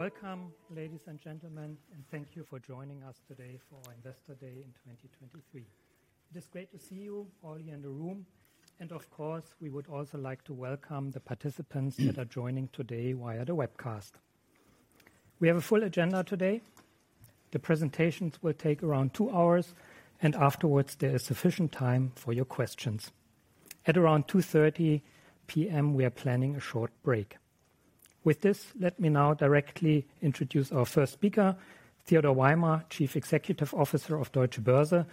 Welcome, ladies and gentlemen, and thank you for joining us today for our Investor Day in 2023. It is great to see you all here in the room, and of course, we would also like to welcome the participants that are joining today via the webcast. We have a full agenda today. The presentations will take around two hours, and afterwards, there is sufficient time for your questions. At around 2:30 P.M., we are planning a short break. With this, let me now directly introduce our first speaker, Theodor Weimer, Chief Executive Officer of Deutsche Börse,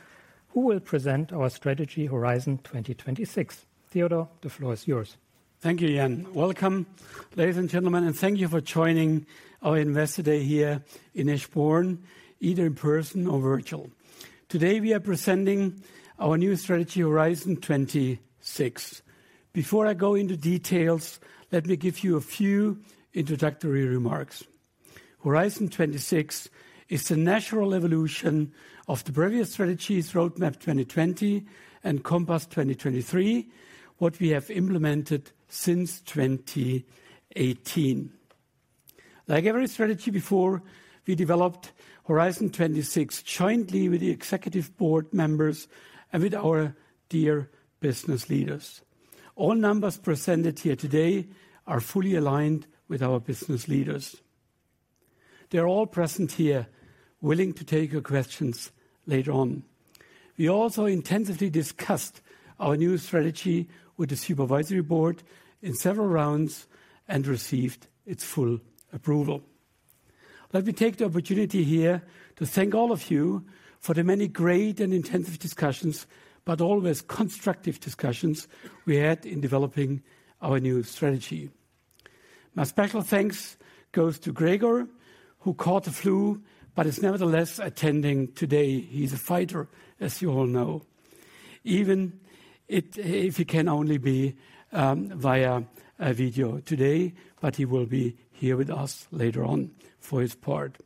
who will present our strategy, Horizon 2026. Theodor, the floor is yours. Thank you, Jan. Welcome, ladies and gentlemen, and thank you for joining our Investor Day here in Eschborn, either in person or virtual. Today, we are presenting our new strategy, Horizon 2026. Before I go into details, let me give you a few introductory remarks. Horizon 2026 is the natural evolution of the previous strategies, Roadmap 2020 and Compass 2023, what we have implemented since 2018. Like every strategy before, we developed Horizon 2026 jointly with Executive Board members and with our dear business leaders. All numbers presented here today are fully aligned with our business leaders. They're all present here, willing to take your questions later on. We also intensively discussed our new strategy with the Supervisory Board in several rounds and received its full approval. Let me take the opportunity here to thank all of you for the many great and intensive discussions, but always constructive discussions we had in developing our new strategy. My special thanks goes to Gregor, who caught the flu, but is nevertheless attending today. He's a fighter, as you all know. Even if he can only be via video today, but he will be here with us later on for his part.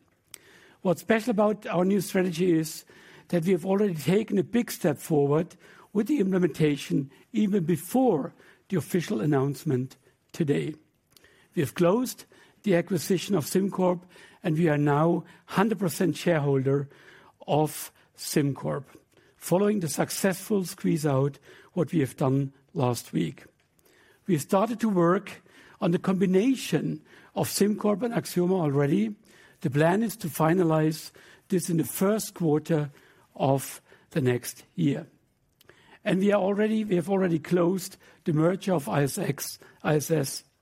What's special about our new strategy is that we have already taken a big step forward with the implementation, even before the official announcement today. We have closed the acquisition of SimCorp, and we are now 100% shareholder of SimCorp, following the successful squeeze-out, what we have done last week. We started to work on the combination of SimCorp and Axioma already. The plan is to finalize this in the first quarter of the next year, and we are already—we have already closed the merger of ISS,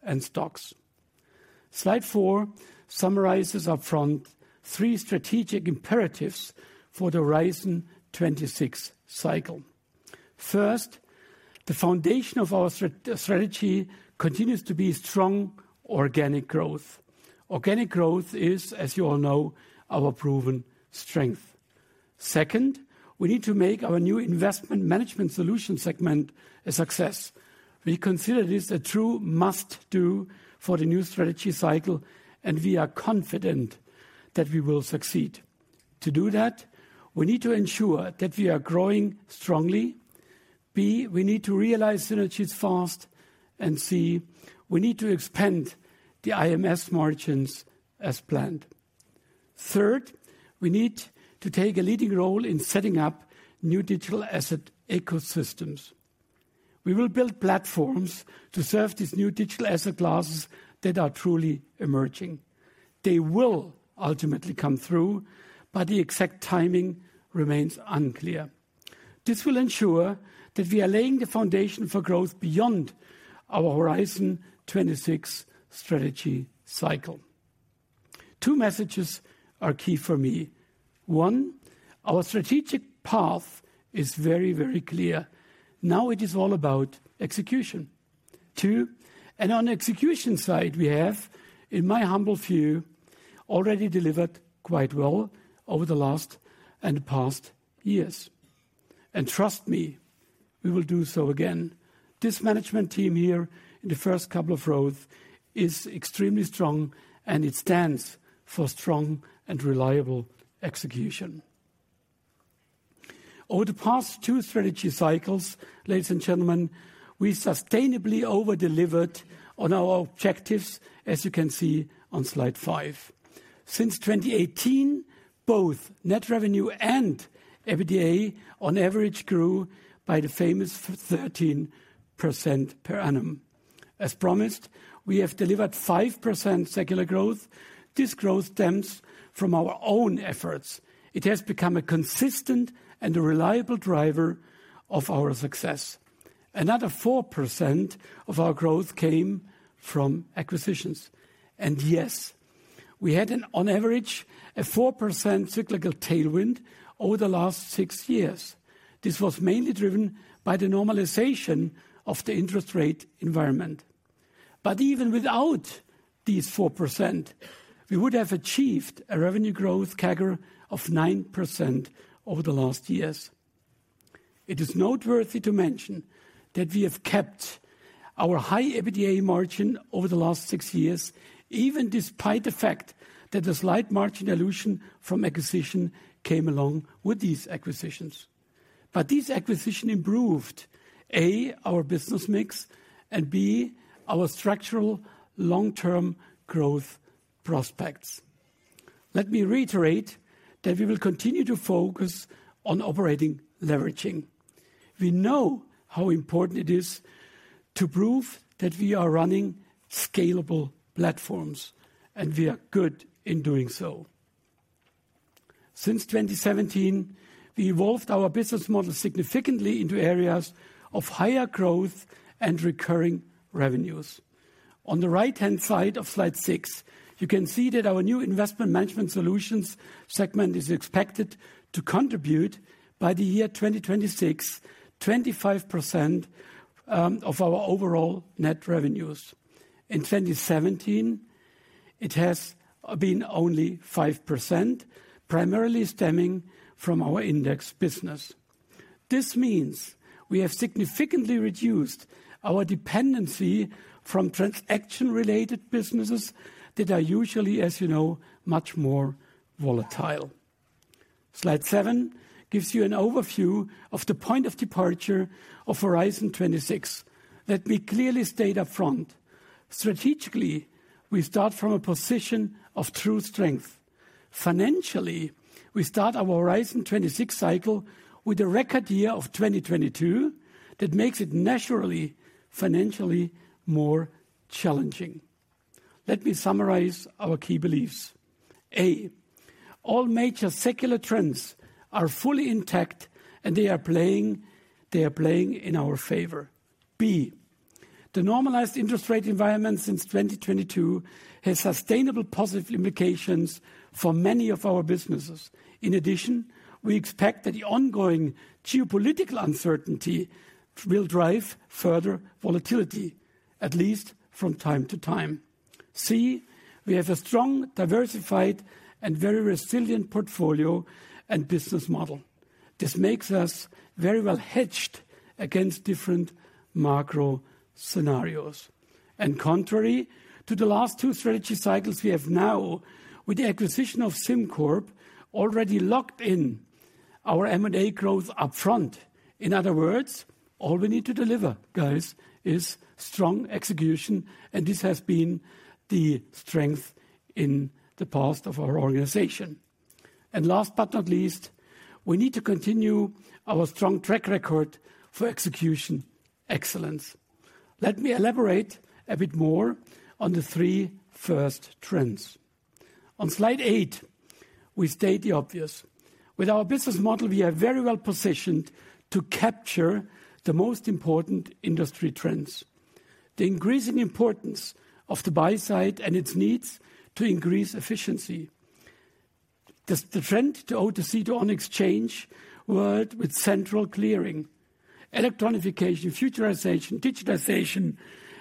and STOXX. Slide 4 summarizes upfront three strategic imperatives for the Horizon 2026 cycle. First, the foundation of our strategy continues to be strong organic growth. Organic growth is, as you all know, our proven strength. Second, we need to make our new Investment Management Solutions segment a success. We consider this a true must-do for the new strategy cycle, and we are confident that we will succeed. To do that, we need to ensure that we are growing strongly. B, we need to realize synergies fast. And C, we need to expand the IMS margins as planned. Third, we need to take a leading role in setting up new digital asset ecosystems. We will build platforms to serve these new digital asset classes that are truly emerging. They will ultimately come through, but the exact timing remains unclear. This will ensure that we are laying the foundation for growth beyond our Horizon 2026 strategy cycle. Two messages are key for me: One, our strategic path is very, very clear. Now it is all about execution. Two, and on execution side, we have, in my humble view, already delivered quite well over the last and past years, and trust me, we will do so again. This management team here in the first couple of rows is extremely strong, and it stands for strong and reliable execution. Over the past two strategy cycles, ladies and gentlemen, we sustainably over-delivered on our objectives, as you can see on slide 5. Since 2018, both net revenue and EBITDA on average grew by the famous 13% per annum. As promised, we have delivered 5% secular growth. This growth stems from our own efforts. It has become a consistent and a reliable driver of our success. Another 4% of our growth came from acquisitions, and yes, we had an, on average, a 4% cyclical tailwind over the last 6 years. This was mainly driven by the normalization of the interest rate environment. But even without these 4%, we would have achieved a revenue growth CAGR of 9% over the last years. It is noteworthy to mention that we have kept our high EBITDA margin over the last 6 years, even despite the fact that a slight margin dilution from acquisition came along with these acquisitions. But this acquisition improved, A, our business mix, and B, our structural long-term growth prospects. Let me reiterate that we will continue to focus on operating leveraging. We know how important it is to prove that we are running scalable platforms, and we are good in doing so. Since 2017, we evolved our business model significantly into areas of higher growth and recurring revenues. On the right-hand side of slide 6, you can see that Investment Management Solutions segment is expected to contribute by the year 2026, 25% of our overall net revenues. In 2017, it has been only 5%, primarily stemming from our index business. This means we have significantly reduced our dependency from transaction-related businesses that are usually, as you know, much more volatile. Slide 7 gives you an overview of the point of departure of Horizon 2026. Let me clearly state upfront, strategically, we start from a position of true strength. Financially, we start our Horizon 2026 cycle with a record year of 2022. That makes it naturally, financially more challenging. Let me summarize our key beliefs. A, all major secular trends are fully intact, and they are playing, they are playing in our favor. B, the normalized interest rate environment since 2022 has sustainable positive implications for many of our businesses. In addition, we expect that the ongoing geopolitical uncertainty will drive further volatility, at least from time to time. C, we have a strong, diversified, and very resilient portfolio and business model. This makes us very well hedged against different macro scenarios. Contrary to the last two strategy cycles, we have now, with the acquisition of SimCorp, already locked in our M&A growth upfront. In other words, all we need to deliver, guys, is strong execution, and this has been the strength in the past of our organization. Last but not least, we need to continue our strong track record for execution excellence. Let me elaborate a bit more on the three first trends. On slide 8, we state the obvious. With our business model, we are very well positioned to capture the most important industry trends. The increasing importance of the buy side and its needs to increase efficiency. The trend to OTC to on exchange world with central clearing, electronification, futurization, digitization,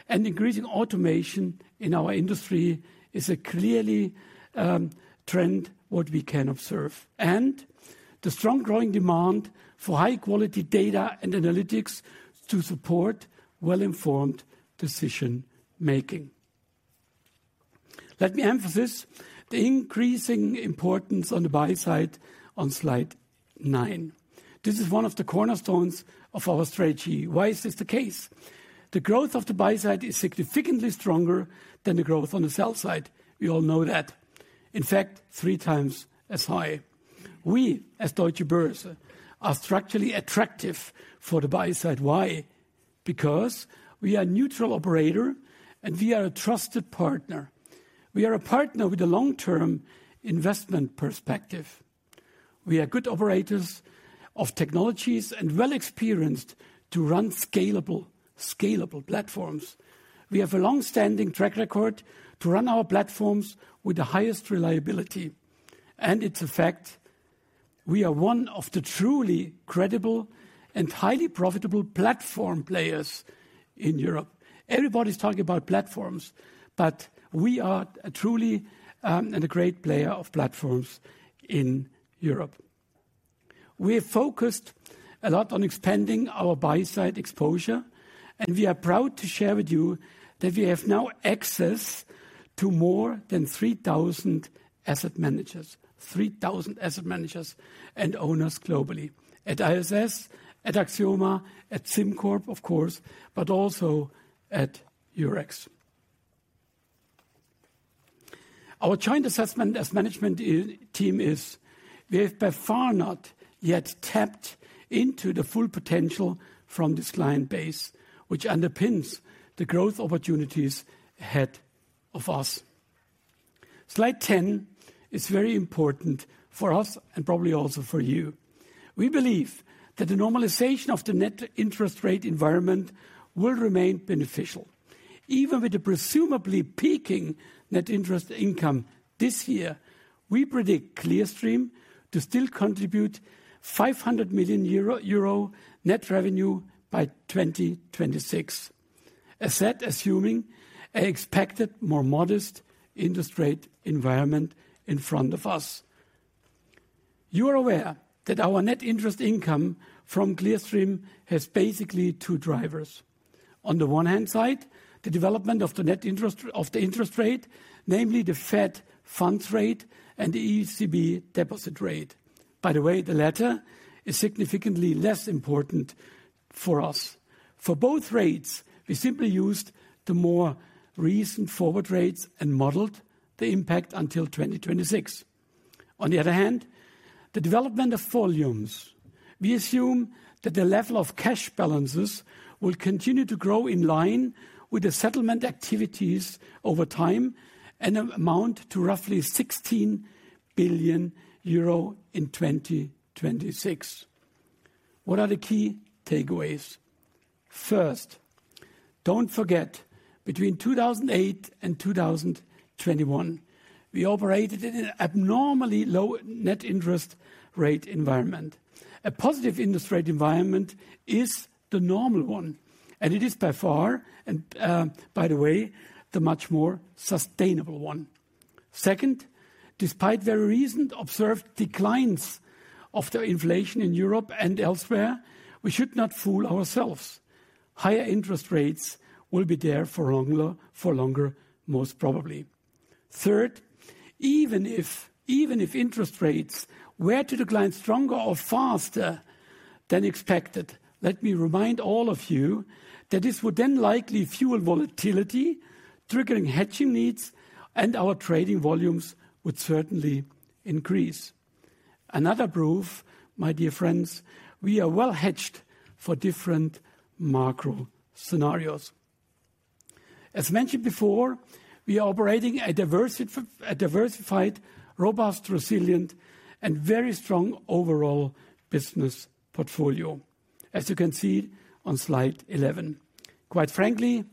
and increasing automation in our industry is clearly a trend what we can observe, and the strong growing demand for high-quality Data and Analytics to support well-informed decision making. Let me emphasize the increasing importance on the buy side on slide 9. This is one of the cornerstones of our strategy. Why is this the case? The growth of the buy side is significantly stronger than the growth on the sell side. We all know that. In fact, three times as high. We, as Deutsche Börse, are structurally attractive for the buy side. Why? Because we are a neutral operator, and we are a trusted partner. We are a partner with a long-term investment perspective. We are good operators of technologies and well experienced to run scalable, scalable platforms. We have a long-standing track record to run our platforms with the highest reliability, and it's a fact, we are one of the truly credible and highly profitable platform players in Europe. Everybody's talking about platforms, but we are truly, and a great player of platforms in Europe. We are focused a lot on expanding our buy-side exposure, and we are proud to share with you that we have now access to more than 3,000 asset managers. Three thousand asset managers and owners globally, at ISS, at Axioma, at SimCorp, of course, but also at Eurex. Our joint assessment as management team is, we have by far not yet tapped into the full potential from this client base, which underpins the growth opportunities ahead of us. Slide 10 is very important for us and probably also for you. We believe that the normalization of the net interest rate environment will remain beneficial. Even with the presumably peaking net interest income this year, we predict Clearstream to still contribute 500 million-euro net revenue by 2026. As that, assuming an expected, more modest interest rate environment in front of us. You are aware that our net interest income from Clearstream has basically two drivers. On the one hand side, the development of the net interest, of the interest rate, namely the Fed funds rate and the ECB deposit rate. By the way, the latter is significantly less important for us. For both rates, we simply used the more recent forward rates and modeled the impact until 2026. On the other hand, the development of volumes. We assume that the level of cash balances will continue to grow in line with the settlement activities over time and amount to roughly 16 billion euro in 2026. What are the key takeaways? First, don't forget, between 2008 and 2021, we operated at an abnormally low net interest rate environment. A positive interest rate environment is the normal one, and it is by far and, by the way, the much more sustainable one. Second, despite the recent observed declines of the inflation in Europe and elsewhere, we should not fool ourselves. Higher interest rates will be there for longer, for longer, most probably. Third, even if, even if interest rates were to decline stronger or faster than expected, let me remind all of you that this would then likely fuel volatility, triggering hedging needs, and our trading volumes would certainly increase. Another proof, my dear friends, we are well-hedged for different macro scenarios. As mentioned before, we are operating a diversified, robust, resilient, and very strong overall business portfolio, as you can see on slide 11. Quite frankly,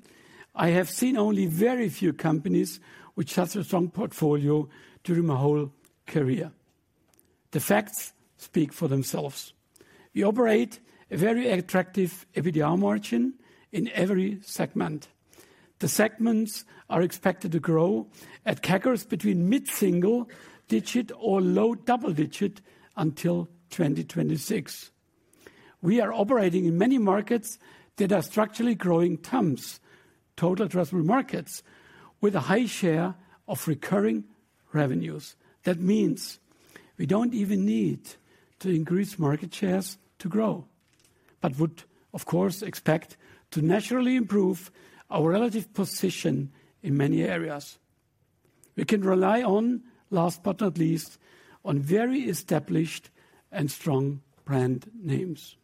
I have seen only very few companies with such a strong portfolio during my whole career. The facts speak for themselves. We operate a very attractive EBITDA margin in every segment. The segments are expected to grow at CAGRs between mid-single digit or low-double digit until 2026. We are operating in many markets that are structurally growing TAMs, total addressable markets, with a high share of recurring revenues. That means we don't even need to increase market shares to grow, but would of course, expect to naturally improve our relative position in many areas. We can rely on, last but not least, on very established and strong brand names.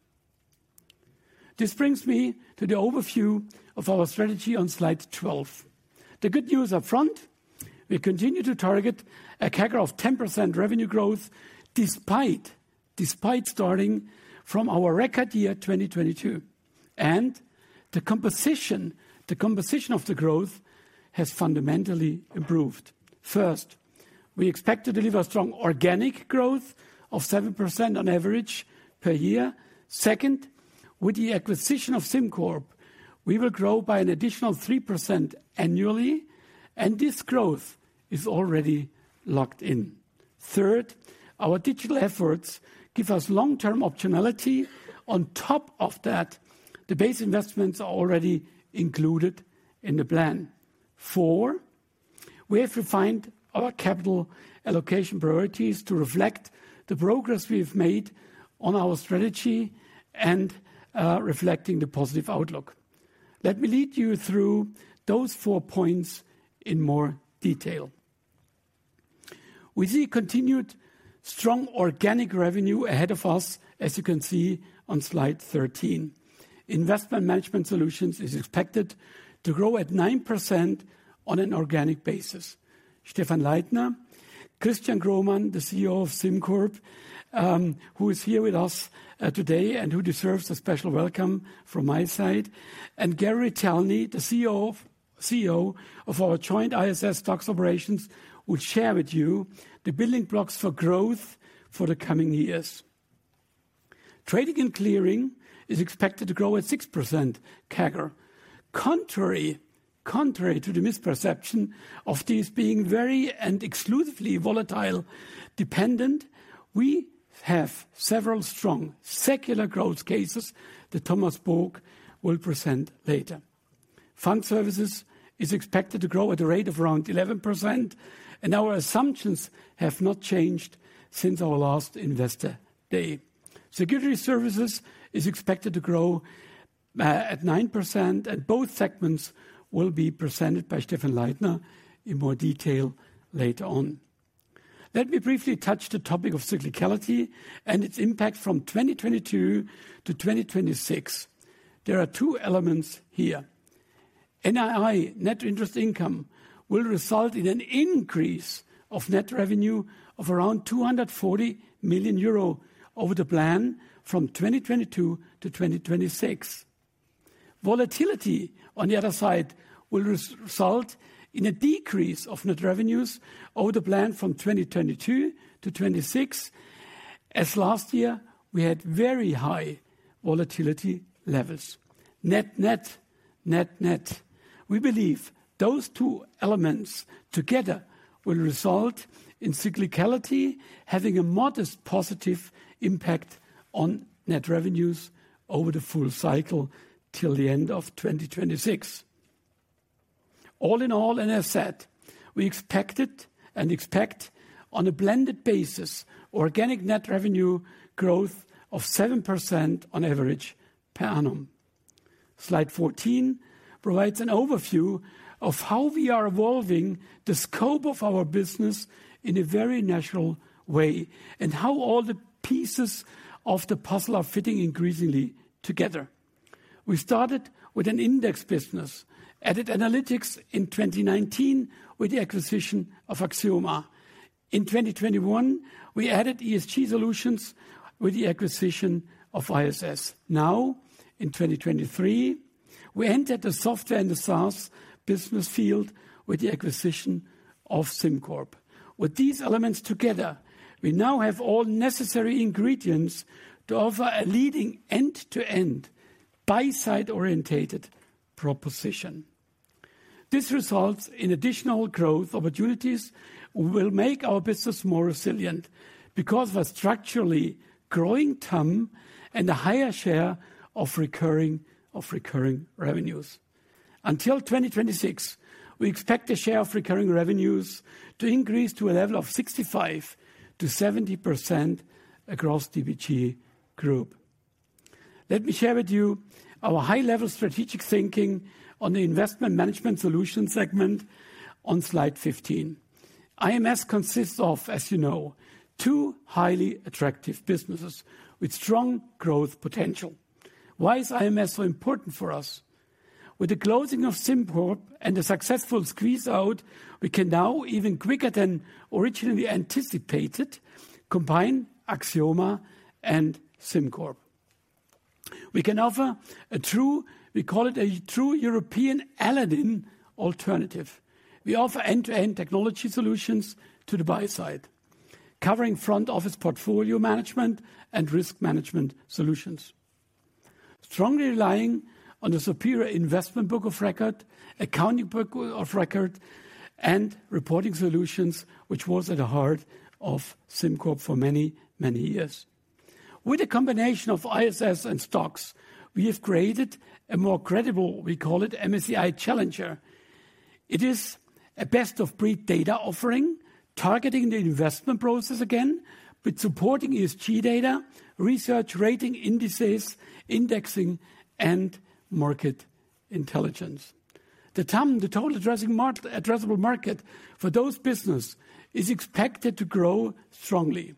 This brings me to the overview of our strategy on slide 12. The good news up front, we continue to target a CAGR of 10% revenue growth despite, despite starting from our record year 2022, and the composition, the composition of the growth has fundamentally improved. First, we expect to deliver strong organic growth of 7% on average per year. Second, with the acquisition of SimCorp, we will grow by an additional 3% annually, and this growth is already locked in. Third, our digital efforts give us long-term optionality. On top of that, the base investments are already included in the plan. Four, we have refined our capital allocation priorities to reflect the progress we've made on our strategy and reflecting the positive outlook. Let me lead you through those four points in more detail. We see continued strong organic revenue ahead of us, as you can see on Investment Management Solutions is expected to grow at 9% on an organic basis. Stephan Leithner, Christian Kromann, the CEO of SimCorp, who is here with us today and who deserves a special welcome from my side, and Gary Retelny, the CEO of our joint ISS STOXX operations, will share with you the building blocks for growth for the coming years. Trading and Clearing is expected to grow at 6% CAGR. Contrary to the misperception of this being very and exclusively volatile dependent, we have several strong secular growth cases that Thomas Book will present later. Fund Services is expected to grow at a rate of around 11%, and our assumptions have not changed since our last investor day. Securities Services is expected to grow at 9%, and both segments will be presented by Stephan Leithner in more detail later on. Let me briefly touch the topic of cyclicality and its impact from 2022 to 2026. There are two elements here. NII, net interest income, will result in an increase of net revenue of around 240 million euro over the plan from 2022 to 2026. Volatility, on the other side, will result in a decrease of net revenues over the plan from 2022 to 2026. As last year, we had very high volatility levels. Net-net... We believe those two elements together will result in cyclicality, having a modest, positive impact on net revenues over the full cycle till the end of 2026. All in all, and as said, we expected and expect, on a blended basis, organic net revenue growth of 7% on average per annum. Slide 14 provides an overview of how we are evolving the scope of our business in a very natural way, and how all the pieces of the puzzle are fitting increasingly together. We started with an index business, added analytics in 2019 with the acquisition of Axioma. In 2021, we added ESG solutions with the acquisition of ISS. Now, in 2023, we entered the software and the SaaS business field with the acquisition of SimCorp. With these elements together, we now have all necessary ingredients to offer a leading end-to-end, buy-side-orientated proposition. This results in additional growth opportunities, which will make our business more resilient because of a structurally growing TAM and a higher share of recurring, of recurring revenues. Until 2026, we expect the share of recurring revenues to increase to a level of 65%-70% across DBG Group. Let me share with you our high-level strategic thinking on the Investment Management Solutions segment on slide 15. IMS consists of, as you know, two highly attractive businesses with strong growth potential. Why is IMS so important for us? With the closing of SimCorp and the successful squeeze-out, we can now, even quicker than originally anticipated, combine Axioma and SimCorp. We can offer a true... We call it a true European Aladdin alternative. We offer end-to-end technology solutions to the buy side, covering front office portfolio management and risk management solutions. Strongly relying on the superior investment book of record, accounting book of record, and reporting solutions, which was at the heart of SimCorp for many, many years. With a combination of ISS and STOXX, we have created a more credible, we call it, MSCI challenger. It is a best-of-breed data offering, targeting the investment process again, with supporting ESG data, research, rating, indices, indexing, and Market Intelligence. The TAM, the total addressable market for those businesses, is expected to grow strongly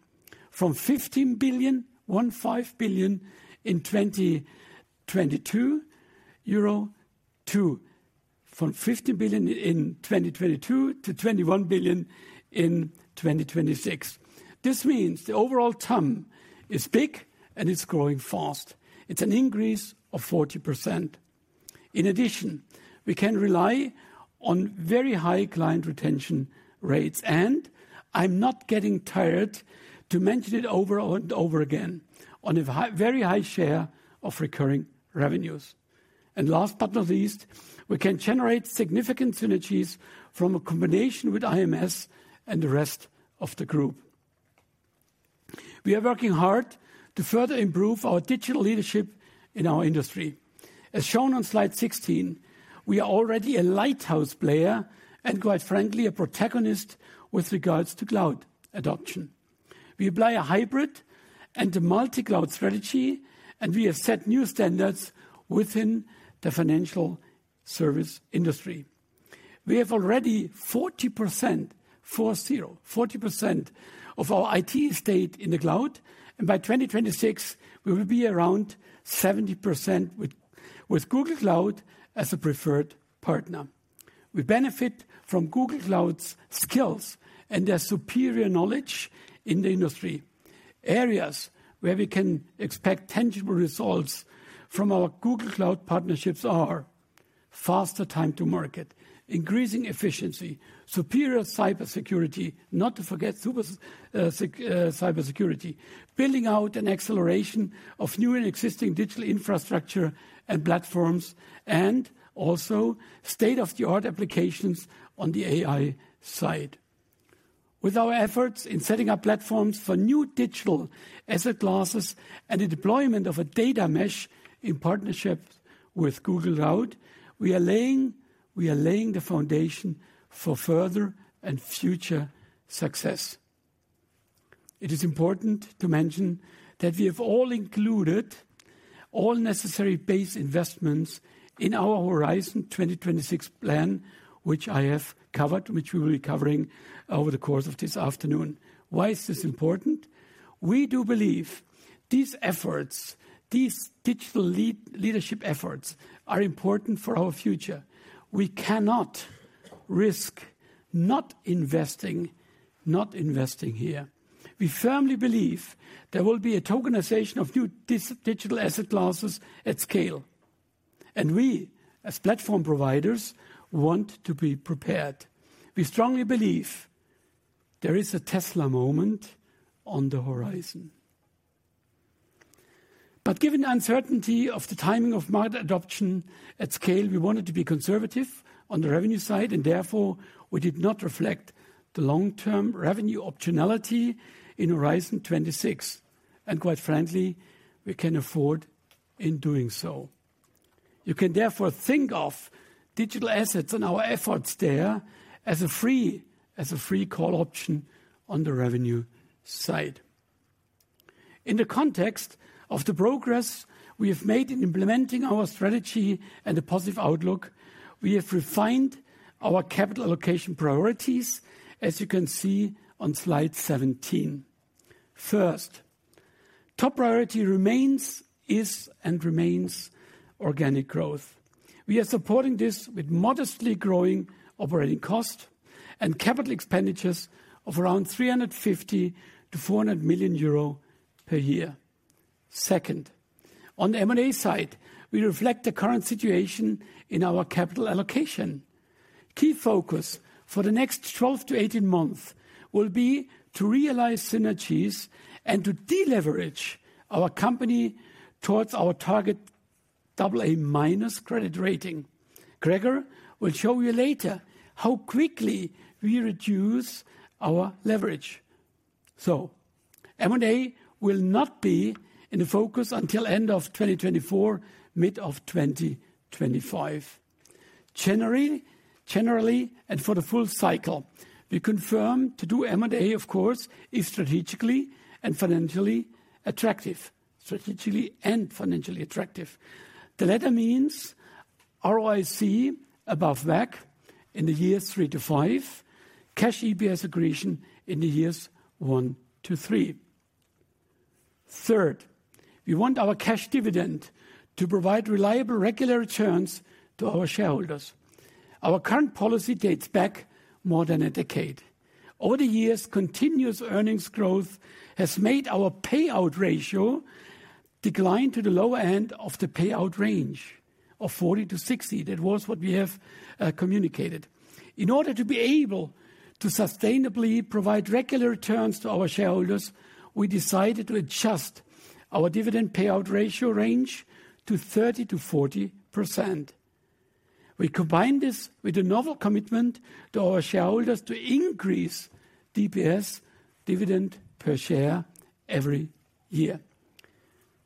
from 15 billion in 2022 to 21 billion in 2026. This means the overall TAM is big, and it's growing fast. It's an increase of 40%. In addition, we can rely on very high client retention rates, and I'm not getting tired to mention it over and over again, on a very high share of recurring revenues. Last but not least, we can generate significant synergies from a combination with IMS and the rest of the group. We are working hard to further improve our digital leadership in our industry. As shown on slide 16, we are already a lighthouse player and, quite frankly, a protagonist with regards to cloud adoption. We apply a hybrid and a multi-cloud strategy, and we have set new standards within the financial service industry. We have already 40%, 40, 40% of our IT estate in the cloud, and by 2026, we will be around 70% with Google Cloud as a preferred partner. We benefit from Google Cloud's skills and their superior knowledge in the industry. Areas where we can expect tangible results from our Google Cloud partnerships are: faster time to market, increasing efficiency, superior cybersecurity, not to forget super cybersecurity, building out an acceleration of new and existing digital infrastructure and platforms, and also state-of-the-art applications on the AI side. With our efforts in setting up platforms for new digital asset classes and the deployment of a data mesh in partnership with Google Cloud, we are laying, we are laying the foundation for further and future success. It is important to mention that we have all included all necessary base investments in our Horizon 2026 plan, which I have covered, which we will be covering over the course of this afternoon. Why is this important? We do believe these efforts, these digital leadership efforts, are important for our future. We cannot risk not investing, not investing here. We firmly believe there will be a tokenization of new digital asset classes at scale, and we, as platform providers, want to be prepared. We strongly believe there is a Tesla moment on the horizon.... But given the uncertainty of the timing of market adoption at scale, we wanted to be conservative on the revenue side, and therefore, we did not reflect the long-term revenue optionality in Horizon 2026. And quite frankly, we can afford in doing so. You can therefore think of digital assets and our efforts there as a free, as a free call option on the revenue side. In the context of the progress, we have made in implementing our strategy and a positive outlook, we have refined our capital allocation priorities, as you can see on slide 17. First, top priority remains, is, and remains organic growth. We are supporting this with modestly growing operating cost and capital expenditures of around 350 million-400 million euro per year. Second, on the M&A side, we reflect the current situation in our capital allocation. Key focus for the next 12 to 18 months will be to realize synergies and to deleverage our company towards our target AA- credit rating. Gregor will show you later how quickly we reduce our leverage. So, M&A will not be in focus until end of 2024, mid-2025. Generally, generally, and for the full cycle, we confirm to do M&A, of course, is strategically and financially attractive. Strategically and financially attractive. The latter means ROIC above WACC in the years 3-5, cash EPS accretion in the years 1-3. Third, we want our cash dividend to provide reliable, regular returns to our shareholders. Our current policy dates back more than a decade. Over the years, continuous earnings growth has made our payout ratio decline to the lower end of the payout range of 40%-60%. That was what we have communicated. In order to be able to sustainably provide regular returns to our shareholders, we decided to adjust our dividend payout ratio range to 30%-40%. We combine this with a novel commitment to our shareholders to increase DPS, dividend per share, every year.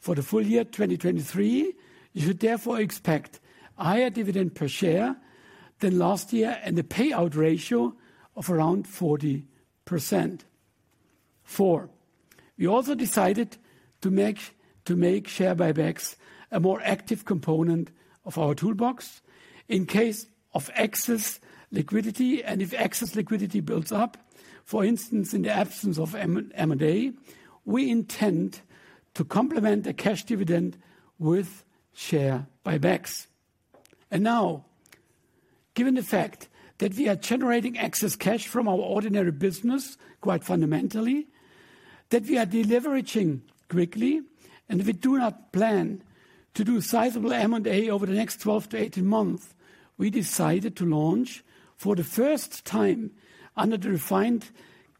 For the full year 2023, you should therefore expect higher dividend per share than last year, and a payout ratio of around 40%. Four, we also decided to make share buybacks a more active component of our toolbox in case of excess liquidity. And if excess liquidity builds up, for instance, in the absence of M&A, we intend to complement the cash dividend with share buybacks. Now, given the fact that we are generating excess cash from our ordinary business quite fundamentally, that we are deleveraging quickly, and we do not plan to do sizable M&A over the next 12-18 months, we decided to launch, for the first time under the refined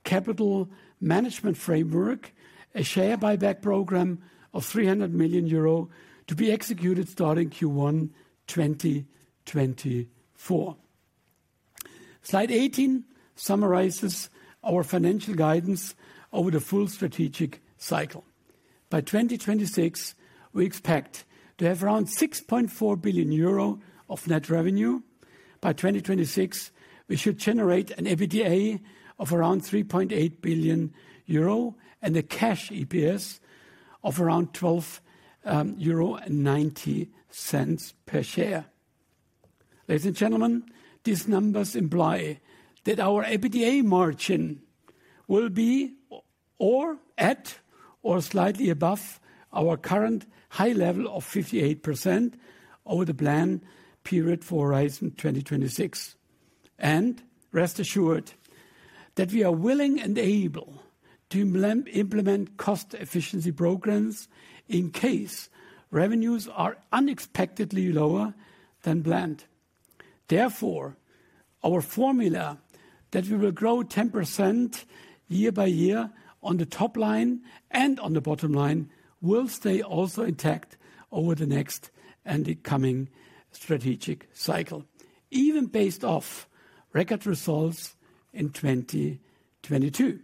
capital management framework, a share buyback program of 300 million euro to be executed starting Q1 2024. Slide 18 summarizes our financial guidance over the full strategic cycle. By 2026, we expect to have around 6.4 billion euro of net revenue. By 2026, we should generate an EBITDA of around 3.8 billion euro and a cash EPS of around 12.90 euro per share. Ladies and gentlemen, these numbers imply that our EBITDA margin will be, or at, or slightly above our current high level of 58% over the plan period for Horizon 2026. And rest assured that we are willing and able to implement cost efficiency programs in case revenues are unexpectedly lower than planned. Therefore, our formula, that we will grow 10% year by year on the top line and on the bottom line, will stay also intact over the next and the coming strategic cycle, even based off record results in 2022.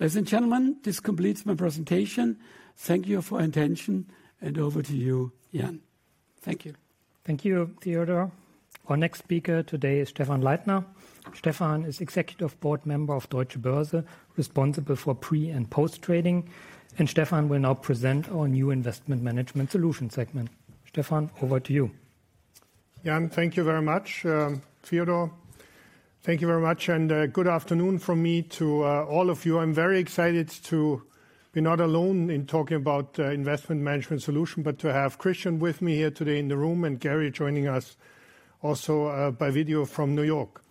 Ladies and gentlemen, this completes my presentation. Thank you for your attention, and over to you, Jan. Thank you. Thank you, Theodor. Our next speaker today is Stephan Leithner. Stephan Executive Board member of Deutsche Börse, responsible for pre- and post-trading, and Stephan will now present our new Investment Management Solutions segment. Stephan, over to you. Jan, thank you very much. Theodor, thank you very much, and good afternoon from me to all of you. I'm very excited to be not alone in talking about Investment Management Solutions, but to have Christian with me here today in the room, and Gary joining us also by video from New York.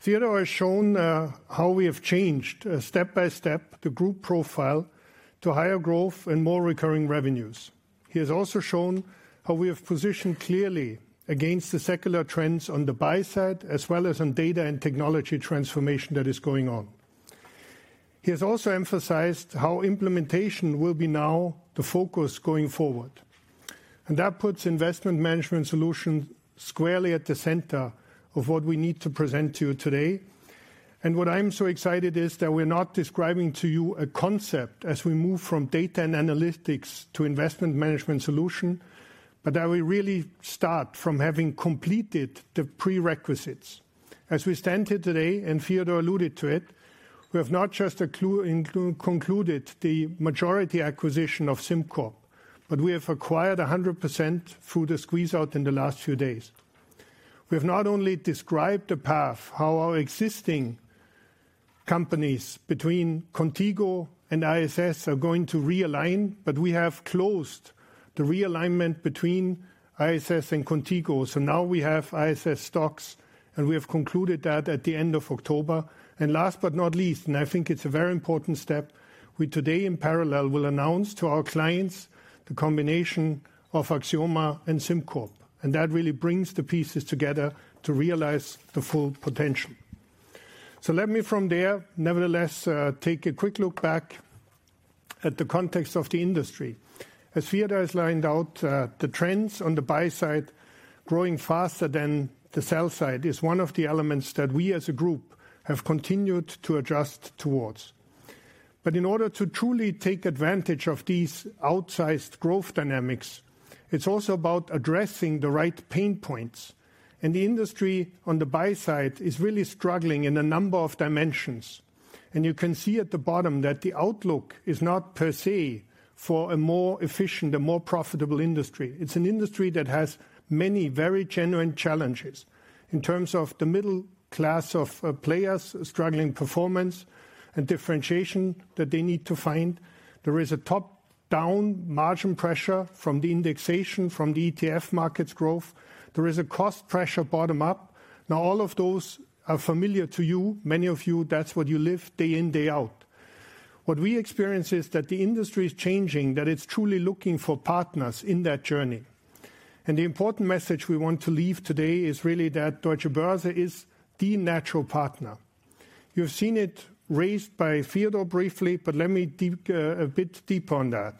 Theodor has shown how we have changed, step by step, the group profile to higher growth and more recurring revenues. He has also shown how we have positioned clearly against the secular trends on the buy side, as well as on data and technology transformation that is going on.... He has also emphasized how implementation will be now the focus going forward. And Investment Management Solutions squarely at the center of what we need to present to you today. And what I'm so excited is that we're not describing to you a concept as we move from Data and Analytics to Investment Management Solutions, but that we really start from having completed the prerequisites. As we stand here today, and Theodor alluded to it, we have not just concluded the majority acquisition of SimCorp, but we have acquired 100% through the squeeze out in the last few days. We have not only described the path, how our existing companies between Qontigo and ISS are going to realign, but we have closed the realignment between ISS and Qontigo. So, now we have ISS STOXX, and we have concluded that at the end of October. Last but not least, and I think it's a very important step, we today in parallel will announce to our clients the combination of Axioma and SimCorp, and that really brings the pieces together to realize the full potential. So, let me from there, nevertheless, take a quick look back at the context of the industry. As Theodor has laid out, the trends on the buy side, growing faster than the sell side, is one of the elements that we as a group have continued to adjust towards. But in order to truly take advantage of these outsized growth dynamics, it's also about addressing the right pain points. And the industry on the buy side is really struggling in a number of dimensions. And you can see at the bottom that the outlook is not per se for a more efficient and more profitable industry. It's an industry that has many very genuine challenges in terms of the middle class of, players struggling performance and differentiation that they need to find. There is a top-down margin pressure from the indexation, from the ETF markets growth. There is a cost pressure bottom up. Now, all of those are familiar to you. Many of you, that's what you live day in, day out. What we experience is that the industry is changing, that it's truly looking for partners in that journey. And the important message we want to leave today is really that Deutsche Börse is the natural partner. You've seen it raised by Theodor briefly, but let me dig, a bit deeper on that.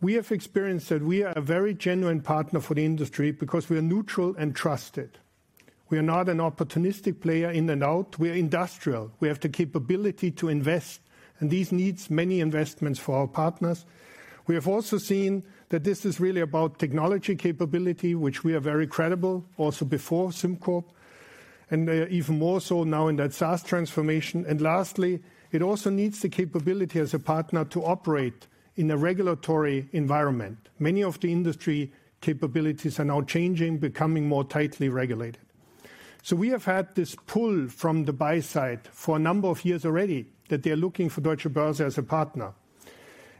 We have experienced that we are a very genuine partner for the industry because we are neutral and trusted. We are not an opportunistic player in and out. We are industrial. We have the capability to invest, and this needs many investments for our partners. We have also seen that this is really about technology capability, which we are very credible, also before SimCorp, and, even more so now in that SaaS transformation. And lastly, it also needs the capability as a partner to operate in a regulatory environment. Many of the industry capabilities are now changing, becoming more tightly regulated. So, we have had this pull from the buy side for a number of years already, that they're looking for Deutsche Börse as a partner,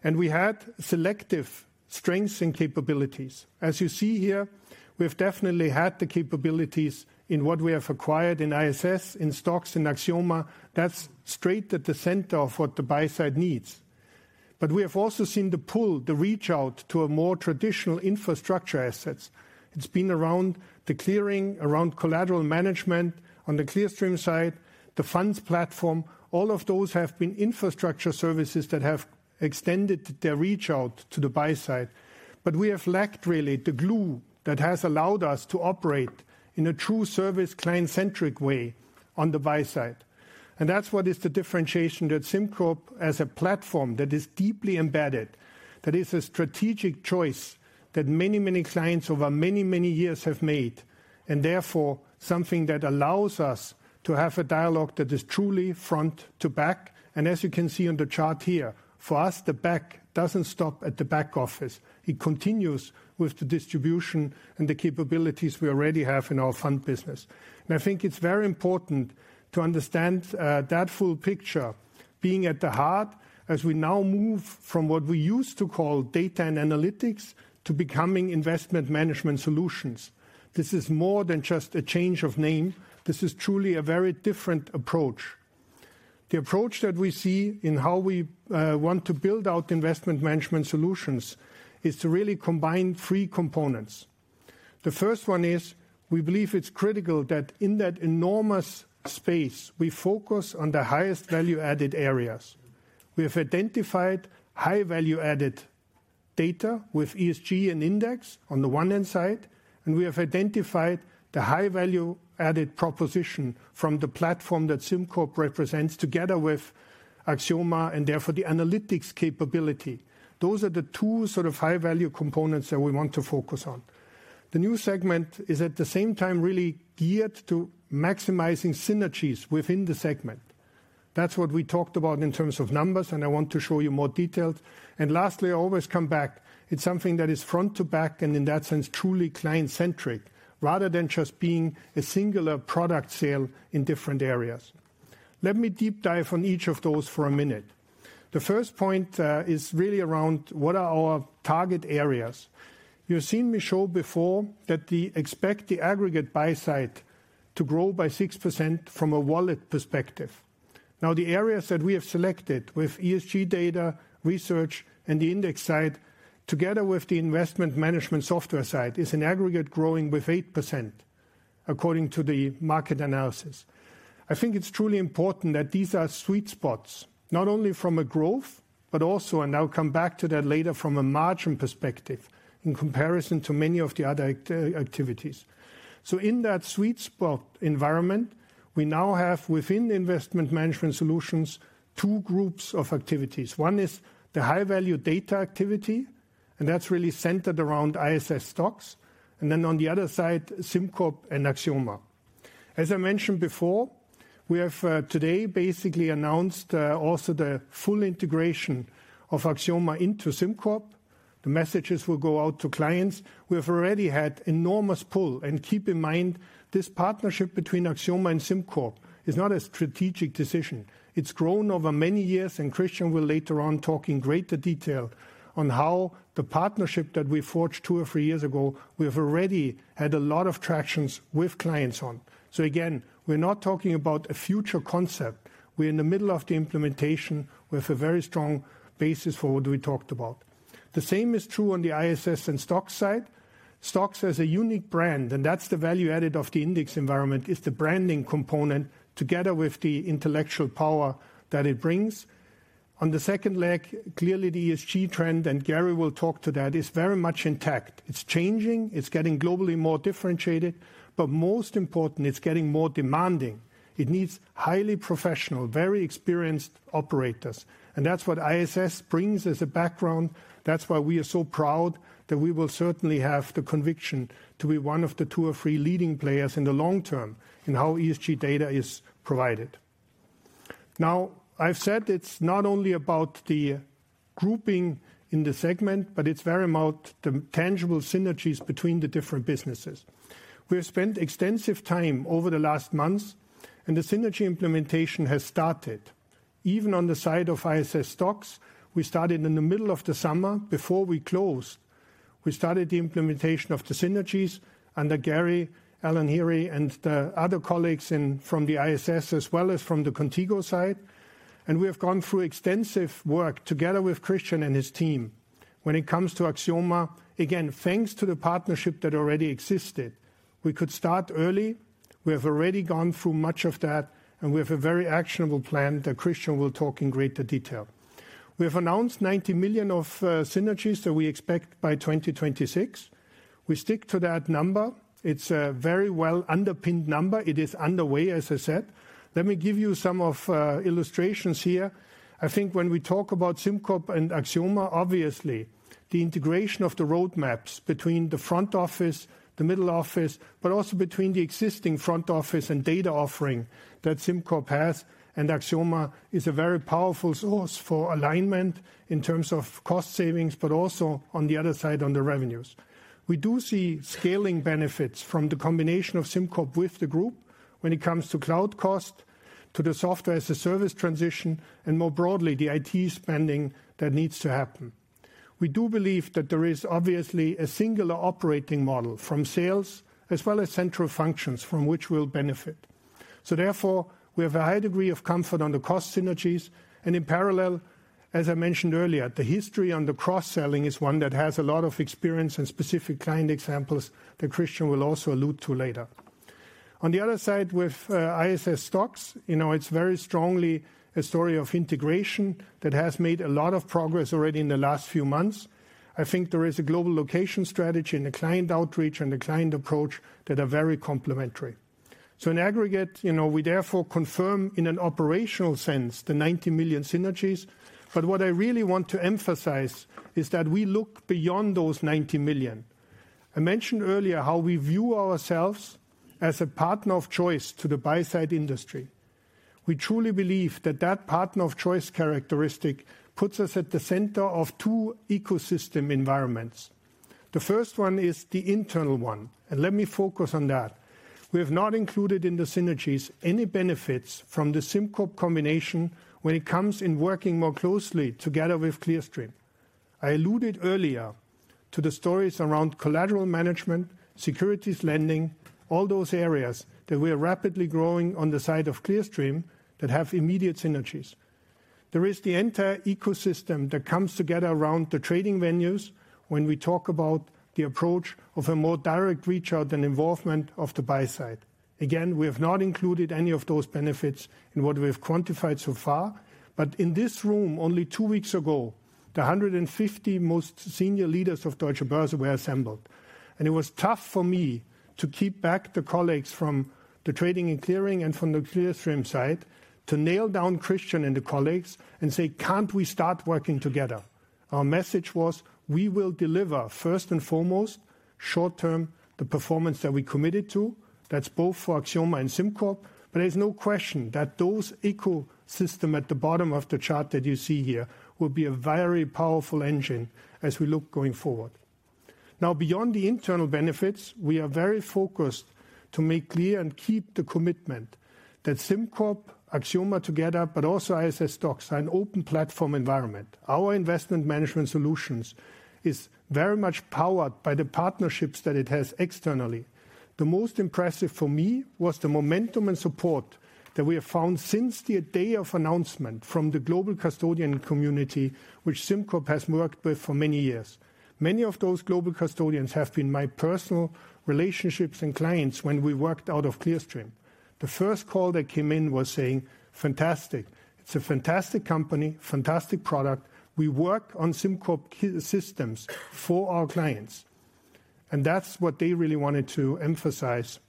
and we had selective strengths and capabilities. As you see here, we've definitely had the capabilities in what we have acquired in ISS, in STOXX, in Axioma. That's straight at the center of what the buy side needs. But we have also seen the pull, the reach out to more traditional infrastructure assets. It's been around the clearing, around collateral management on the Clearstream side, the funds platform. All of those have been infrastructure services that have extended their reach out to the buy side. But we have lacked, really, the glue that has allowed us to operate in a true service, client-centric way on the buy side. And that's what is the differentiation that SimCorp, as a platform that is deeply embedded, that is a strategic choice that many, many clients over many, many years have made, and therefore something that allows us to have a dialogue that is truly front to back. And as you can see on the chart here, for us, the back doesn't stop at the back office. It continues with the distribution and the capabilities we already have in our fund business. I think it's very important to understand that full picture being at the heart as we now move from what we used to call Data and Analytics, Investment Management Solutions. this is more than just a change of name. This is truly a very different approach. The approach that we see in how we want to Investment Management Solutions is to really combine three components. The first one is, we believe it's critical that in that enormous space, we focus on the highest value-added areas. We have identified high-value-added data with ESG and index on the one inside, and we have identified the high-value-added proposition from the platform that SimCorp represents, together with Axioma, and therefore the analytics capability. Those are the two sort of high-value components that we want to focus on. The new segment is, at the same time, really geared to maximizing synergies within the segment. That's what we talked about in terms of numbers, and I want to show you more details. Lastly, I always come back. It's something that is front to back, and in that sense, truly client-centric, rather than just being a singular product sale in different areas. Let me deep dive on each of those for a minute. The first point is really around what are our target areas? You've seen me show before that expect the aggregate buy side to grow by 6% from a wallet perspective. Now, the areas that we have selected with ESG data, research, and the index side, together with the investment management software side, is in aggregate growing with 8%.... According to the market analysis. I think it's truly important that these are sweet spots, not only from a growth, but also, and I'll come back to that later, from a margin perspective in comparison to many of the other activities. So, in that sweet spot environment, we now Investment Management Solutions, two groups of activities. One is the high-value data activity, and that's really centered around ISS, STOXX, and then on the other side, SimCorp and Axioma. As I mentioned before, we have today basically announced also the full integration of Axioma into SimCorp. The messages will go out to clients. We have already had enormous pull, and keep in mind, this partnership between Axioma and SimCorp is not a strategic decision. It's grown over many years, and Christian will later on talk in greater detail on how the partnership that we forged 2 or 3 years ago, we have already had a lot of tractions with clients on. So again, we're not talking about a future concept. We're in the middle of the implementation with a very strong basis for what we talked about. The same is true on the ISS and STOXX side. STOXX has a unique brand, and that's the value added of the index environment, is the branding component, together with the intellectual power that it brings. On the second leg, clearly, the ESG trend, and Gary will talk to that, is very much intact. It's changing, it's getting globally more differentiated, but most important, it's getting more demanding. It needs highly professional, very experienced operators, and that's what ISS brings as a background. That's why we are so proud that we will certainly have the conviction to be one of the two or three leading players in the long term in how ESG data is provided. Now, I've said it's not only about the grouping in the segment, but it's very about the tangible synergies between the different businesses. We have spent extensive time over the last months, and the synergy implementation has started. Even on the side of ISS STOXX, we started in the middle of the summer before we closed. We started the implementation of the synergies under Gary, Allen Heery, and the other colleagues from the ISS, as well as from the Qontigo side, and we have gone through extensive work together with Christian and his team. When it comes to Axioma, again, thanks to the partnership that already existed, we could start early. We have already gone through much of that, and we have a very actionable plan that Christian will talk in greater detail. We have announced 90 million of synergies that we expect by 2026. We stick to that number. It's a very well-underpinned number. It is underway, as I said. Let me give you some of illustrations here. I think when we talk about SimCorp and Axioma, obviously, the integration of the roadmaps between the front office, the middle office, but also between the existing front office and data offering that SimCorp has and Axioma, is a very powerful source for alignment in terms of cost savings, but also on the other side, on the revenues. We do see scaling benefits from the combination of SimCorp with the group when it comes to cloud cost, to the software as a service transition, and more broadly, the IT spending that needs to happen. We do believe that there is obviously a singular operating model from sales, as well as central functions from which we'll benefit. So therefore, we have a high degree of comfort on the cost synergies, and in parallel, as I mentioned earlier, the history on the cross-selling is one that has a lot of experience and specific client examples that Christian will also allude to later. On the other side, with ISS STOXX, you know, it's very strongly a story of integration that has made a lot of progress already in the last few months. I think there is a global location strategy and a client outreach and a client approach that are very complementary. So, in aggregate, you know, we therefore confirm in an operational sense, the 90 million synergies, but what I really want to emphasize is that we look beyond those 90 million. I mentioned earlier how we view ourselves as a partner of choice to the buy side industry. We truly believe that that partner of choice characteristic puts us at the center of two ecosystem environments. The first one is the internal one and let me focus on that. We have not included in the synergies any benefits from the SimCorp combination when it comes in working more closely together with Clearstream. I alluded earlier to the stories around collateral management, securities lending, all those areas that we are rapidly growing on the side of Clearstream that have immediate synergies. There is the entire ecosystem that comes together around the trading venues when we talk about the approach of a more direct reach-out and involvement of the buy side. Again, we have not included any of those benefits in what we have quantified so far, but in this room, only two weeks ago, the 150 most senior leaders of Deutsche Börse were assembled. It was tough for me to keep back the colleagues from the Trading and Clearing and from the Clearstream side, to nail down Christian and the colleagues and say: "Can't we start working together?" Our message was: We will deliver, first and foremost, short term, the performance that we committed to. That's both for Axioma and SimCorp. But there's no question that those ecosystem at the bottom of the chart that you see here will be a very powerful engine as we look going forward. Now, beyond the internal benefits, we are very focused to make clear and keep the commitment that SimCorp, Axioma together, but also ISS, STOXX, are an open platform Investment Management Solutions is very much powered by the partnerships that it has externally. The most impressive for me was the momentum and support that we have found since the day of announcement from the global custodian community, which SimCorp has worked with for many years. Many of those global custodians have been my personal relationships and clients when we worked out of Clearstream. The first call that came in was saying, "Fantastic. It's a fantastic company, fantastic product. We work on SimCorp systems for our clients."... That's what they really wanted to emphasize.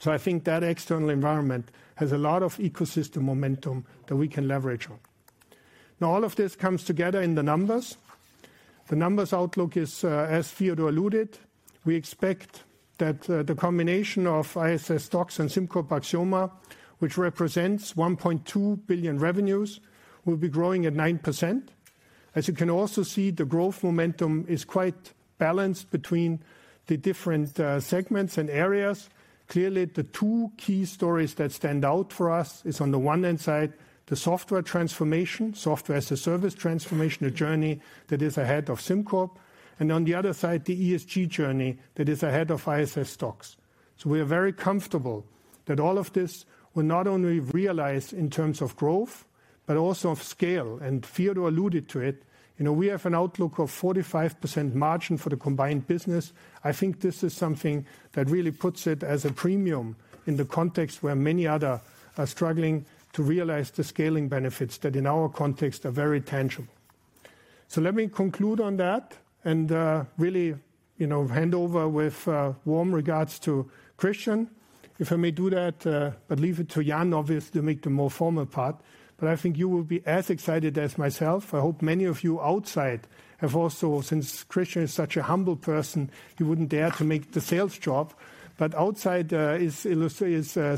So, I think that external environment has a lot of ecosystem momentum that we can leverage on. Now, all of this comes together in the numbers. The numbers outlook is, as Theodor alluded, we expect that, the combination of ISS STOXX and SimCorp Axioma, which represents 1.2 billion revenues, will be growing at 9%. As you can also see, the growth momentum is quite balanced between the different, segments and areas. Clearly, the two key stories that stand out for us is on the one hand side, the software transformation, software as a service transformation, a journey that is ahead of SimCorp, and on the other side, the ESG journey that is ahead of ISS STOXX. So, we are very comfortable that all of this will not only realize in terms of growth, but also of scale, and Theodor alluded to it. You know, we have an outlook of 45% margin for the combined business. I think this is something that really puts it as a premium in the context where many other are struggling to realize the scaling benefits that, in our context, are very tangible. So, let me conclude on that and, really, you know, hand over with, warm regards to Christian. If I may do that, but leave it to Jan, obviously, to make the more formal part. But I think you will be as excited as myself. I hope many of you outside have also. Since Christian is such a humble person, he wouldn't dare to make the sales job, but outside is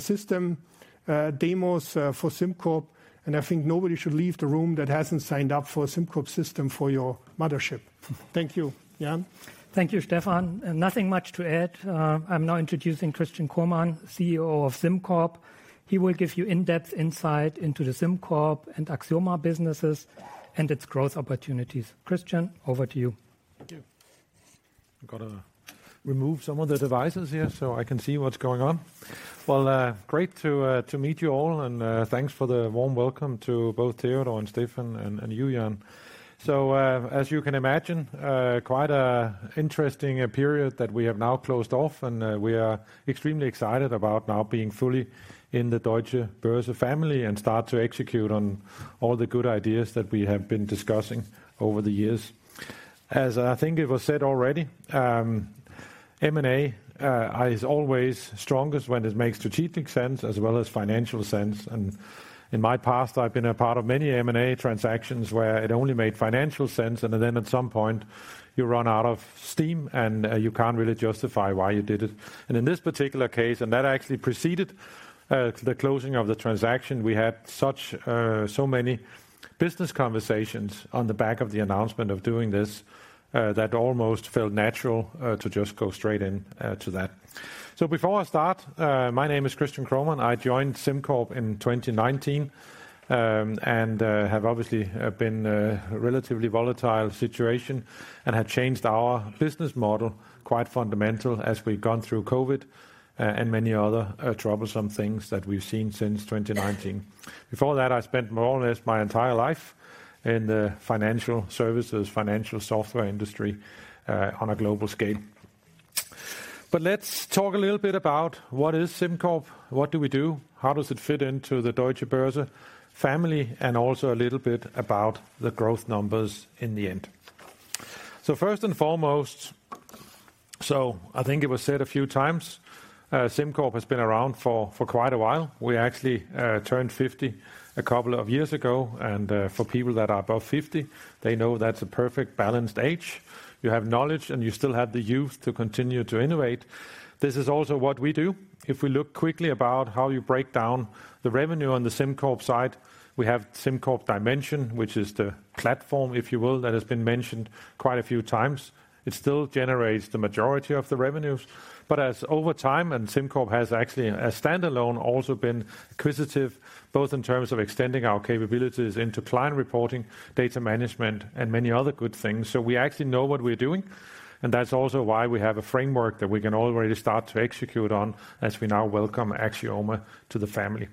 system demos for SimCorp, and I think nobody should leave the room that hasn't signed up for a SimCorp system for your mothership. Thank you. Jan? Thank you, Stephan. Nothing much to add. I'm now introducing Christian Kromann, CEO of SimCorp. He will give you in-depth insight into the SimCorp and Axioma businesses and its growth opportunities. Christian, over to you. Thank you. I've got to remove some of the devices here, so, I can see what's going on. Well, great to, to meet you all, and, thanks for the warm welcome to both Theodor and Stephan and, and you, Jan. So, as you can imagine, quite a interesting period that we have now closed off, and we are extremely excited about now being fully in the Deutsche Börse family and start to execute on all the good ideas that we have been discussing over the years. As I think it was said already, M&A is always strongest when it makes strategic sense as well as financial sense, and in my past, I've been a part of many M&A transactions where it only made financial sense, and then at some point, you run out of steam, and you can't really justify why you did it. And in this particular case, and that actually preceded to the closing of the transaction, we had so many business conversations on the back of the announcement of doing this, that almost felt natural to just go straight into that. So, before I start, my name is Christian Kromann. I joined SimCorp in 2019 and have obviously been a relatively volatile situation and have changed our business model quite fundamental as we've gone through COVID, and many other troublesome things that we've seen since 2019. Before that, I spent more or less my entire life in the financial services, financial software industry on a global scale. But let's talk a little bit about what is SimCorp, what do we do, how does it fit into the Deutsche Börse family, and also a little bit about the growth numbers in the end. So, first and foremost, so, I think it was said a few times, SimCorp has been around for quite a while. We actually turned 50 a couple of years ago, and for people that are above 50, they know that's a perfect, balanced age. You have knowledge, and you still have the youth to continue to innovate. This is also what we do. If we look quickly about how you break down the revenue on the SimCorp side, we have SimCorp Dimension, which is the platform, if you will, that has been mentioned quite a few times. It still generates the majority of the revenues, but as over time, and SimCorp has actually, as standalone, also been acquisitive, both in terms of extending our capabilities into client reporting, data management, and many other good things. So, we actually know what we're doing, and that's also why we have a framework that we can already start to execute on as we now welcome Axioma to the family.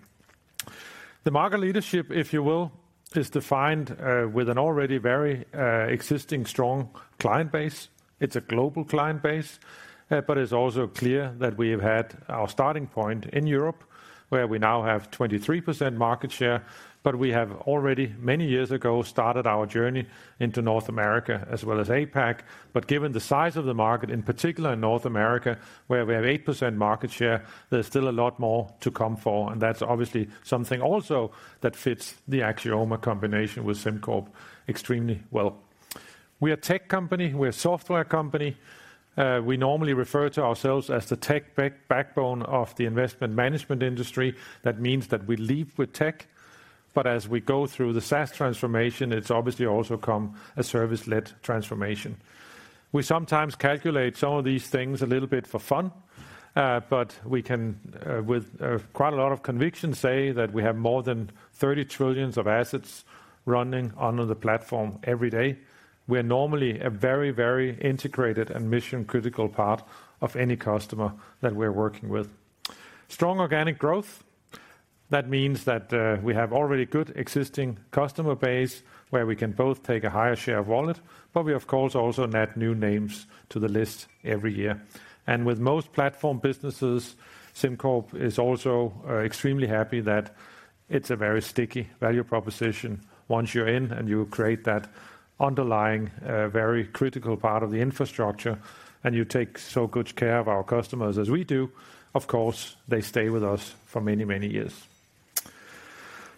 The market leadership, if you will, is defined with an already very existing strong client base. It's a global client base, but it's also clear that we've had our starting point in Europe, where we now have 23% market share, but we have already, many years ago, started our journey into North America as well as APAC. But given the size of the market, in particular in North America, where we have 8% market share, there's still a lot more to come for, and that's obviously something also that fits the Axioma combination with SimCorp extremely well. We are a tech company. We are a software company. We normally refer to ourselves as the tech backbone of the investment management industry. That means that we lead with tech, but as we go through the SaaS transformation, it's obviously also come a service-led transformation. We sometimes calculate some of these things a little bit for fun, but we can, with quite a lot of conviction, say that we have more than 30 trillion of assets running on the platform every day. We are normally a very, very integrated and mission-critical part of any customer that we're working with. Strong organic growth, that means that we have already good existing customer base, where we can both take a higher share of wallet, but we, of course, also net new names to the list every year, and with most platform businesses, SimCorp is also extremely happy that it's a very sticky value proposition. Once you're in, and you create that underlying very critical part of the infrastructure, and you take so good care of our customers as we do, of course, they stay with us for many, many years.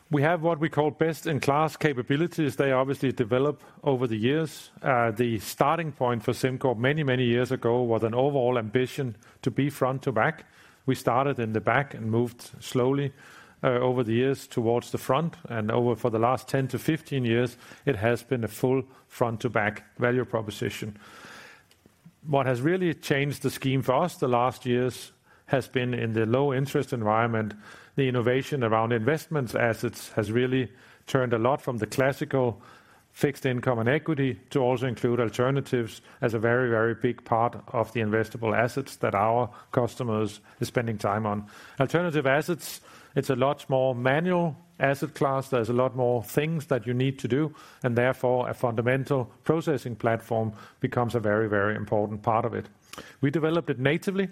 We have what we call best-in-class capabilities. They obviously develop over the years. The starting point for SimCorp many, many years ago, was an overall ambition to be front to back. We started in the back and moved slowly over the years towards the front, and over for the last 10-15 years, it has been a full front-to-back value proposition. What has really changed the scheme for us the last years has been in the low interest environment. The innovation around investment assets has really turned a lot from the classical fixed income and equity, to also include alternatives as a very, very big part of the investable assets that our customers are spending time on. Alternative assets, it's a lot more manual asset class. There's a lot more things that you need to do, and therefore, a fundamental processing platform becomes a very, very important part of it. We developed it natively.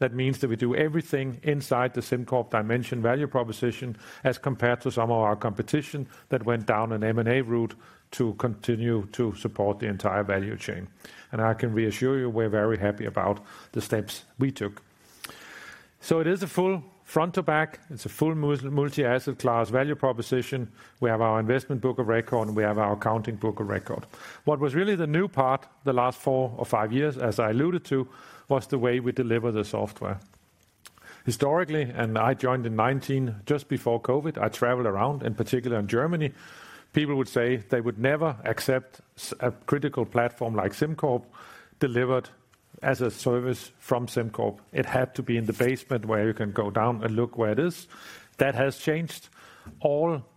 That means that we do everything inside the SimCorp Dimension value proposition, as compared to some of our competition that went down an M&A route to continue to support the entire value chain. And I can reassure you, we're very happy about the steps we took. So, it is a full front to back. It's a full multi-asset class value proposition. We have our investment book of record, and we have our accounting book of record. What was really the new part, the last 4 or 5 years, as I alluded to, was the way we deliver the software. Historically, and I joined in 2019, just before COVID, I traveled around, in particular in Germany. People would say they would never accept a critical platform like SimCorp delivered as a service from SimCorp. It had to be in the basement where you can go down and look where it is. That has changed.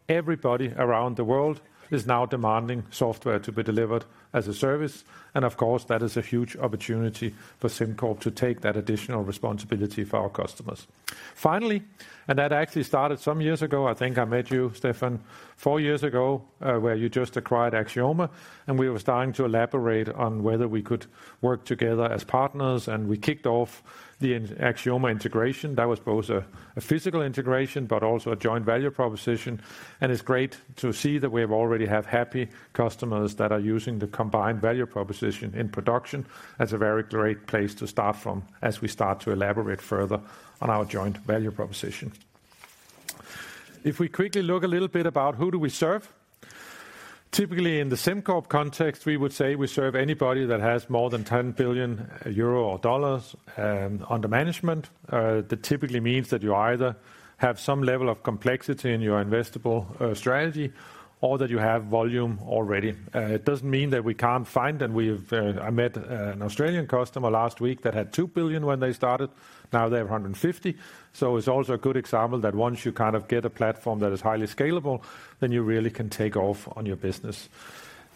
Everybody around the world is now demanding software to be delivered as a service, and of course, that is a huge opportunity for SimCorp to take that additional responsibility for our customers. Finally, and that actually started some years ago. I think I met you, Stephan, four years ago, where you just acquired Axioma, and we were starting to elaborate on whether we could work together as partners, and we kicked off the Axioma integration. That was both a physical integration, but also a joint value proposition. It's great to see that we have already happy customers that are using the combined value proposition in production. That's a very great place to start from as we start to elaborate further on our joint value proposition. If we quickly look a little bit about, who do we serve? Typically, in the SimCorp context, we would say we serve anybody that has more than 10 billion euro or $10 billion, under management. That typically means that you either have some level of complexity in your investable strategy or that you have volume already. It doesn't mean that we can't find, and we've, I met, an Australian customer last week that had 2 billion when they started. Now they have 150 billion. So, it's also a good example that once you kind of get a platform that is highly scalable, then you really can take off on your business.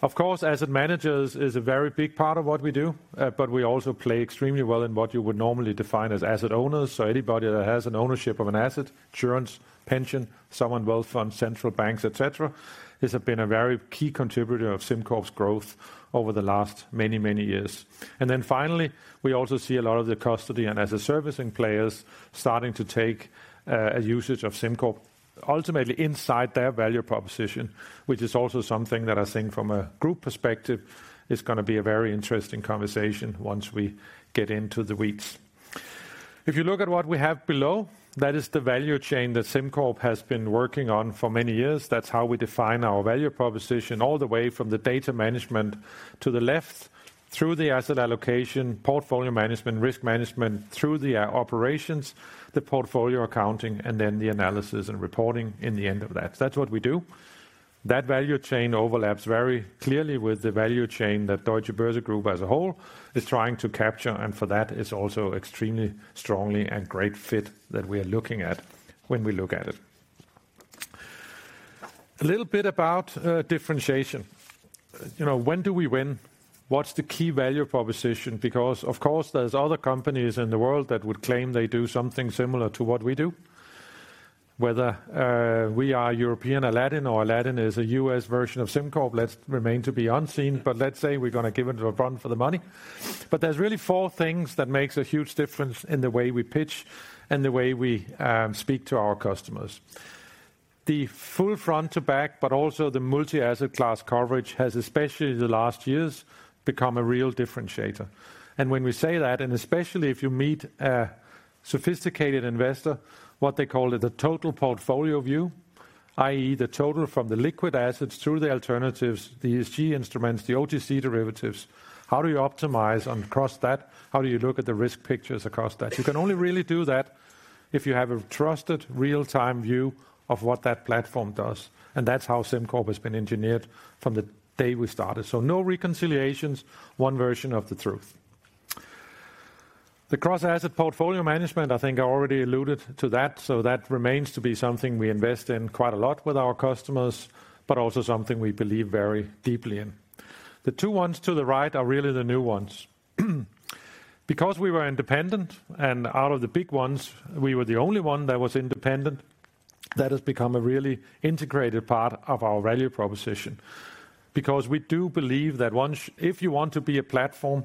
Of course, asset managers is a very big part of what we do, but we also play extremely well in what you would normally define as asset owners. So, anybody that has an ownership of an asset, insurance, pension, sovereign wealth funds, central banks, et cetera, these have been a very key contributor of SimCorp's growth over the last many, many years. And then finally, we also see a lot of the custody and as a servicing players, starting to take a usage of SimCorp, ultimately inside their value proposition, which is also something that I think from a group perspective, is gonna be a very interesting conversation once we get into the weeds. If you look at what we have below, that is the value chain that SimCorp has been working on for many years. That's how we define our value proposition, all the way from the data management to the left, through the asset allocation, portfolio management, risk management, through the operations, the portfolio accounting, and then the analysis and reporting in the end of that. That's what we do. That value chain overlaps very clearly with the value chain that Deutsche Börse Group as a whole is trying to capture, and for that, it's also extremely strongly and great fit that we are looking at when we look at it. A little bit about differentiation. You know, when do we win? What's the key value proposition? Because of course, there's other companies in the world that would claim they do something similar to what we do. Whether we are European Aladdin or Aladdin is a U.S. version of SimCorp, it remains to be seen, but let's say we're gonna give it a run for the money. But there's really four things that makes a huge difference in the way we pitch and the way we speak to our customers. The full front to back, but also the multi-asset class coverage has, especially the last years, become a real differentiator. And when we say that, and especially if you meet a sophisticated investor, what they call it a total portfolio view, i.e., the total from the liquid assets through the alternatives, the ESG instruments, the OTC derivatives. How do you optimize across that? How do you look at the risk pictures across that? You can only really do that if you have a trusted real-time view of what that platform does, and that's how SimCorp has been engineered from the day we started. So, no reconciliations, one version of the truth. The cross-asset portfolio management, I think I already alluded to that, so that remains to be something we invest in quite a lot with our customers, but also something we believe very deeply in. The two ones to the right are really the new ones. Because we were independent, and out of the big ones, we were the only one that was independent. That has become a really integrated part of our value proposition. Because we do believe that once, if you want to be a platform,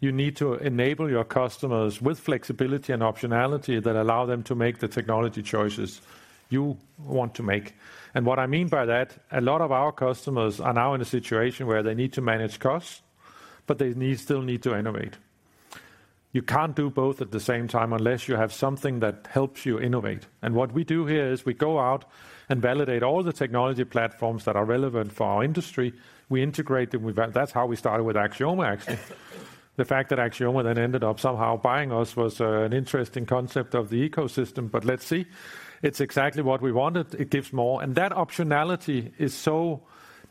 you need to enable your customers with flexibility and optionality that allow them to make the technology choices you want to make. And what I mean by that, a lot of our customers are now in a situation where they need to manage costs, but they need, still need to innovate. You can't do both at the same time unless you have something that helps you innovate. And what we do here is we go out and validate all the technology platforms that are relevant for our industry. We integrate them with that. That's how we started with Axioma, actually. The fact that Axioma then ended up somehow buying us was, an interesting concept of the ecosystem, but let's see. It's exactly what we wanted. It gives more. And that optionality is so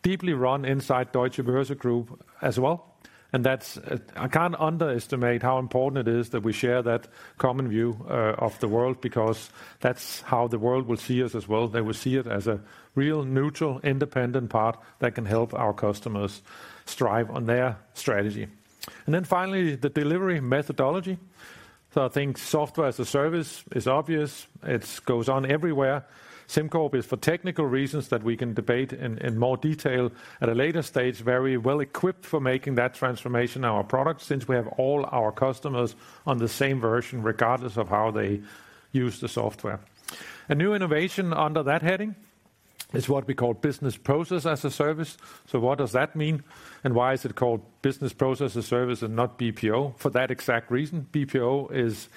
deeply run inside Deutsche Börse Group as well. And that's, I can't underestimate how important it is that we share that common view, of the world, because that's how the world will see us as well. They will see it as a real neutral, independent part that can help our customers strive on their strategy. Then finally, the delivery methodology. So, I think software as a service is obvious. It goes on everywhere. SimCorp is, for technical reasons that we can debate in more detail at a later stage, very well equipped for making that transformation our product, since we have all our customers on the same version, regardless of how they use the software. A new innovation under that heading is what we call business process as a service. So, what does that mean, and why is it called business process as a service and not BPO? For that exact reason. BPO is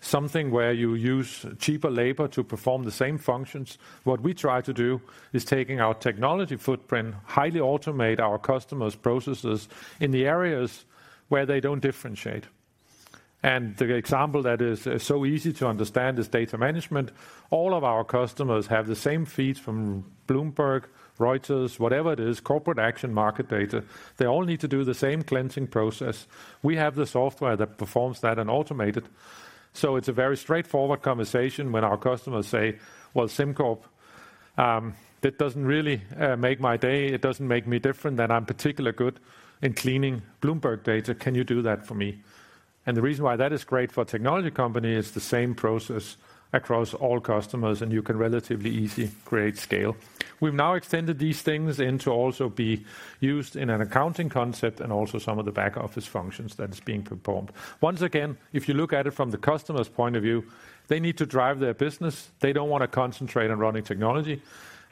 something where you use cheaper labor to perform the same functions. What we try to do is taking our technology footprint, highly automate our customers' processes in the areas where they don't differentiate. The example that is so easy to understand is data management. All of our customers have the same feeds from Bloomberg, Reuters, whatever it is, corporate action, market data. They all need to do the same cleansing process. We have the software that performs that and automate it. It's a very straightforward conversation when our customers say, "Well, SimCorp, that doesn't really make my day. It doesn't make me different, that I'm particularly good in cleaning Bloomberg data. Can you do that for me?" The reason why that is great for a technology company is the same process across all customers, and you can relatively easy create scale. We've now extended these things into also be used in an accounting concept and also some of the back-office functions that is being performed. Once again, if you look at it from the customer's point of view, they need to drive their business. They don't want to concentrate on running technology,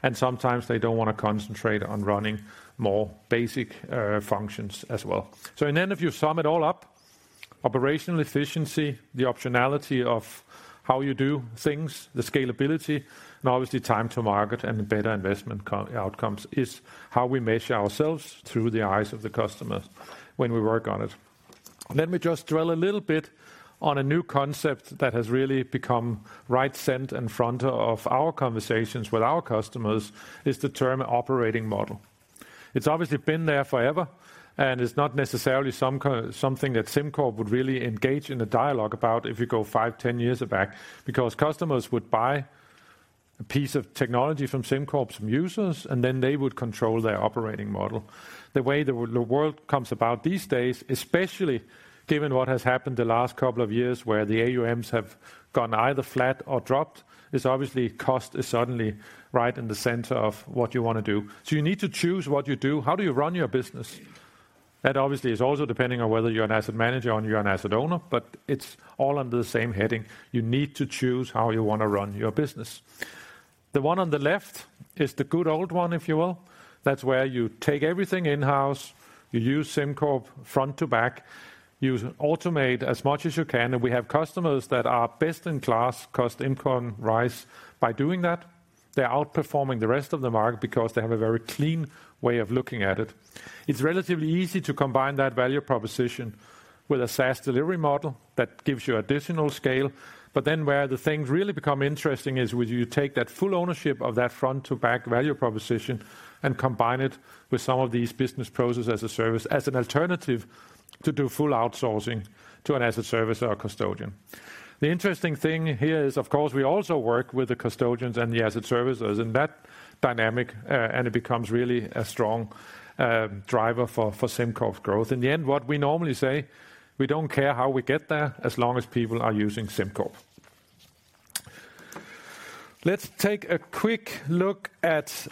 and sometimes they don't want to concentrate on running more basic functions as well. So, in the end, if you sum it all up, operational efficiency, the optionality of how you do things, the scalability, and obviously time to market and better investment outcomes is how we measure ourselves through the eyes of the customer when we work on it. Let me just dwell a little bit on a new concept that has really become front and center of our conversations with our customers, is the term operating model. It's obviously been there forever, and it's not necessarily something that SimCorp would really engage in a dialogue about if you go 5, 10 years back, because customers would buy a piece of technology from SimCorp's users, and then they would control their operating model. The way the world comes about these days, especially given what has happened the last couple of years, where the AUMs have gone either flat or dropped, is obviously cost is suddenly right in the center of what you want to do. So, you need to choose what you do. How do you run your business? That obviously is also depending on whether you're an asset manager or you're an asset owner, but it's all under the same heading. You need to choose how you want to run your business. The one on the left is the good old one, if you will. That's where you take everything in-house, you use SimCorp front to back, you automate as much as you can, and we have customers that are best in class, cost-income ratio. By doing that, they're outperforming the rest of the market because they have a very clean way of looking at it. It's relatively easy to combine that value proposition with a SaaS delivery model that gives you additional scale. But then where the things really become interesting is when you take that full ownership of that front-to-back value proposition and combine it with some of these business processes as a service, as an alternative to do full outsourcing to an asset servicer or a custodian. The interesting thing here is, of course, we also work with the custodians and the asset servicers in that dynamic, and it becomes really a strong driver for SimCorp's growth. In the end, what we normally say, we don't care how we get there as long as people are using SimCorp. Let's take a quick look at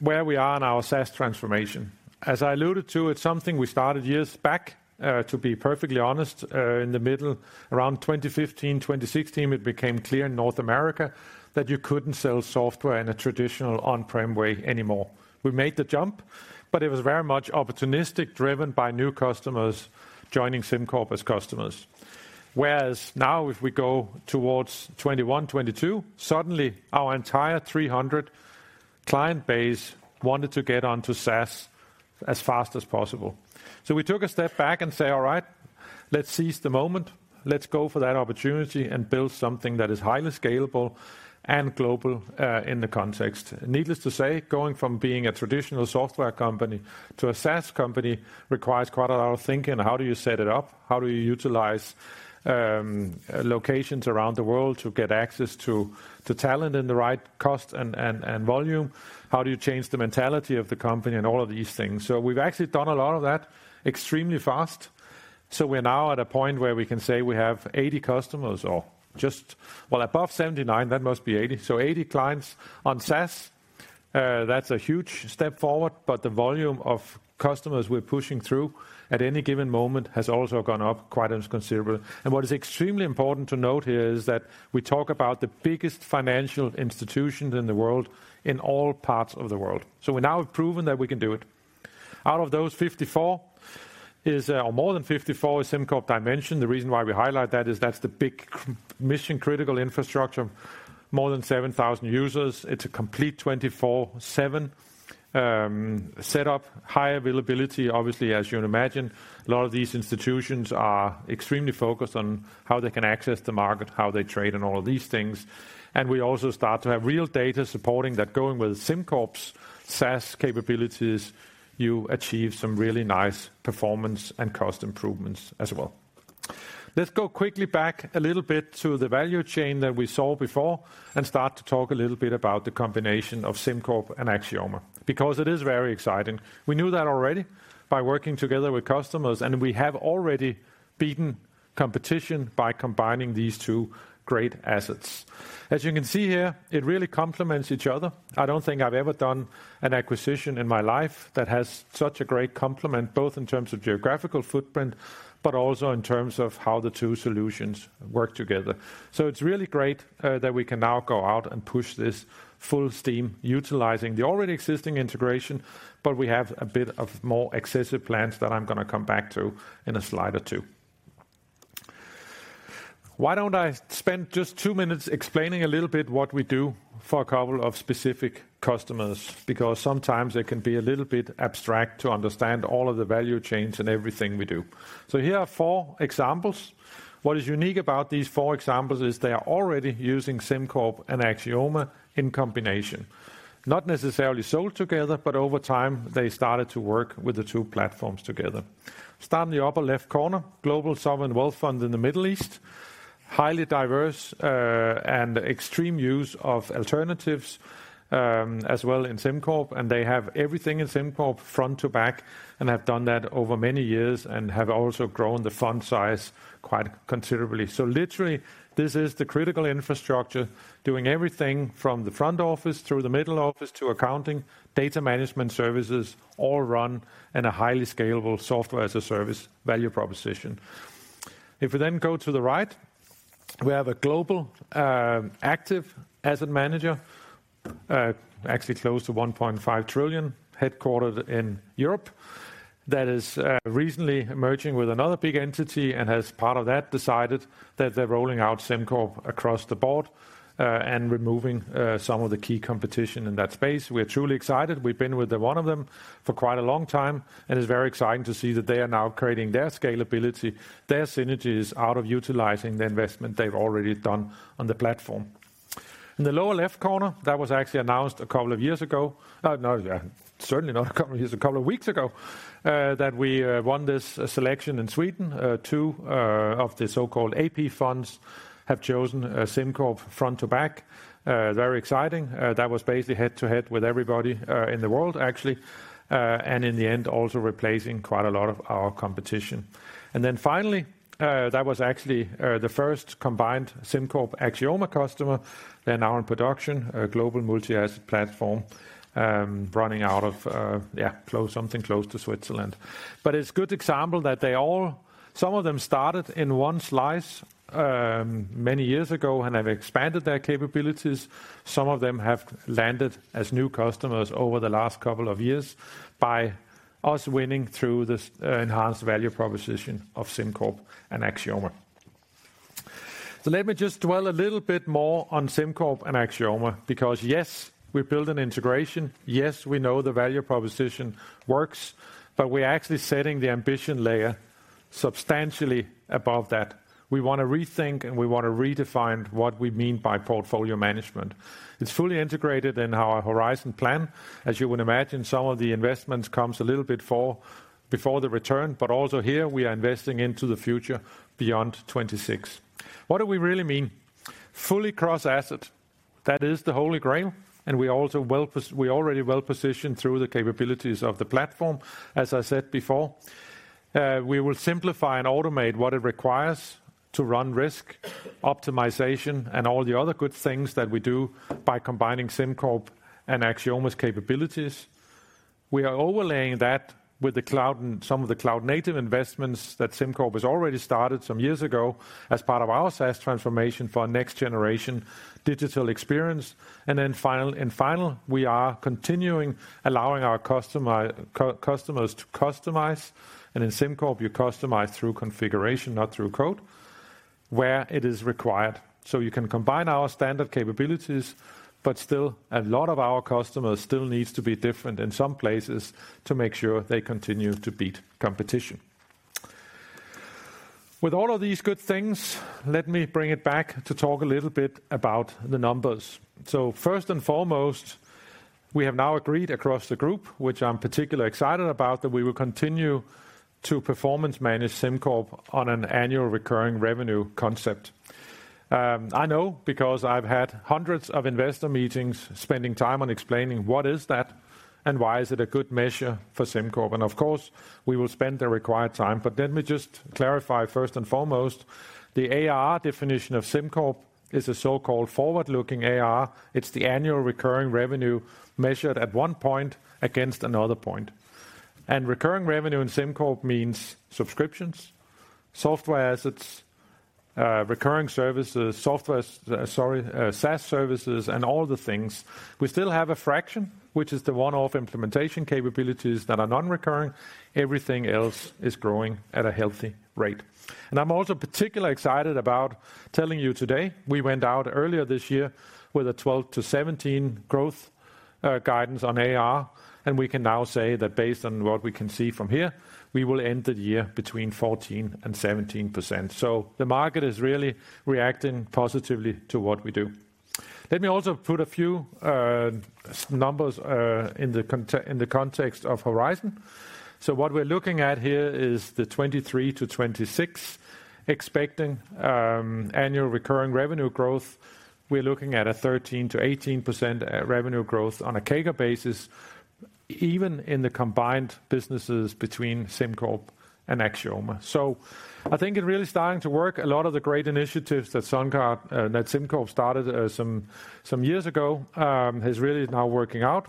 where we are in our SaaS transformation. As I alluded to, it's something we started years back. To be perfectly honest, in the middle, around 2015, 2016, it became clear in North America that you couldn't sell software in a traditional on-prem way anymore. We made the jump, but it was very much opportunistic, driven by new customers joining SimCorp as customers. Whereas now, if we go towards 2021, 2022, suddenly our entire 300 client base wanted to get onto SaaS as fast as possible. So, we took a step back and say, "All right, let's seize the moment. Let's go for that opportunity and build something that is highly scalable and global, in the context." Needless to say, going from being a traditional software company to a SaaS company requires quite a lot of thinking. How do you set it up? How do you utilize locations around the world to get access to talent and the right cost and volume? How do you change the mentality of the company and all of these things? So, we've actually done a lot of that extremely fast. So, we're now at a point where we can say we have 80 customers or just... Well, above 79, that must be 80. So, 80 clients on SaaS. That's a huge step forward, but the volume of customers we're pushing through at any given moment has also gone up quite considerable. And what is extremely important to note here is that we talk about the biggest financial institutions in the world, in all parts of the world. So, we've now proven that we can do it. Out of those 54 is, or more than 54 is SimCorp Dimension. The reason why we highlight that is that's the big mission-critical infrastructure, more than 7,000 users. It's a complete 24/7 setup, high availability. Obviously, as you would imagine, a lot of these institutions are extremely focused on how they can access the market, how they trade, and all of these things. We also start to have real data supporting that going with SimCorp's SaaS capabilities, you achieve some really nice performance and cost improvements as well. Let's go quickly back a little bit to the value chain that we saw before and start to talk a little bit about the combination of SimCorp and Axioma, because it is very exciting. We knew that already by working together with customers, and we have already beaten competition by combining these two great assets. As you can see here, it really complements each other. I don't think I've ever done an acquisition in my life that has such a great complement, both in terms of geographical footprint, but also in terms of how the two solutions work together. So, it's really great that we can now go out and push this full steam, utilizing the already existing integration, but we have a bit of more excessive plans that I'm gonna come back to in a slide or two. Why don't I spend just two minutes explaining a little bit what we do for a couple of specific customers? Because sometimes it can be a little bit abstract to understand all of the value chains and everything we do. So, here are four examples. What is unique about these four examples is they are already using SimCorp and Axioma in combination. Not necessarily sold together, but over time, they started to work with the two platforms together. Start in the upper left corner, global sovereign wealth fund in the Middle East, highly diverse, and extreme use of alternatives, as well in SimCorp, and they have everything in SimCorp, front to back, and have done that over many years, and have also grown the fund size quite considerably. So literally, this is the critical infrastructure, doing everything from the front office through the middle office to accounting, data management services, all run in a highly scalable software-as-a-service value proposition. If we then go to the right, we have a global, active asset manager, actually close to $1.5 trillion, headquartered in Europe, that is, recently merging with another big entity and has, part of that, decided that they're rolling out SimCorp across the board, and removing, some of the key competition in that space. We're truly excited. We've been with the one of them for quite a long time, and it's very exciting to see that they are now creating their scalability, their synergies, out of utilizing the investment they've already done on the platform. In the lower left corner, that was actually announced a couple of years ago. No, yeah, certainly not a couple of years, a couple of weeks ago, that we won this selection in Sweden. Two of the so-called AP funds have chosen SimCorp front to back. Very exciting. That was basically head-to-head with everybody in the world, actually, and in the end, also replacing quite a lot of our competition. And then finally, that was actually the first combined SimCorp Axioma customer. They're now in production, a global multi-asset platform, running out of, something close to Switzerland. But it's a good example that they all, some of them started in one slice, many years ago and have expanded their capabilities. Some of them have landed as new customers over the last couple of years by us winning through this, enhanced value proposition of SimCorp and Axioma. So, let me just dwell a little bit more on SimCorp and Axioma, because, yes, we built an integration, yes, we know the value proposition works, but we're actually setting the ambition layer substantially above that. We want to rethink, and we want to redefine what we mean by portfolio management. It's fully integrated in our horizon plan. As you would imagine, some of the investments comes a little bit before the return, but also here, we are investing into the future beyond 2026. What do we really mean? Fully cross-asset. That is the Holy Grail, and we also well pos-- we're already well-positioned through the capabilities of the platform, as I said before. We will simplify and automate what it requires to run risk, optimization, and all the other good things that we do by combining SimCorp and Axioma's capabilities. We are overlaying that with the cloud and some of the cloud-native investments that SimCorp has already started some years ago as part of our SaaS transformation for our next-generation digital experience. And then final-- and finally, we are continuing allowing our customers to customize, and in SimCorp, you customize through configuration, not through code, where it is required. So, you can combine our standard capabilities, but still, a lot of our customers still needs to be different in some places to make sure they continue to beat competition. With all of these good things, let me bring it back to talk a little bit about the numbers. So, first and foremost, we have now agreed across the group, which I'm particularly excited about, that we will continue to performance manage SimCorp on an annual recurring revenue concept. I know because I've had hundreds of investor meetings spending time on explaining what is that? and why is it a good measure for SimCorp? And, of course, we will spend the required time. But let me just clarify first and foremost, the ARRR definition of SimCorp is a so-called forward-looking ARR. It's the annual recurring revenue measured at one point against another point. Recurring revenue in SimCorp means subscriptions, software assets, recurring services, software, sorry, SaaS services, and all the things. We still have a fraction, which is the one-off implementation capabilities that are non-recurring. Everything else is growing at a healthy rate. I'm also particularly excited about telling you today, we went out earlier this year with a 12-17 growth guidance on ARR, and we can now say that based on what we can see from here, we will end the year between 14% and 17%. So, the market is really reacting positively to what we do. Let me also put a few numbers in the context of horizon. So, what we're looking at here is the 2023-2026, expecting annual recurring revenue growth. We're looking at a 13%-18% revenue growth on a CAGR basis, even in the combined businesses between SimCorp and Axioma. So, I think it's really starting to work. A lot of the great initiatives that SimCorp started some years ago is really now working out.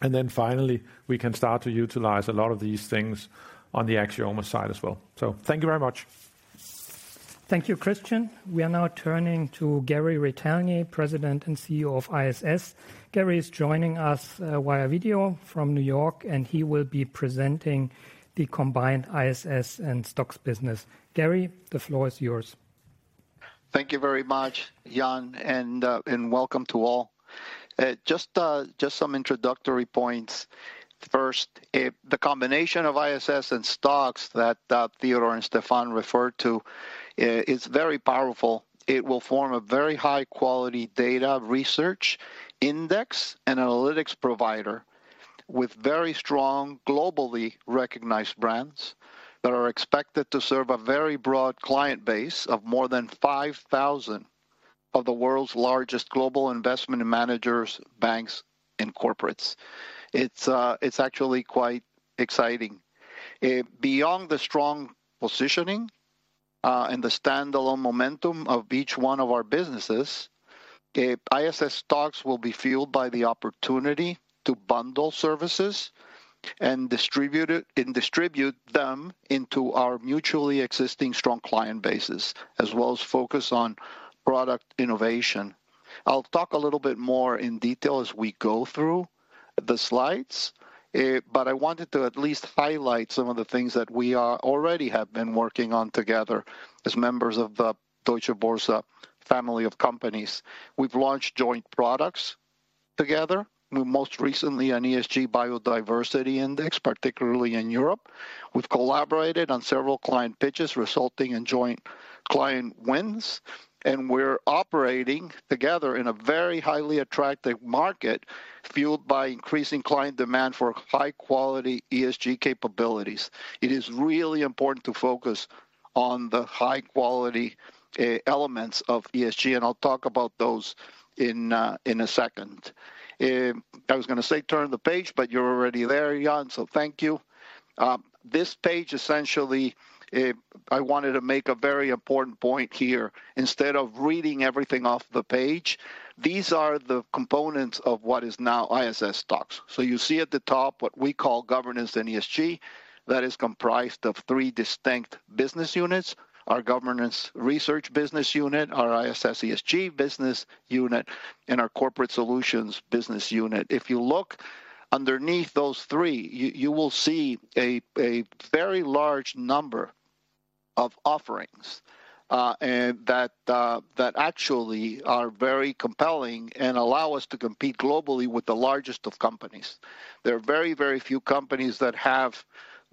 And then finally, we can start to utilize a lot of these things on the Axioma side as well. So, thank you very much. Thank you, Christian. We are now turning to Gary Retelny, President and CEO of ISS. Gary is joining us via video from New York, and he will be presenting the combined ISS and STOXX business. Gary, the floor is yours. Thank you very much, Jan, and welcome to all. Just some introductory points. First, the combination of ISS and STOXX that Theodor and Stephan referred to is very powerful. It will form a very high-quality data research index and analytics provider with very strong, globally recognized brands that are expected to serve a very broad client base of more than 5,000 of the world's largest global investment managers, banks, and corporates. It's actually quite exciting. Beyond the strong positioning and the standalone momentum of each one of our businesses, ISS STOXX will be fueled by the opportunity to bundle services and distribute them into our mutually existing strong client bases, as well as focus on product innovation. I'll talk a little bit more in detail as we go through the slides, but I wanted to at least highlight some of the things that we already have been working on together as members of the Deutsche Börse family of companies. We've launched joint products together, most recently an ESG Biodiversity Index, particularly in Europe. We've collaborated on several client pitches, resulting in joint client wins, and we're operating together in a very highly attractive market, fueled by increasing client demand for high-quality ESG capabilities. It is really important to focus on the high-quality elements of ESG, and I'll talk about those in a second. I was gonna say, turn the page, but you're already there, Jan, so thank you. This page, essentially, I wanted to make a very important point here. Instead of reading everything off the page, these are the components of what is now ISS STOXX. So, you see at the top what we call governance and ESG. That is comprised of three distinct business units: our governance research business unit, our ISS ESG business unit, and our Corporate Solutions business unit. If you look underneath those three, you will see a very large number of offerings, and that actually are very compelling and allow us to compete globally with the largest of companies. There are very, very few companies that have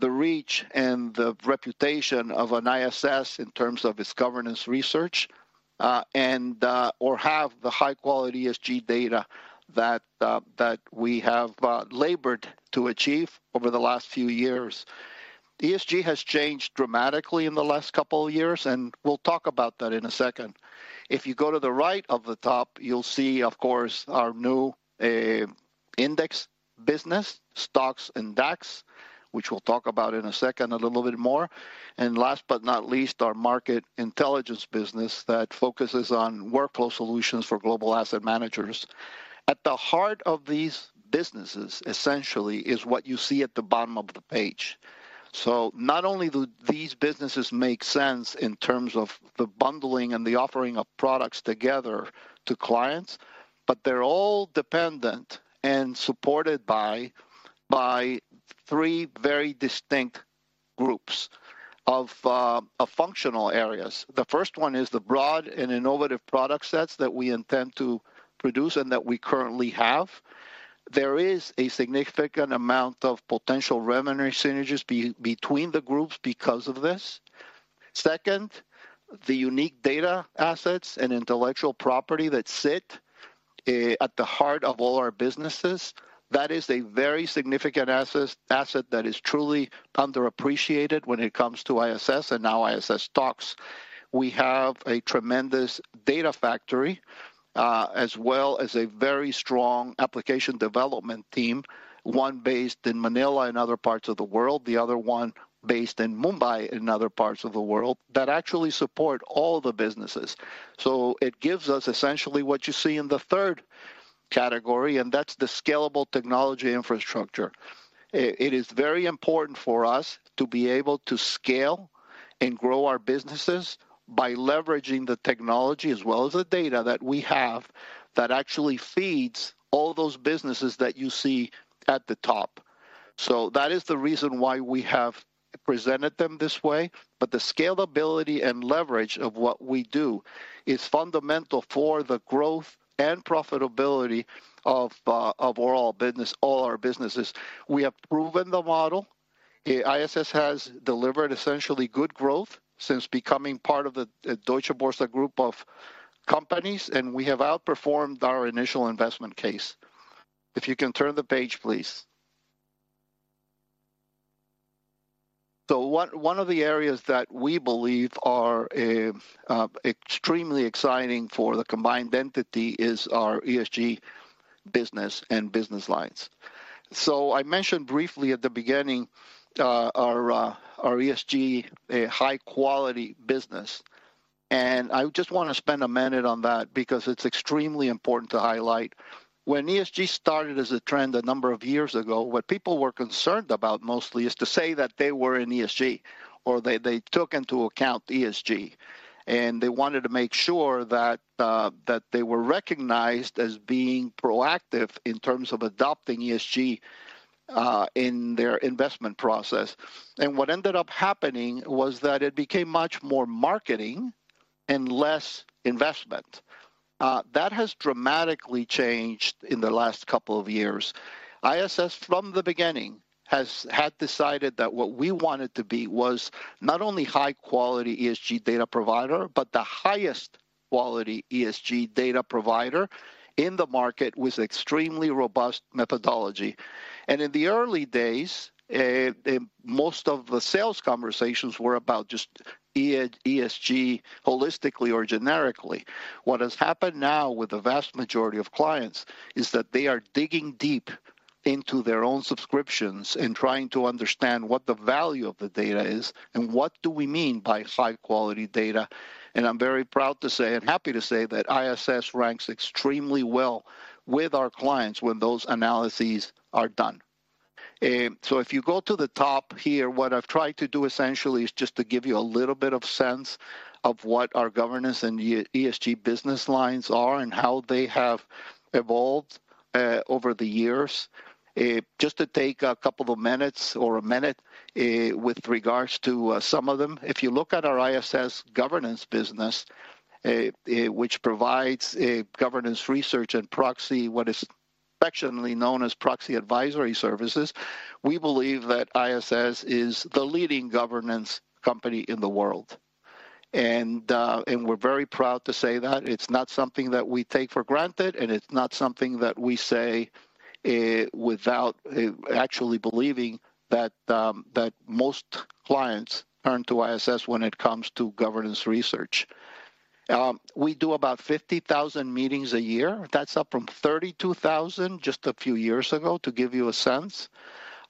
the reach and the reputation of an ISS in terms of its governance research, and or have the high-quality ESG data that we have labored to achieve over the last few years. ESG has changed dramatically in the last couple of years, and we'll talk about that in a second. If you go to the right of the top, you'll see, of course, our new index business, STOXX and DAX, which we'll talk about in a second, a little bit more. And last but not least, our Market Intelligence business that focuses on workflow solutions for global asset managers. At the heart of these businesses, essentially, is what you see at the bottom of the page. So, not only do these businesses make sense in terms of the bundling and the offering of products together to clients, but they're all dependent and supported by three very distinct groups of functional areas. The first one is the broad and innovative product sets that we intend to produce and that we currently have. There is a significant amount of potential revenue synergies between the groups because of this. Second, the unique data assets and intellectual property that sit at the heart of all our businesses, that is a very significant asset that is truly underappreciated when it comes to ISS and now ISS STOXX. We have a tremendous data factory, as well as a very strong application development team, one based in Manila and other parts of the world, the other one based in Mumbai and other parts of the world, that actually support all the businesses. So, it gives us essentially what you see in the third category, and that's the scalable technology infrastructure. It is very important for us to be able to scale and grow our businesses by leveraging the technology as well as the data that we have, that actually feeds all those businesses that you see at the top. So, that is the reason why we have presented them this way. But the scalability and leverage of what we do is fundamental for the growth and profitability of all our businesses. We have proven the model. ISS has delivered essentially good growth since becoming part of the Deutsche Börse group of companies, and we have outperformed our initial investment case. If you can turn the page, please. So, one of the areas that we believe are extremely exciting for the combined entity is our ESG business and business lines. So, I mentioned briefly at the beginning, our ESG high quality business, and I just wanna spend a minute on that because it's extremely important to highlight. When ESG started as a trend a number of years ago, what people were concerned about mostly is to say that they were in ESG or they took into account ESG, and they wanted to make sure that they were recognized as being proactive in terms of adopting ESG in their investment process. What ended up happening was that it became much more marketing and less investment. That has dramatically changed in the last couple of years. ISS, from the beginning, had decided that what we wanted to be was not only high quality ESG data provider, but the highest quality ESG data provider in the market, with extremely robust methodology. In the early days, most of the sales conversations were about just ESG holistically or generically. What has happened now with the vast majority of clients is that they are digging deep into their own subscriptions and trying to understand what the value of the data is and what do we mean by high-quality data. And I'm very proud to say and happy to say that ISS ranks extremely well with our clients when those analyses are done. So, if you go to the top here, what I've tried to do, essentially, is just to give you a little bit of sense of what our governance and ESG business lines are and how they have evolved over the years. Just to take a couple of minutes or a minute, with regards to, some of them. If you look at our ISS governance business, which provides a governance research and proxy, what is affectionately known as proxy advisory services, we believe that ISS is the leading governance company in the world. And we're very proud to say that. It's not something that we take for granted, and it's not something that we say without actually believing that most clients turn to ISS when it comes to governance research. We do about 50,000 meetings a year. That's up from 32,000 just a few years ago, to give you a sense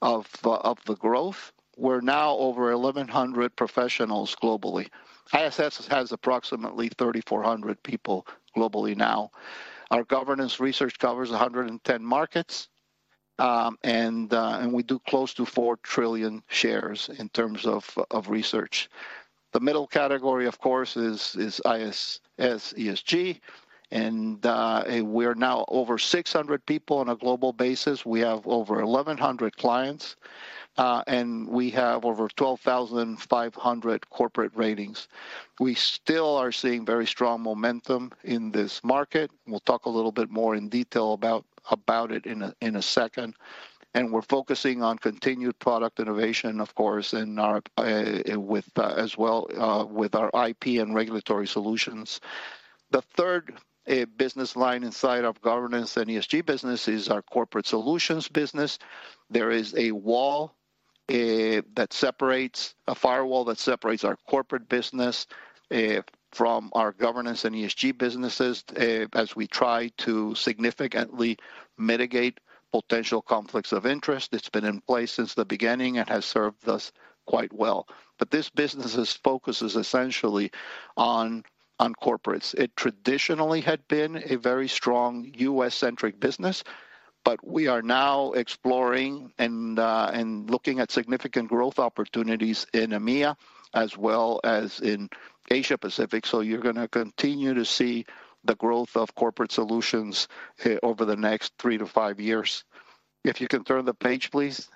of the growth. We're now over 1,100 professionals globally. ISS has approximately 3,400 people globally now. Our governance research covers 110 markets, and we do close to 4 trillion shares in terms of research. The middle category, of course, is ISS ESG, and we're now over 600 people on a global basis. We have over 1,100 clients, and we have over 12,500 corporate ratings. We still are seeing very strong momentum in this market. We'll talk a little bit more in detail about it in a second. And we're focusing on continued product innovation, of course, in our, with, as well, with our IP and regulatory solutions. The third business line inside of governance and ESG business is our Corporate Solutions business. There is a wall that separates, a firewall that separates our corporate business from our governance and ESG businesses, as we try to significantly mitigate potential conflicts of interest. It's been in place since the beginning and has served us quite well. But this business focuses essentially on corporates. It traditionally had been a very strong U.S.-centric business, but we are now exploring and looking at significant growth opportunities in EMEA as well as in Asia Pacific. So, you're gonna continue to see the growth of Corporate Solutions over the next 3-5 years. If you can turn the page, please.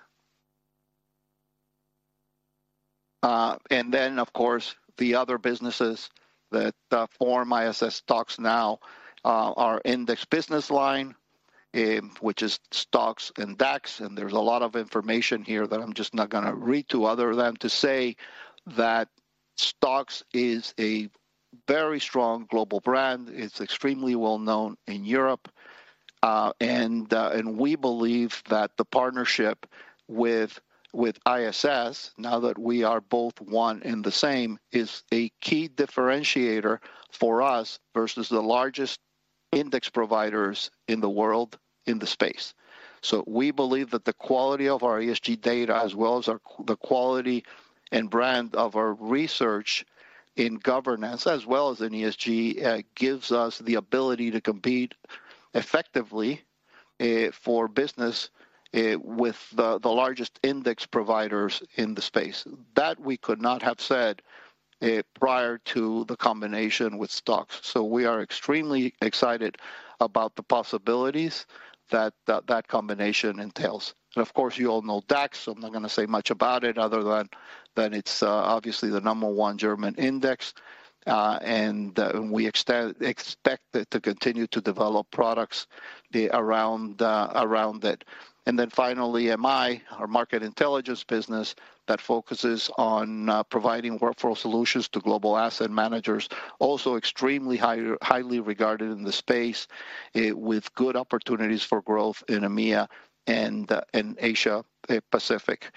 And then, of course, the other businesses that form ISS, STOXX now are index business which is STOXX and DAX, and there's a lot of information here that I'm just not gonna read it other than to say that STOXX is a very strong global brand. It's extremely well known in Europe, and we believe that the partnership with ISS, now that we are both one and the same, is a key differentiator for us versus the largest index providers in the world in the space. So, we believe that the quality of our ESG data, as well as the quality and brand of our research in governance, as well as in ESG, gives us the ability to compete effectively for business with the largest index providers in the space. That we could not have said prior to the combination with STOXX. So, we are extremely excited about the possibilities that that combination entails. And of course, you all know DAX, so, I'm not going to say much about it other than it's obviously the number one German index, and we expect it to continue to develop products around it. And then finally, MI, our Market Intelligence business, that focuses on providing workflow solutions to global asset managers, also extremely highly regarded in the space, with good opportunities for growth in EMEA and in Asia Pacific.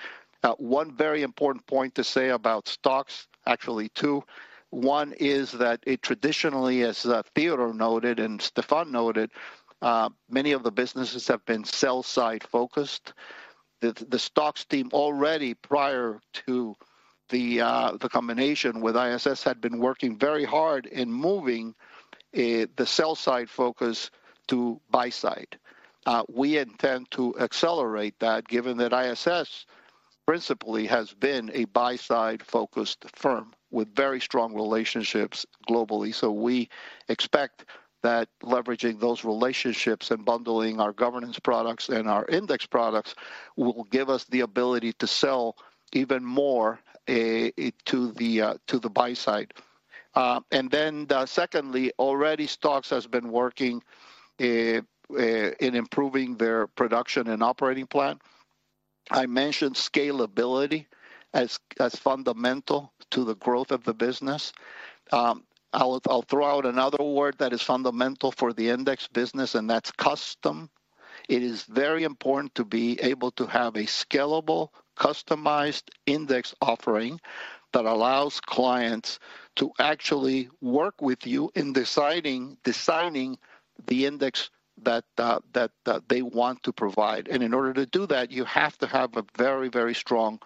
One very important point to say about STOXX, actually two: one is that it traditionally, as Theodor noted and Stephan noted, many of the businesses have been sell side focused. The STOXX team already, prior to the combination with ISS, had been working very hard in moving the sell side focus to buy side. We intend to accelerate that, given that ISS principally has been a buy side-focused firm with very strong relationships globally. So, we expect that leveraging those relationships and bundling our governance products and our index products will give us the ability to sell even more to the buy side. And then, secondly, already STOXX has been working in improving their production and operating plan. I mentioned scalability as fundamental to the growth of the business. I'll throw out another word that is fundamental for the index business, and that's custom. It is very important to be able to have a scalable, customized index offering that allows clients to actually work with you in deciding, designing the index that they want to provide. In order to do that, you have to have a very, very strong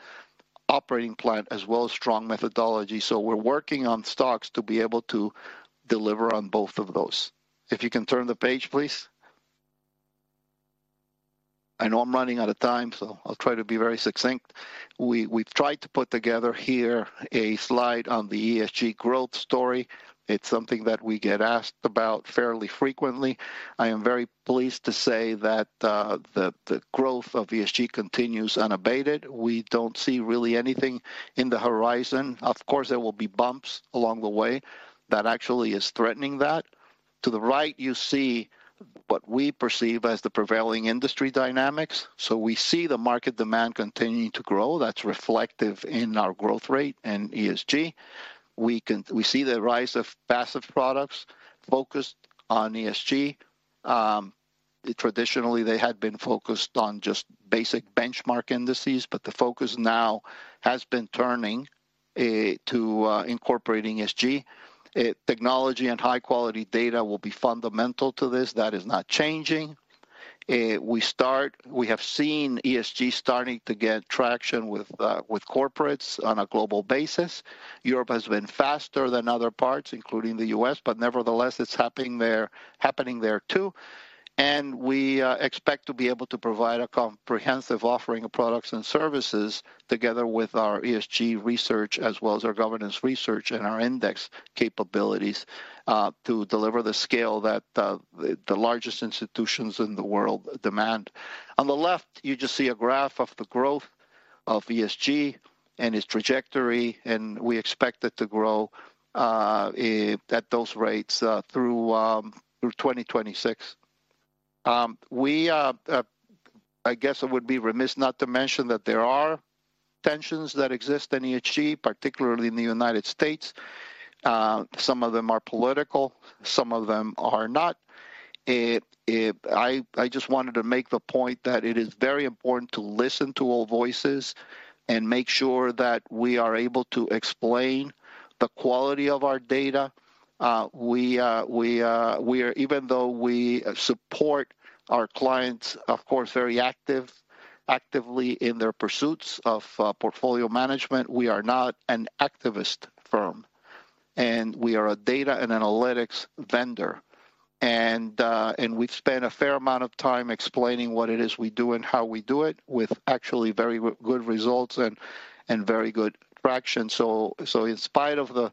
operating plan as well as strong methodology. We're working on STOXX to be able to deliver on both of those. If you can turn the page, please. I know I'm running out of time, so, I'll try to be very succinct. We've tried to put together here a slide on the ESG growth story. It's something that we get asked about fairly frequently. I am very pleased to say that the growth of ESG continues unabated. We don't see really anything in the horizon. Of course, there will be bumps along the way that actually is threatening that. To the right, you see what we perceive as the prevailing industry dynamics, so, we see the market demand continuing to grow. That's reflective in our growth rate and ESG. We can... We see the rise of passive products focused on ESG. Traditionally, they had been focused on just basic benchmark indices, but the focus now has been turning to incorporating ESG. Technology and high-quality data will be fundamental to this. That is not changing. We have seen ESG starting to get traction with corporates on a global basis. Europe has been faster than other parts, including the U.S., but nevertheless, it's happening there, happening there too. And we expect to be able to provide a comprehensive offering of products and services together with our ESG research, as well as our governance research and our index capabilities to deliver the scale that the largest institutions in the world demand. On the left, you just see a graph of the growth of ESG and its trajectory, and we expect it to grow at those rates through 2026. I guess it would be remiss not to mention that there are tensions that exist in ESG, particularly in the United States. Some of them are political, some of them are not. I just wanted to make the point that it is very important to listen to all voices and make sure that we are able to explain the quality of our data. Even though we support our clients, of course, very active, actively in their pursuits of portfolio management, we are not an activist firm, and we are a Data and Analytics vendor. We've spent a fair amount of time explaining what it is we do and how we do it, with actually very good results and very good traction. So, in spite of the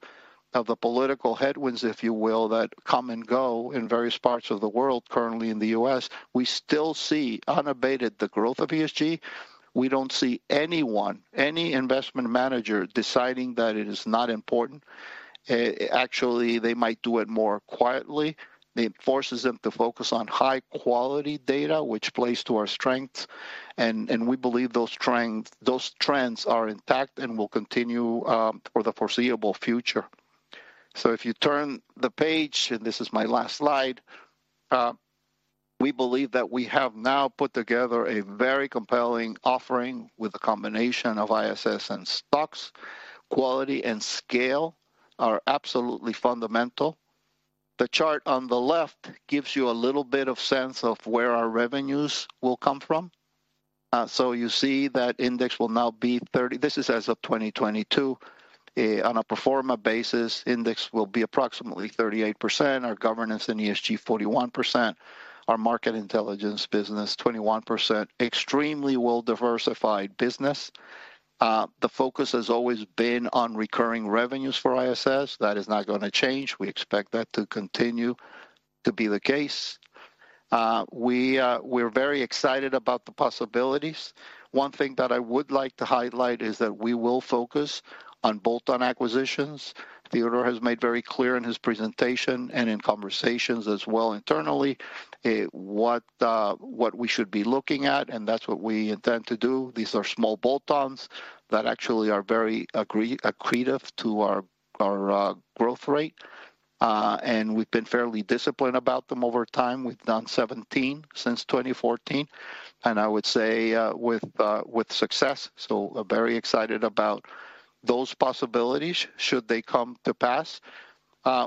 political headwinds, if you will, that come and go in various parts of the world, currently in the U.S., we still see unabated the growth of ESG. We don't see anyone, any investment manager, deciding that it is not important. Actually, they might do it more quietly. It forces them to focus on high-quality data, which plays to our strengths, and we believe those trends, those trends are intact and will continue for the foreseeable future. So, if you turn the page, and this is my last slide, we believe that we have now put together a very compelling offering with a combination of ISS and STOXX. Quality and scale are absolutely fundamental. The chart on the left gives you a little bit of sense of where our revenues will come from. So, you see that Index will now be 30... This is as of 2022. On a pro forma basis, Index will be approximately 38%, our governance and ESG, 41%, our Market Intelligence business, 21%. Extremely well-diversified business. The focus has always been on recurring revenues for ISS. That is not gonna change. We expect that to continue to be the case. We're very excited about the possibilities. One thing that I would like to highlight is that we will focus on bolt-on acquisitions. Theodor has made very clear in his presentation and in conversations as well internally, what we should be looking at, and that's what we intend to do. These are small bolt-ons that actually are very accretive to our growth rate, and we've been fairly disciplined about them over time. We've done 17 since 2014, and I would say, with success, so, we're very excited about those possibilities should they come to pass.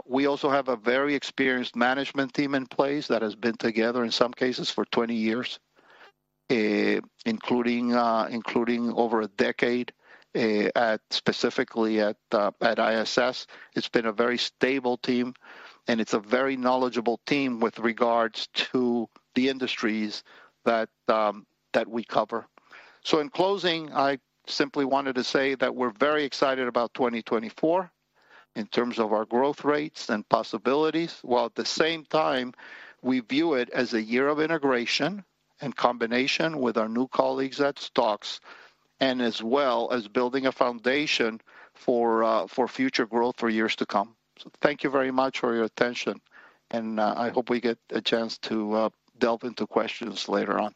We also have a very experienced management team in place that has been together, in some cases, for 20 years, including over a decade, specifically at ISS. It's been a very stable team, and it's a very knowledgeable team with regards to the industries that we cover. So, in closing, I simply wanted to say that we're very excited about 2024 in terms of our growth rates and possibilities, while at the same time, we view it as a year of integration in combination with our new colleagues at STOXX, as well as building a foundation for future growth for years to come. So, thank you very much for your attention, and I hope we get a chance to delve into questions later on.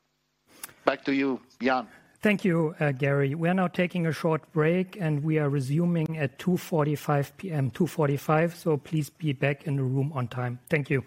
Back to you, Jan. Thank you, Gary. We are now taking a short break, and we are resuming at 2:45 P.M., 2:45, so please be back in the room on time. Thank you.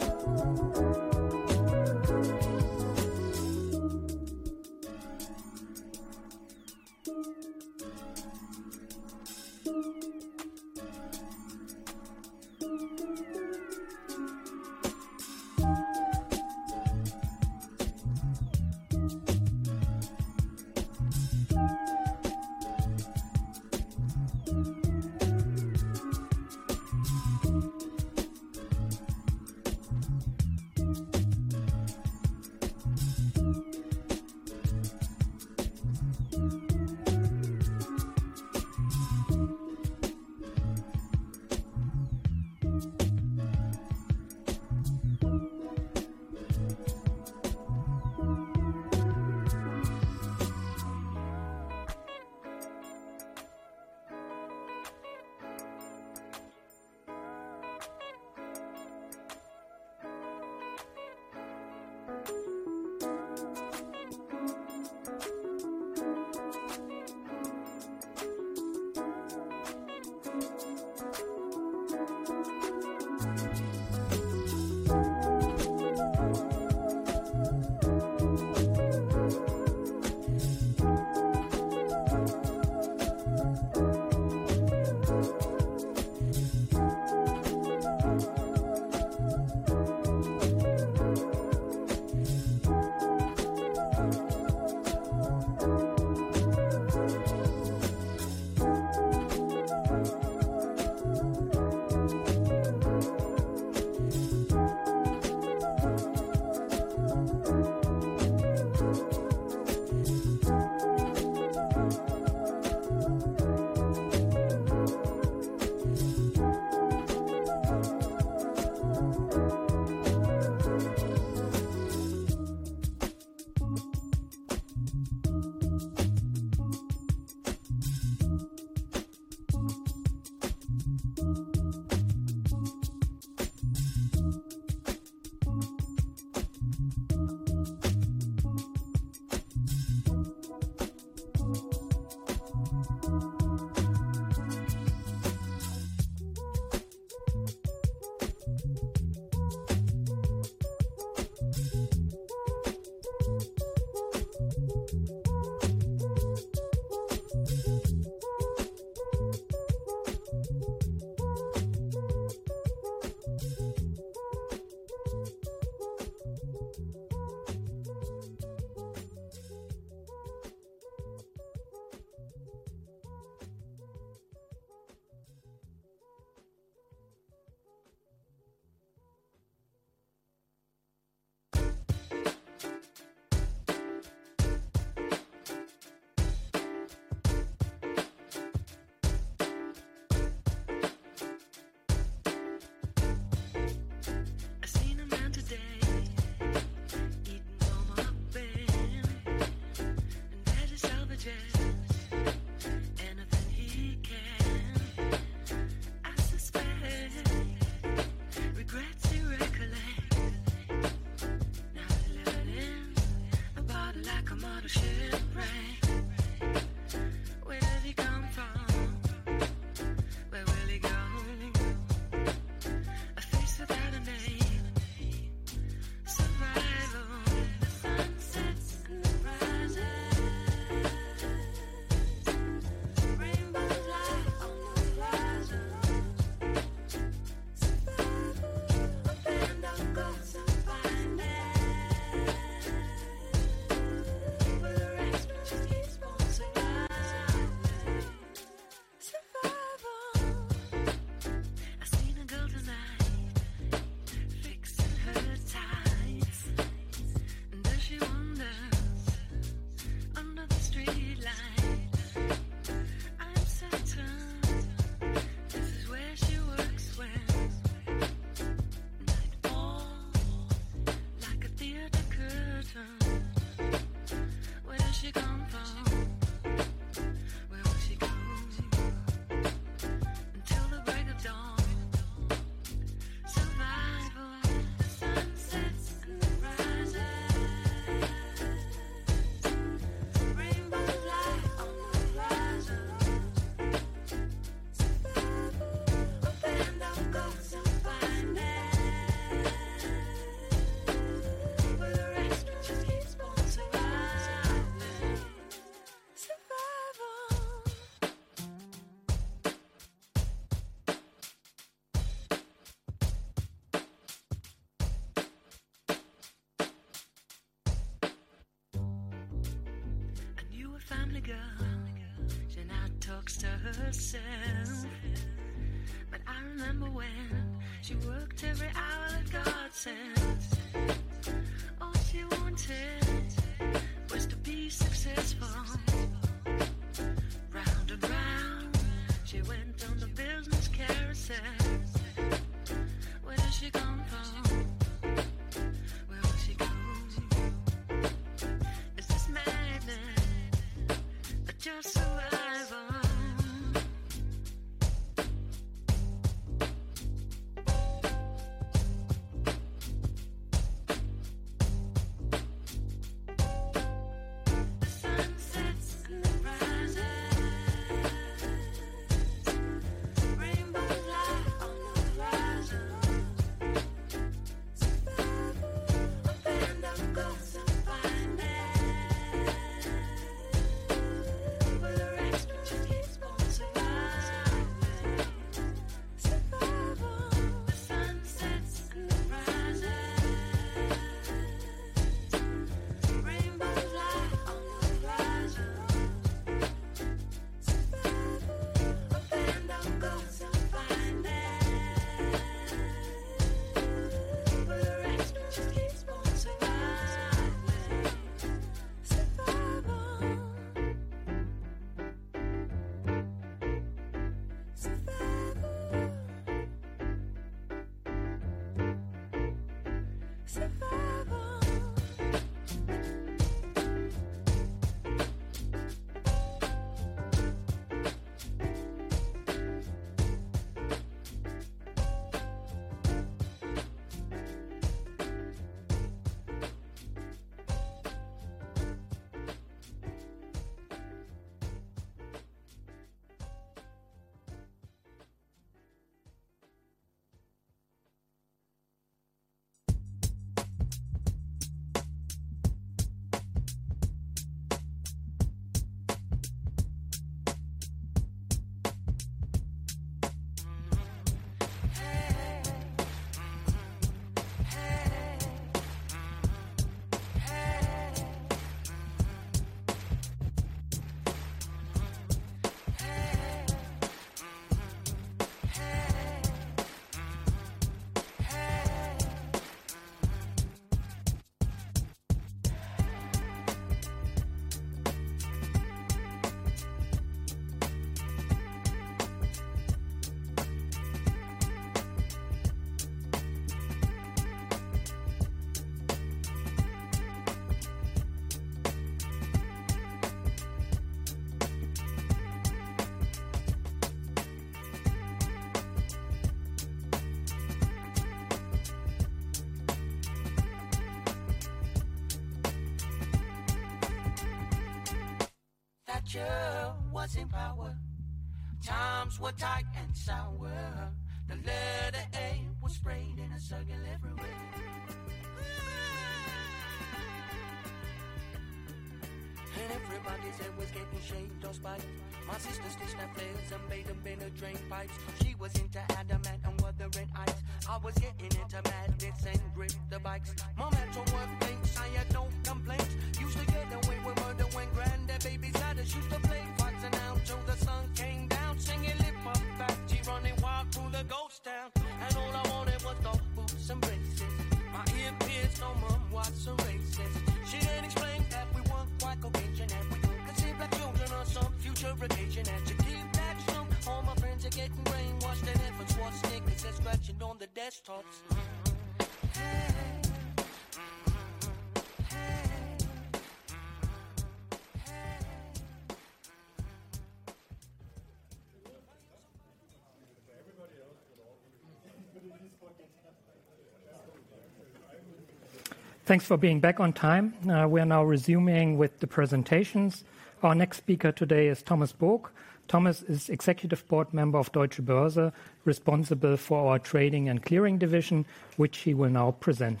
Thanks for being back on time. We are now resuming with the presentations. Our next speaker today is Thomas Book. Thomas Executive Board member of Deutsche Börse, responsible for our Trading and Clearing division, which he will now present.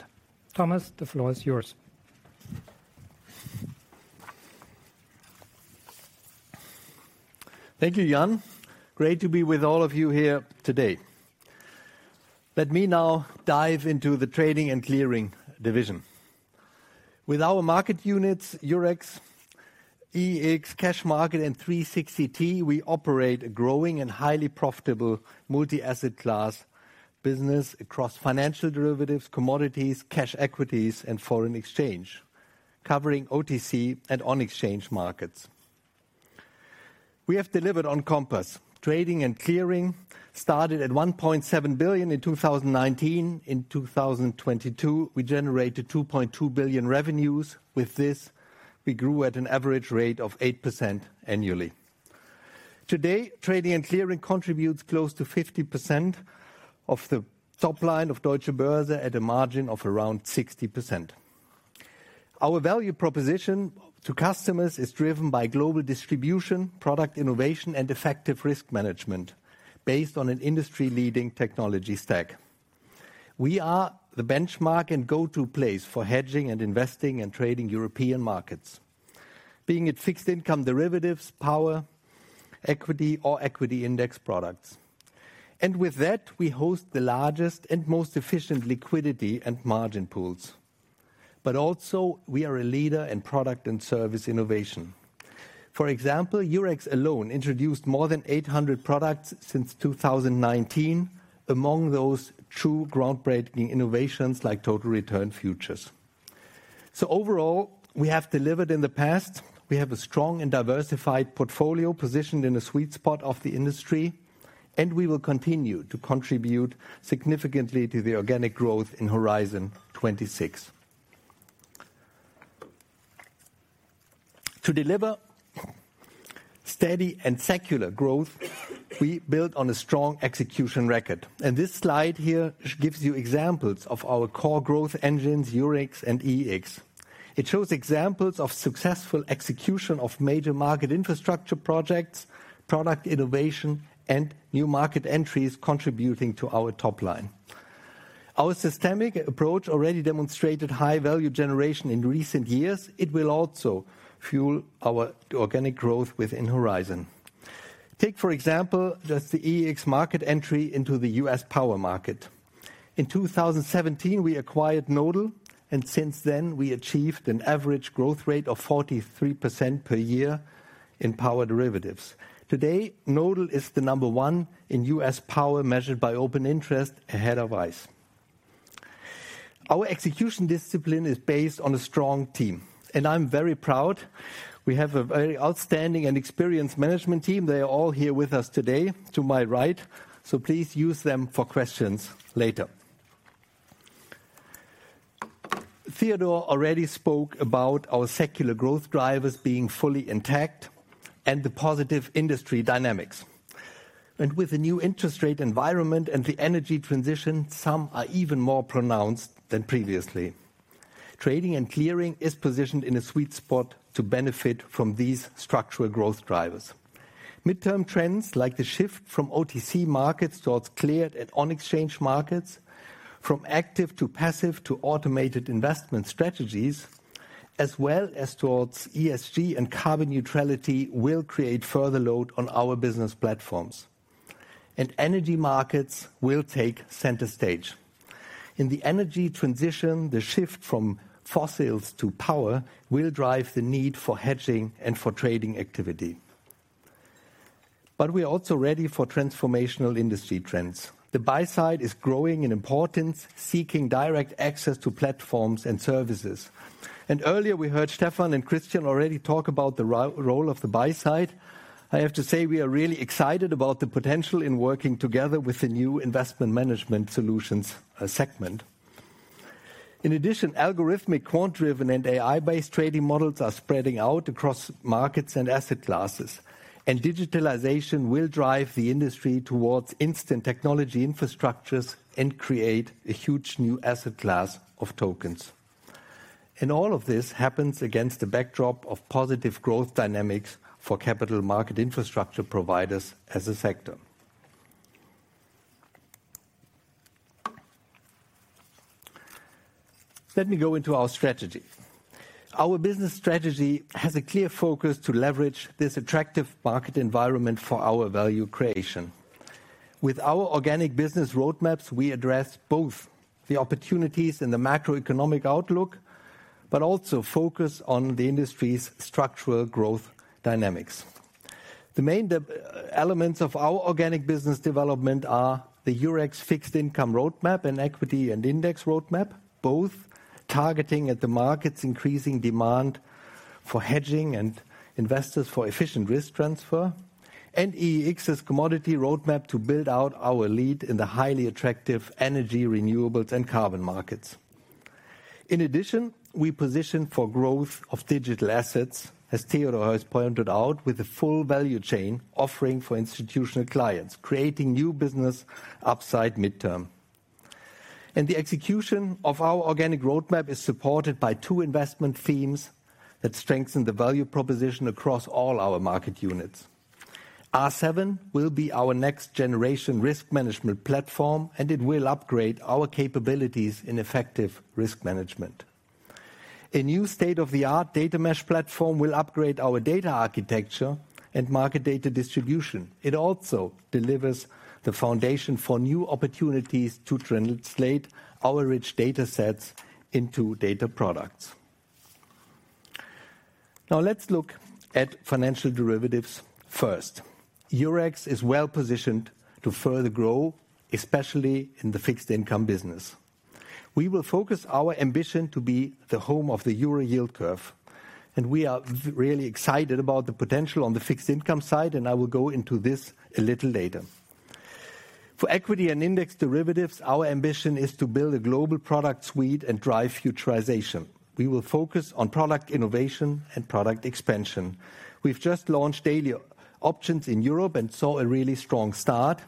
Thomas, the floor is yours. Thank you, Jan. Great to be with all of you here today. Let me now dive into the Trading and Clearing division. With our market units, Eurex, EEX, Cash Market, and 360T, we operate a growing and highly profitable multi-asset class business across financial derivatives, commodities, cash equities, and foreign exchange, covering OTC and on-exchange markets. We have delivered on Compass. Trading and Clearing started at 1.7 billion in 2019. In 2022, we generated 2.2 billion revenues. With this, we grew at an average rate of 8% annually. Today, Trading and Clearing contributes close to 50% of the top line of Deutsche Börse at a margin of around 60%. Our value proposition to customers is driven by global distribution, product innovation, and effective risk management, based on an industry-leading technology stack. We are the benchmark and go-to place for hedging and investing and trading European markets, being at fixed income derivatives, power, equity, or equity index products. With that, we host the largest and most efficient liquidity and margin pools. Also, we are a leader in product and service innovation. For example, Eurex alone introduced more than 800 products since 2019, among those true groundbreaking innovations like total return futures. Overall, we have delivered in the past. We have a strong and diversified portfolio positioned in a sweet spot of the industry, and we will continue to contribute significantly to the organic growth in Horizon 2026. To deliver steady and secular growth, we build on a strong execution record. This slide here gives you examples of our core growth engines, Eurex and EEX. It shows examples of successful execution of major market infrastructure projects, product innovation, and new market entries contributing to our top line. Our systemic approach already demonstrated high-value generation in recent years. It will also fuel our organic growth within Horizon. Take, for example, just the EEX market entry into the U.S. power market. In 2017, we acquired Nodal, and since then, we achieved an average growth rate of 43% per year in power derivatives. Today, Nodal is the number one in U.S. power, measured by open interest ahead of ICE. Our execution discipline is based on a strong team, and I'm very proud. We have a very outstanding and experienced management team. They are all here with us today to my right, so, please use them for questions later. Theodor already spoke about our secular growth drivers being fully intact and the positive industry dynamics. With the new interest rate environment and the energy transition, some are even more pronounced than previously. Trading and Clearing is positioned in a sweet spot to benefit from these structural growth drivers. Midterm trends, like the shift from OTC markets towards cleared and on-exchange markets, from active to passive to automated investment strategies, as well as towards ESG and carbon neutrality, will create further load on our business platforms, and energy markets will take center stage. In the energy transition, the shift from fossils to power will drive the need for hedging and for trading activity. But we are also ready for transformational industry trends. The buy side is growing in importance, seeking direct access to platforms and services. Earlier, we heard Stephan and Christian already talk about the role of the buy side. I have to say, we are really excited about the potential in working together with Investment Management Solutions segment. in addition, algorithmic, quant-driven, and AI-based trading models are spreading out across markets and asset classes, and digitalization will drive the industry towards instant technology infrastructures and create a huge new asset class of tokens. And all of this happens against the backdrop of positive growth dynamics for capital market infrastructure providers as a sector. Let me go into our strategy. Our business strategy has a clear focus to leverage this attractive market environment for our value creation. With our organic business roadmaps, we address both the opportunities in the macroeconomic outlook but also focus on the industry's structural growth dynamics. The main development elements of our organic business development are the Eurex fixed income roadmap and equity and index roadmap, both targeting at the market's increasing demand for hedging and investors for efficient risk transfer, and EEX's commodity roadmap to build out our lead in the highly attractive energy, renewables, and carbon markets. In addition, we position for growth of digital assets, as Theodor has pointed out, with a full value chain offering for institutional clients, creating new business upside midterm. The execution of our organic roadmap is supported by two investment themes that strengthen the value proposition across all our market units. F7 will be our next generation risk management platform, and it will upgrade our capabilities in effective risk management. A new state-of-the-art data mesh platform will upgrade our data architecture and market data distribution. It also delivers the foundation for new opportunities to translate our rich data sets into data products. Now, let's look at financial derivatives first. Eurex is well-positioned to further grow, especially in the fixed income business. We will focus our ambition to be the home of the Euro yield curve, and we are really excited about the potential on the fixed income side, and I will go into this a little later. For equity and index derivatives, our ambition is to build a global product suite and drive futurization. We will focus on product innovation and product expansion. We've just launched daily options in Europe and saw a really strong start,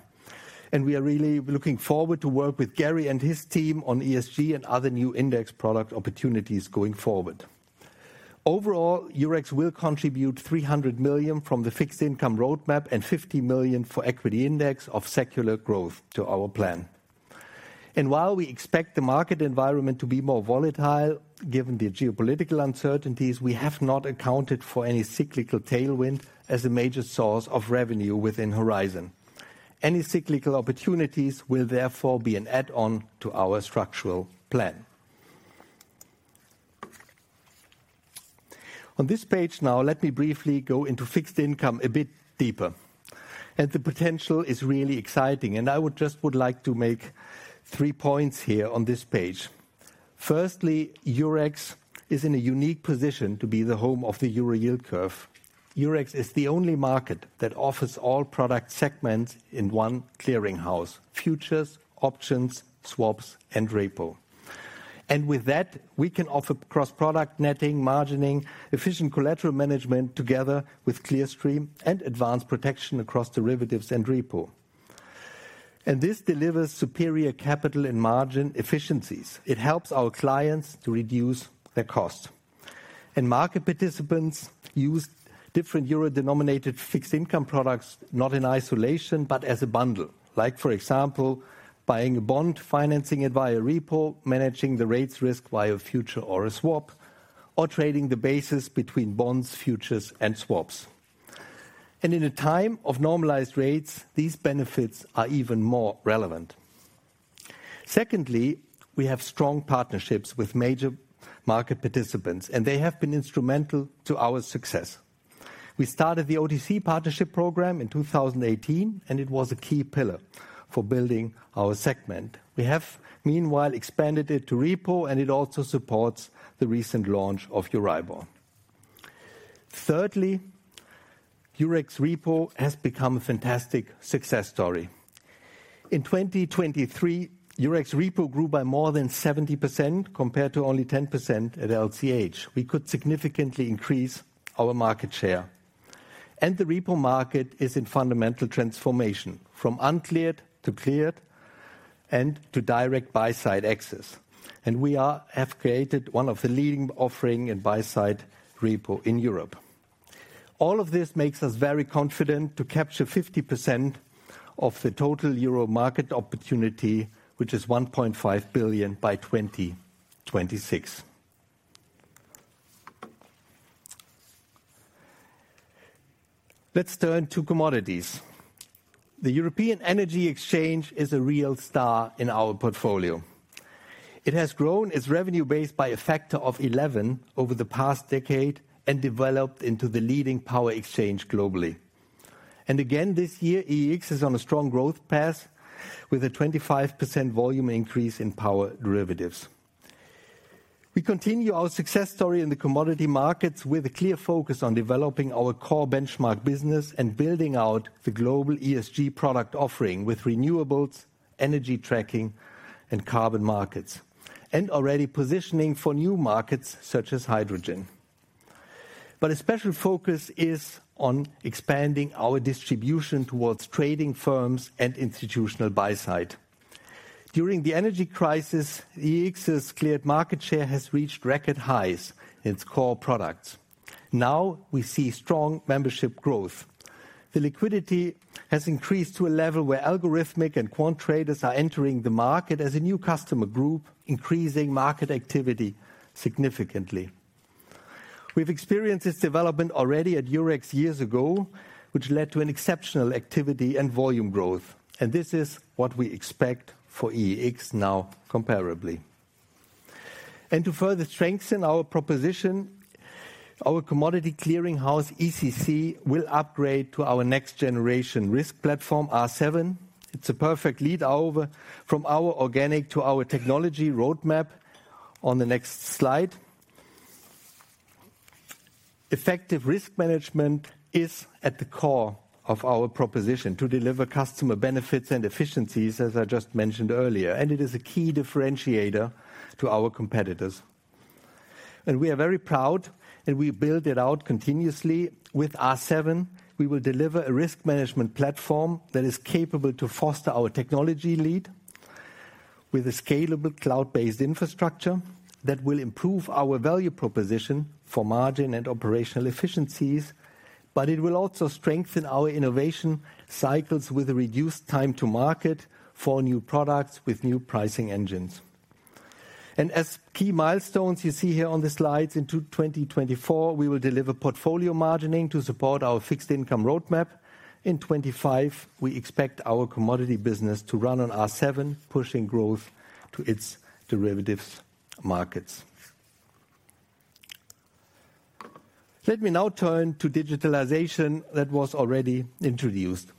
and we are really looking forward to work with Gary and his team on ESG and other new index product opportunities going forward. Overall, Eurex will contribute 300 million from the fixed income roadmap and 50 million for equity index of secular growth to our plan. While we expect the market environment to be more volatile, given the geopolitical uncertainties, we have not accounted for any cyclical tailwind as a major source of revenue within Horizon. Any cyclical opportunities will therefore be an add-on to our structural plan. On this page now, let me briefly go into fixed income a bit deeper. The potential is really exciting, and I would just like to make three points here on this page. Firstly, Eurex is in a unique position to be the home of the Euro yield curve. Eurex is the only market that offers all product segments in one clearing house: futures, options, swaps, and repo. With that, we can offer cross-product netting, margining, efficient collateral management, together with Clearstream and advanced protection across derivatives and repo. This delivers superior capital and margin efficiencies. It helps our clients to reduce their cost. Market participants use different euro-denominated fixed income products, not in isolation, but as a bundle. Like, for example, buying a bond, financing it via repo, managing the rates risk via a future or a swap, or trading the basis between bonds, futures, and swaps. In a time of normalized rates, these benefits are even more relevant. Secondly, we have strong partnerships with major market participants, and they have been instrumental to our success. We started the OTC Partnership Program in 2018, and it was a key pillar for building our segment. We have, meanwhile, expanded it to repo, and it also supports the recent launch of Euro Bond. Thirdly, Eurex Repo has become a fantastic success story. In 2023, Eurex Repo grew by more than 70%, compared to only 10% at LCH. We could significantly increase our market share. The repo market is in fundamental transformation, from uncleared to cleared and to direct buy side access. And we have created one of the leading offerings in buy side repo in Europe. All of this makes us very confident to capture 50% of the total euro market opportunity, which is 1.5 billion, by 2026. Let's turn to commodities. The European Energy Exchange is a real star in our portfolio. It has grown its revenue base by a factor of 11 over the past decade and developed into the leading power exchange globally. Again, this year, EEX is on a strong growth path with a 25% volume increase in power derivatives. We continue our success story in the commodity markets with a clear focus on developing our core benchmark business and building out the global ESG product offering with renewables, energy tracking, and carbon markets, and already positioning for new markets such as hydrogen. A special focus is on expanding our distribution towards trading firms and institutional buy side. During the energy crisis, EEX's cleared market share has reached record highs in its core products. Now, we see strong membership growth. The liquidity has increased to a level where algorithmic and quant traders are entering the market as a new customer group, increasing market activity significantly. We've experienced this development already at Eurex years ago, which led to an exceptional activity and volume growth, and this is what we expect for EEX now comparably. To further strengthen our proposition, our commodity clearing house, ECC, will upgrade to our next generation risk platform, F7. It's a perfect lead over from our organic to our technology roadmap on the next slide. Effective risk management is at the core of our proposition to deliver customer benefits and efficiencies, as I just mentioned earlier, and it is a key differentiator to our competitors. We are very proud, and we build it out continuously. With F7, we will deliver a risk management platform that is capable to foster our technology lead with a scalable cloud-based infrastructure that will improve our value proposition for margin and operational efficiencies, but it will also strengthen our innovation cycles with a reduced time to market for new products, with new pricing engines. As key milestones you see here on the slides, in 2024, we will deliver portfolio margining to support our fixed income roadmap. In 2025, we expect our commodity business to run on F7, pushing growth to its derivatives markets. Let me now turn to digitalization that was already introduced.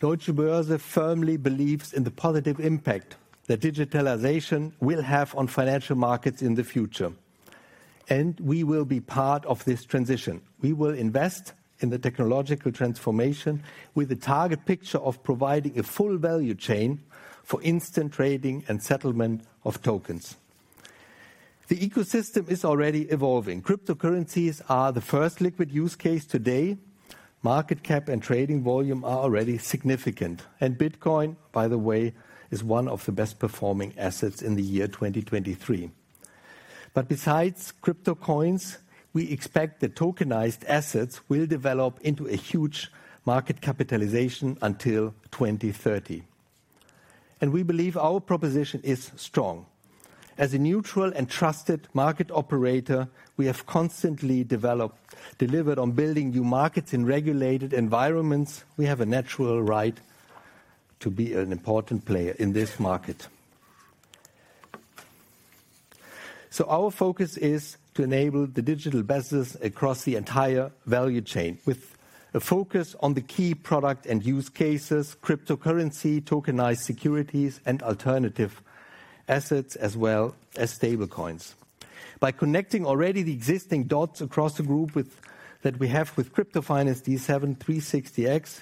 Deutsche Börse firmly believes in the positive impact that digitalization will have on financial markets in the future, and we will be part of this transition. We will invest in the technological transformation with a target picture of providing a full value chain for instant trading and settlement of tokens. The ecosystem is already evolving. Cryptocurrencies are the first liquid use case today. Market cap and trading volume are already significant, and Bitcoin, by the way, is one of the best-performing assets in the year 2023. But besides crypto coins, we expect that tokenized assets will develop into a huge market capitalization until 2030, and we believe our proposition is strong. As a neutral and trusted market operator, we have constantly delivered on building new markets in regulated environments. We have a natural right to be an important player in this market. So, our focus is to enable the digital business across the entire value chain, with a focus on the key product and use cases, cryptocurrency, tokenized securities, and alternative assets, as well as stable coins. By connecting already, the existing dots across the group with that we have with Crypto Finance, D7, 360X,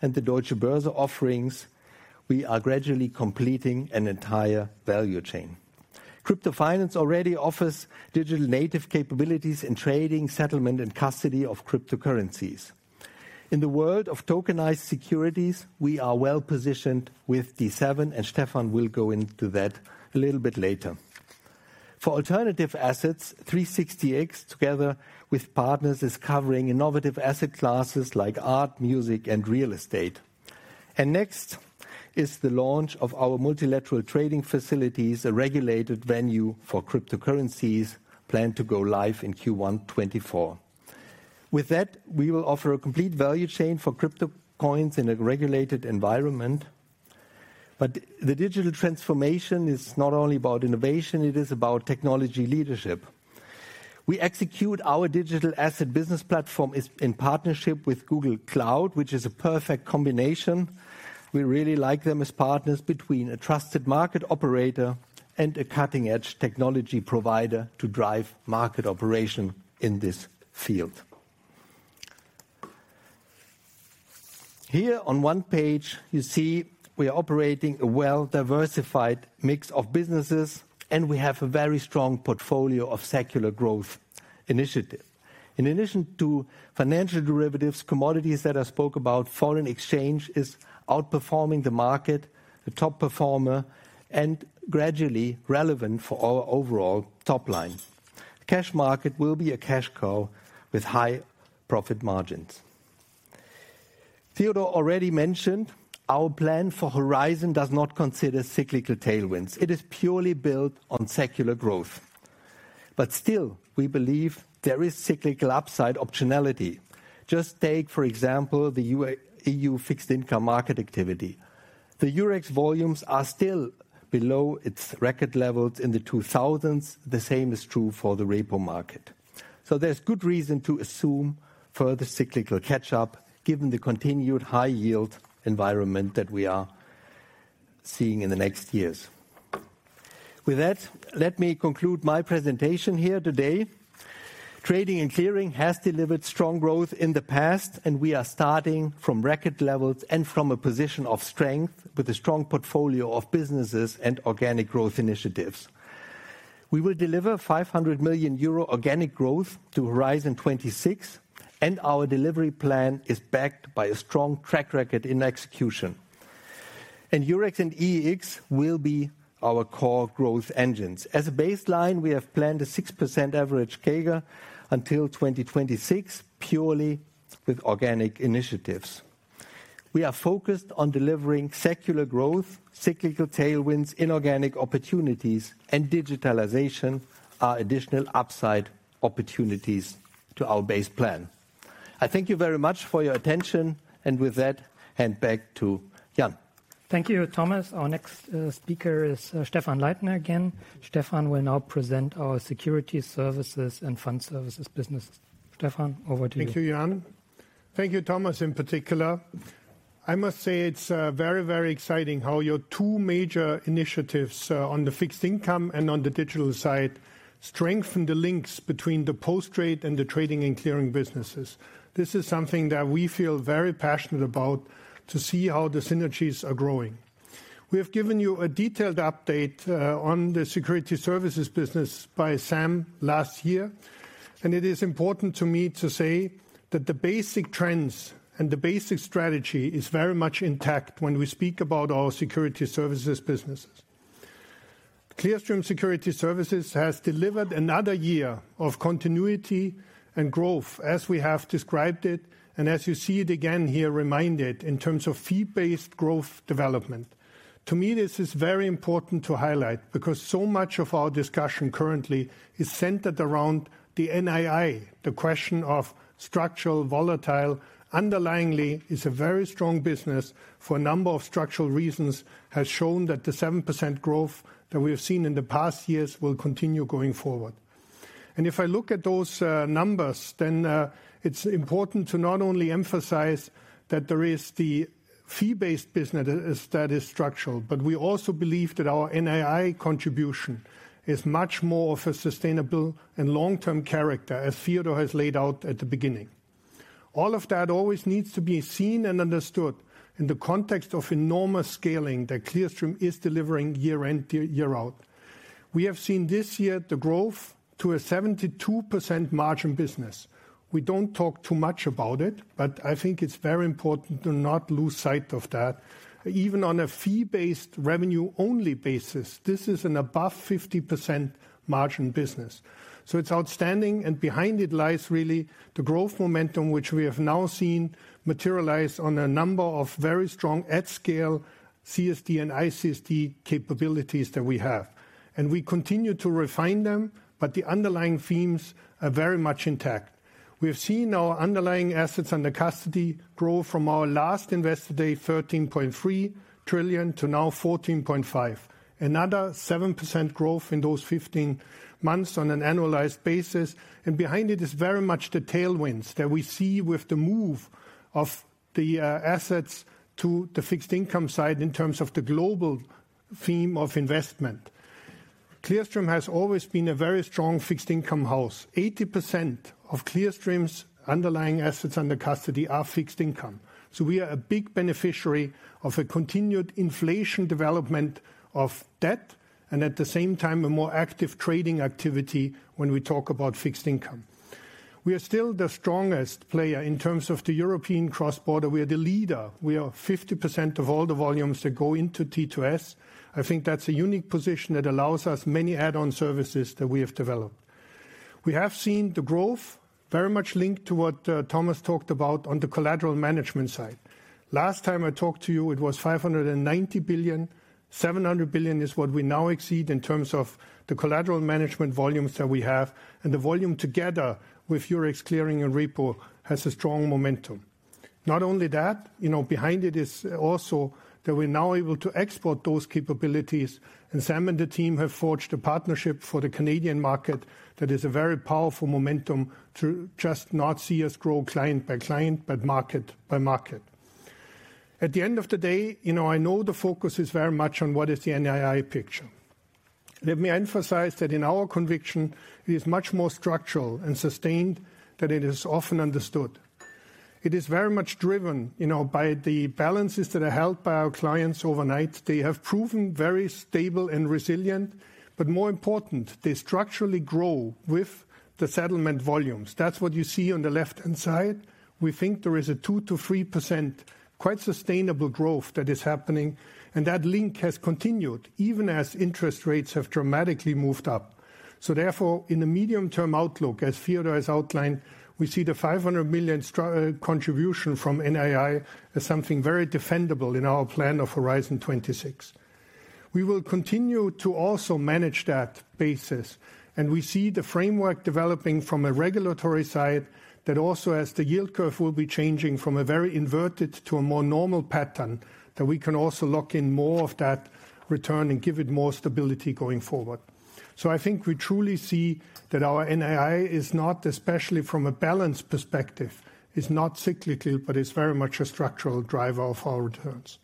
and the Deutsche Börse offerings, we are gradually completing an entire value chain. Crypto Finance already offers digital native capabilities in trading, settlement, and custody of cryptocurrencies. In the world of tokenized securities, we are well-positioned with D7, and Stephan will go into that a little bit later. For alternative assets, 360X, together with partners, is covering innovative asset classes like art, music, and real estate. And next is the launch of our multilateral trading facilities, a regulated venue for cryptocurrencies, planned to go live in Q1 2024. With that, we will offer a complete value chain for crypto coins in a regulated environment. But the digital transformation is not only about innovation, it is about technology leadership. We execute our digital asset business platform is in partnership with Google Cloud, which is a perfect combination. We really like them as partners between a trusted market operator and a cutting-edge technology provider to drive market operation in this field. Here on one page, you see we are operating a well-diversified mix of businesses, and we have a very strong portfolio of secular growth initiatives. In addition to financial derivatives, commodities that I spoke about, foreign exchange is outperforming the market, a top performer, and gradually relevant for our overall top line. Cash market will be a cash cow with high profit margins. Theodor already mentioned, our plan for Horizon does not consider cyclical tailwinds. It is purely built on secular growth. But still, we believe there is cyclical upside optionality. Just take, for example, the U.S.-EU fixed income market activity. The Eurex volumes are still below its record levels in the 2000s. The same is true for the repo market. So, there's good reason to assume further cyclical catch-up, given the continued high-yield environment that we are seeing in the next years. With that, let me conclude my presentation here today. Trading and Clearing has delivered strong growth in the past, and we are starting from record levels and from a position of strength, with a strong portfolio of businesses and organic growth initiatives.... We will deliver 500 million euro organic growth to Horizon 2026, and our delivery plan is backed by a strong track record in execution. Eurex and EEX will be our core growth engines. As a baseline, we have planned a 6% average CAGR until 2026, purely with organic initiatives. We are focused on delivering secular growth. Cyclical tailwinds, inorganic opportunities, and digitalization are additional upside opportunities to our base plan. I thank you very much for your attention, and with that, hand back to Jan. Thank you, Thomas. Our next speaker is Stephan Leithner again. Stephan will now present our Securities Services and Fund Services business. Stephan, over to you. Thank you, Jan. Thank you, Thomas, in particular. I must say it's very, very exciting how your two major initiatives on the fixed income and on the digital side strengthen the links between the post-trade and the Trading and Clearing businesses. This is something that we feel very passionate about, to see how the synergies are growing. We have given you a detailed update on the Securities Services business by Sam last year, and it is important to me to say that the basic trends and the basic strategy is very much intact when we speak about our securities service's businesses. Clearstream Securities Services has delivered another year of continuity and growth, as we have described it, and as you see it again here, reminded in terms of fee-based growth development. To me, this is very important to highlight, because so much of our discussion currently is centered around the NII. The question of structural, volatile, underlyingly is a very strong business for a number of structural reasons, has shown that the 7% growth that we have seen in the past years will continue going forward. And if I look at those, numbers, then, it's important to not only emphasize that there is the fee-based business that is, that is structural, but we also believe that our NII contribution is much more of a sustainable and long-term character, as Theodor has laid out at the beginning. All of that always needs to be seen and understood in the context of enormous scaling that Clearstream is delivering year in, year out. We have seen this year the growth to a 72% margin business. We don't talk too much about it, but I think it's very important to not lose sight of that. Even on a fee-based revenue only basis, this is an above 50% margin business. So, it's outstanding, and behind it lies really the growth momentum, which we have now seen materialize on a number of very strong at scale CSD and ICSD capabilities that we have. And we continue to refine them, but the underlying themes are very much intact. We have seen our underlying assets under custody grow from our last investor day, 13.3 trillion to now 14.5 trillion. Another 7% growth in those 15 months on an annualized basis, and behind it is very much the tailwinds that we see with the move of the assets to the fixed income side in terms of the global theme of investment. Clearstream has always been a very strong fixed income house. 80% of Clearstream's underlying assets under custody are fixed income, so, we are a big beneficiary of a continued inflation development of debt, and at the same time, a more active trading activity when we talk about fixed income. We are still the strongest player in terms of the European cross-border. We are the leader. We are 50% of all the volumes that go into T2S. I think that's a unique position that allows us many add-on services that we have developed. We have seen the growth very much linked to what, Thomas talked about on the collateral management side. Last time I talked to you, it was 590 billion. 700 billion is what we now exceed in terms of the collateral management volumes that we have, and the volume, together with Eurex Clearing and repo, has a strong momentum. Not only that, you know, behind it is also that we're now able to export those capabilities, and Sam and the team have forged a partnership for the Canadian market that is a very powerful momentum to just not see us grow client by client, but market by market. At the end of the day, you know, I know the focus is very much on what is the NII picture. Let me emphasize that in our conviction, it is much more structural and sustained than it is often understood. It is very much driven, you know, by the balances that are held by our clients overnight. They have proven very stable and resilient, but more important, they structurally grow with the settlement volumes. That's what you see on the left-hand side. We think there is a 2%-3% quite sustainable growth that is happening, and that link has continued even as interest rates have dramatically moved up. So, therefore, in the medium-term outlook, as Theodor has outlined, we see the 500 million €STR contribution from NII as something very defendable in our plan of Horizon 2026. We will continue to also manage that basis, and we see the framework developing from a regulatory side that also, as the yield curve will be changing from a very inverted to a more normal pattern, that we can also lock in more of that return and give it more stability going forward. So, I think we truly see that our NII is not, especially from a balance perspective, is not cyclical, but is very much a structural driver of our returns.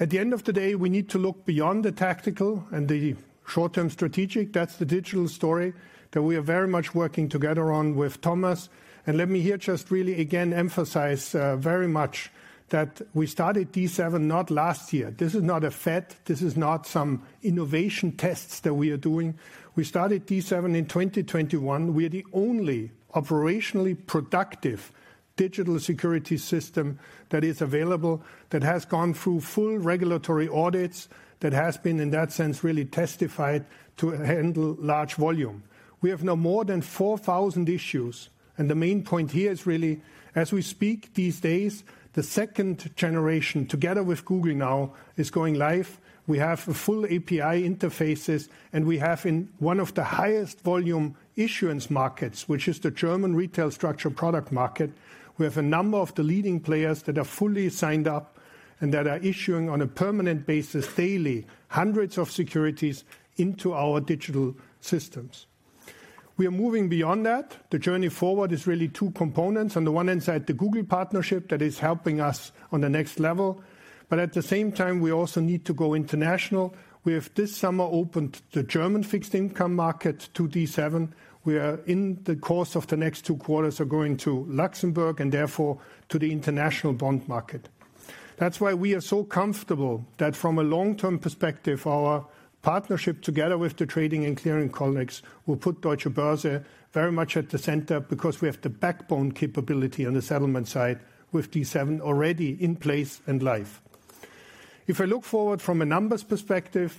At the end of the day, we need to look beyond the tactical and the short-term strategic. That's the digital story that we are very much working together on with Thomas. And let me here just really again emphasize, very much that we started D7 not last year. This is not a fad. This is not some innovation tests that we are doing. We started D7 in 2021. We are the only operationally productive digital security system that is available, that has gone through full regulatory audits, that has been, in that sense, really testified to handle large volume. We have now more than 4,000 issues, and the main point here is really, as we speak these days, the second generation, together with Google now, is going live. We have full API interfaces, and we have in one of the highest volume issuance markets, which is the German retail structured product market, we have a number of the leading players that are fully signed up and that are issuing on a permanent basis daily, hundreds of securities into our digital systems. We are moving beyond that. The journey forward is really two components. On the one hand side, the Google partnership that is helping us on the next level, but at the same time, we also need to go international. We have this summer opened the German fixed income market to D7. We are, in the course of the next two quarters, going to Luxembourg and therefore to the international bond market. That's why we are so comfortable that from a long-term perspective, our partnership, together with the Trading and Clearing colleagues, will put Deutsche Börse very much at the center, because we have the backbone capability on the settlement side with D7 already in place and live. If I look forward from a number's perspective,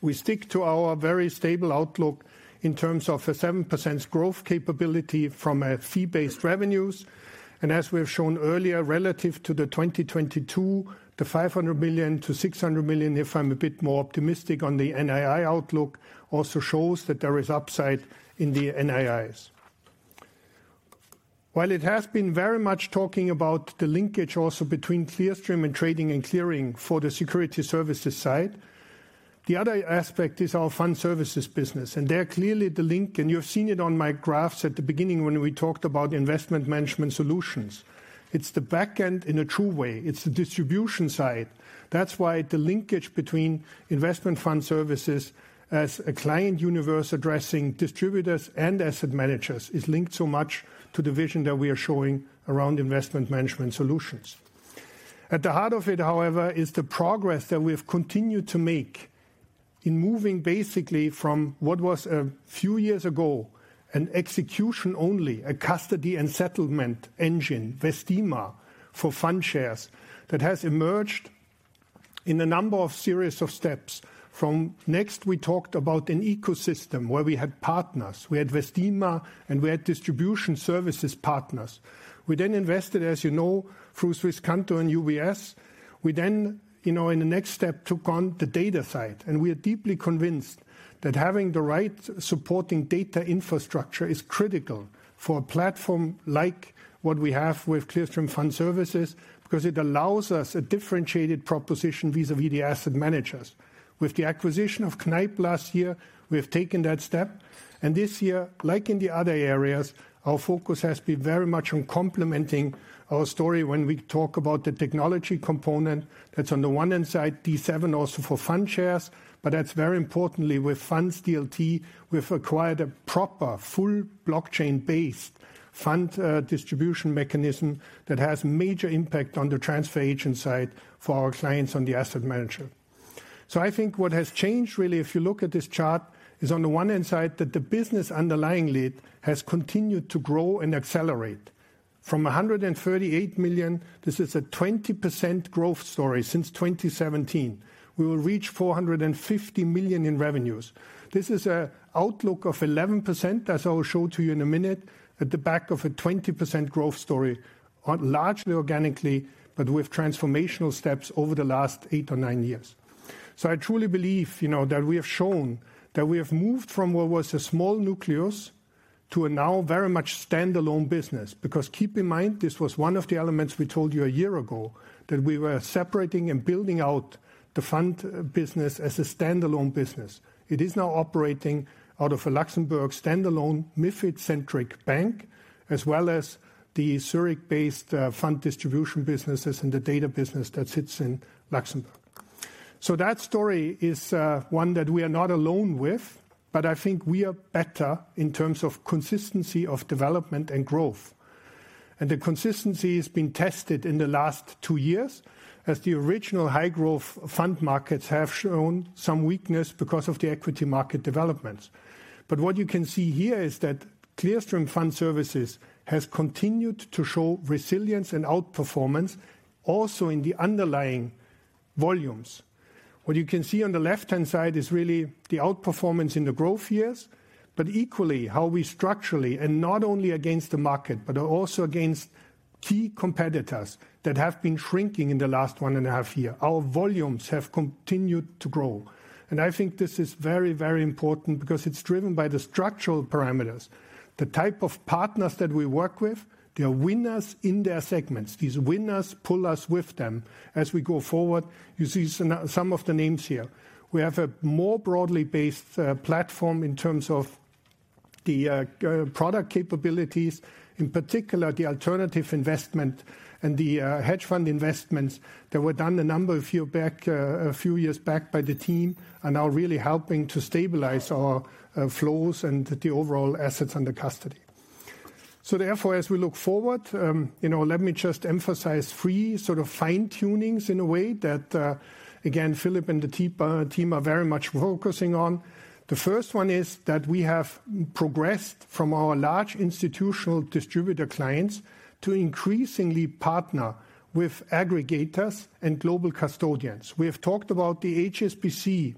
we stick to our very stable outlook in terms of a 7% growth capability from a fee-based revenues. And as we have shown earlier, relative to the 2022, the 500 million-600 million, if I'm a bit more optimistic on the NII outlook, also shows that there is upside in the NIIs. While it has been very much talking about the linkage also between Clearstream and Trading and Clearing for the security services side, the other aspect is our Fund Services business, and they're clearly the link. You've seen it on my graphs at the beginning when we Investment Management Solutionss. it's the back end in a true way. It's the distribution side. That's why the linkage between investment Fund Services as a client universe, addressing distributors and asset managers, is linked so much to the vision that we are Investment Management Solutionss. at the heart of it, however, is the progress that we have continued to make in moving basically from what was a few years ago, an execution only, a custody and settlement engine, Vestima, for fund shares, that has emerged in a number of series of steps. Next, we talked about an ecosystem where we had partners, we had Vestima, and we had distribution services partners. We then invested, as you know, through Swisscanto and UBS. We then, you know, in the next step, took on the data side, and we are deeply convinced that having the right supporting data infrastructure is critical for a platform like what we have with Clearstream Fund Services, because it allows us a differentiated proposition vis-à-vis the asset managers. With the acquisition of Kneip last year, we have taken that step, and this year, like in the other areas, our focus has been very much on complementing our story when we talk about the technology component. That's on the one-hand side, D7 also for fund shares, but that's very importantly, with FundsDLT, we've acquired a proper, full blockchain-based fund distribution mechanism that has major impact on the transfer agent side for our clients on the asset manager. So, I think what has changed really, if you look at this chart, is on the one-hand side, that the business underlyingly has continued to grow and accelerate. From 138 million, this is a 20% growth story since 2017. We will reach 450 million in revenues. This is an outlook of 11%, as I will show to you in a minute, at the back of a 20% growth story, on largely organically, but with transformational steps over the last eight or nine years. So, I truly believe, you know, that we have shown that we have moved from what was a small nucleus to a now very much standalone business. Because keep in mind, this was one of the elements we told you a year ago, that we were separating and building out the fund business as a standalone business. It is now operating out of a Luxembourg standalone, MiFID-centric bank, as well as the Zürich-based fund distribution businesses and the data business that sits in Luxembourg. So that story is one that we are not alone with, but I think we are better in terms of consistency of development and growth. And the consistency has been tested in the last two years, as the original high-growth fund markets have shown some weakness because of the equity market developments. But what you can see here is that Clearstream Fund Services has continued to show resilience and outperformance also in the underlying volumes. What you can see on the left-hand side is really the outperformance in the growth years, but equally how we structurally, and not only against the market, but also against key competitors that have been shrinking in the last 1.5 years. Our volumes have continued to grow, and I think this is very, very important because it's driven by the structural parameters. The type of partners that we work with, they are winners in their segments. These winners pull us with them as we go forward. You see some of the names here. We have a more broadly based platform in terms of-... The product capabilities, in particular, the alternative investment and the hedge fund investments that were done a number of years back, a few years back by the team, are now really helping to stabilize our flows and the overall assets under custody. So therefore, as we look forward, you know, let me just emphasize three sorts of fine tunings in a way that, again, Philippe and the team are very much focusing on. The first one is that we have progressed from our large institutional distributor clients to increasingly partner with aggregators and global custodians. We have talked about the HSBC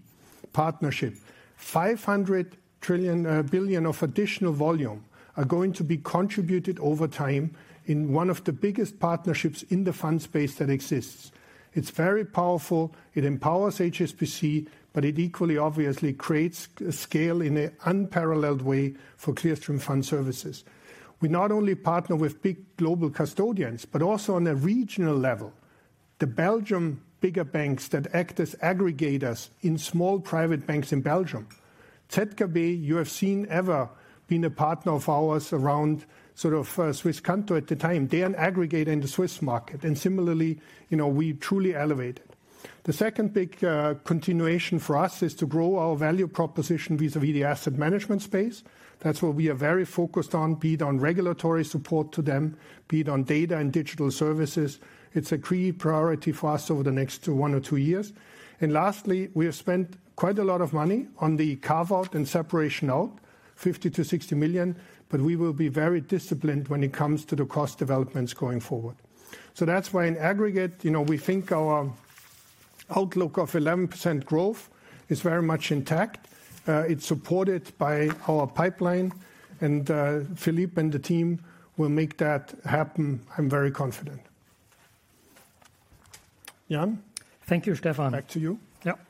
partnership. 500 billion of additional volume are going to be contributed over time in one of the biggest partnerships in the fund space that exists. It's very powerful. It empowers HSBC, but it equally obviously creates scale in unparalleled way for Clearstream Fund Services. We not only partner with big global custodians, but also on a regional level, the Belgian bigger banks that act as aggregators in small private banks in Belgium. ZKB, you have seen ever been a partner of ours around sort of Swisscanto at the time. They are an aggregator in the Swiss market, and similarly, you know, we truly elevate it. The second big continuation for us is to grow our value proposition vis-a-vis the asset management space. That's what we are very focused on, be it on regulatory support to them, be it on data and digital services. It's a key priority for us over the next one or two years. Lastly, we have spent quite a lot of money on the carve-out and separation out, 50 million-60 million, but we will be very disciplined when it comes to the cost developments going forward. So, that's why in aggregate, you know, we think our outlook of 11% growth is very much intact. It's supported by our pipeline, and Philippe and the team will make that happen. I'm very confident. Jan? Thank you, Stephan. Back to you. Yep.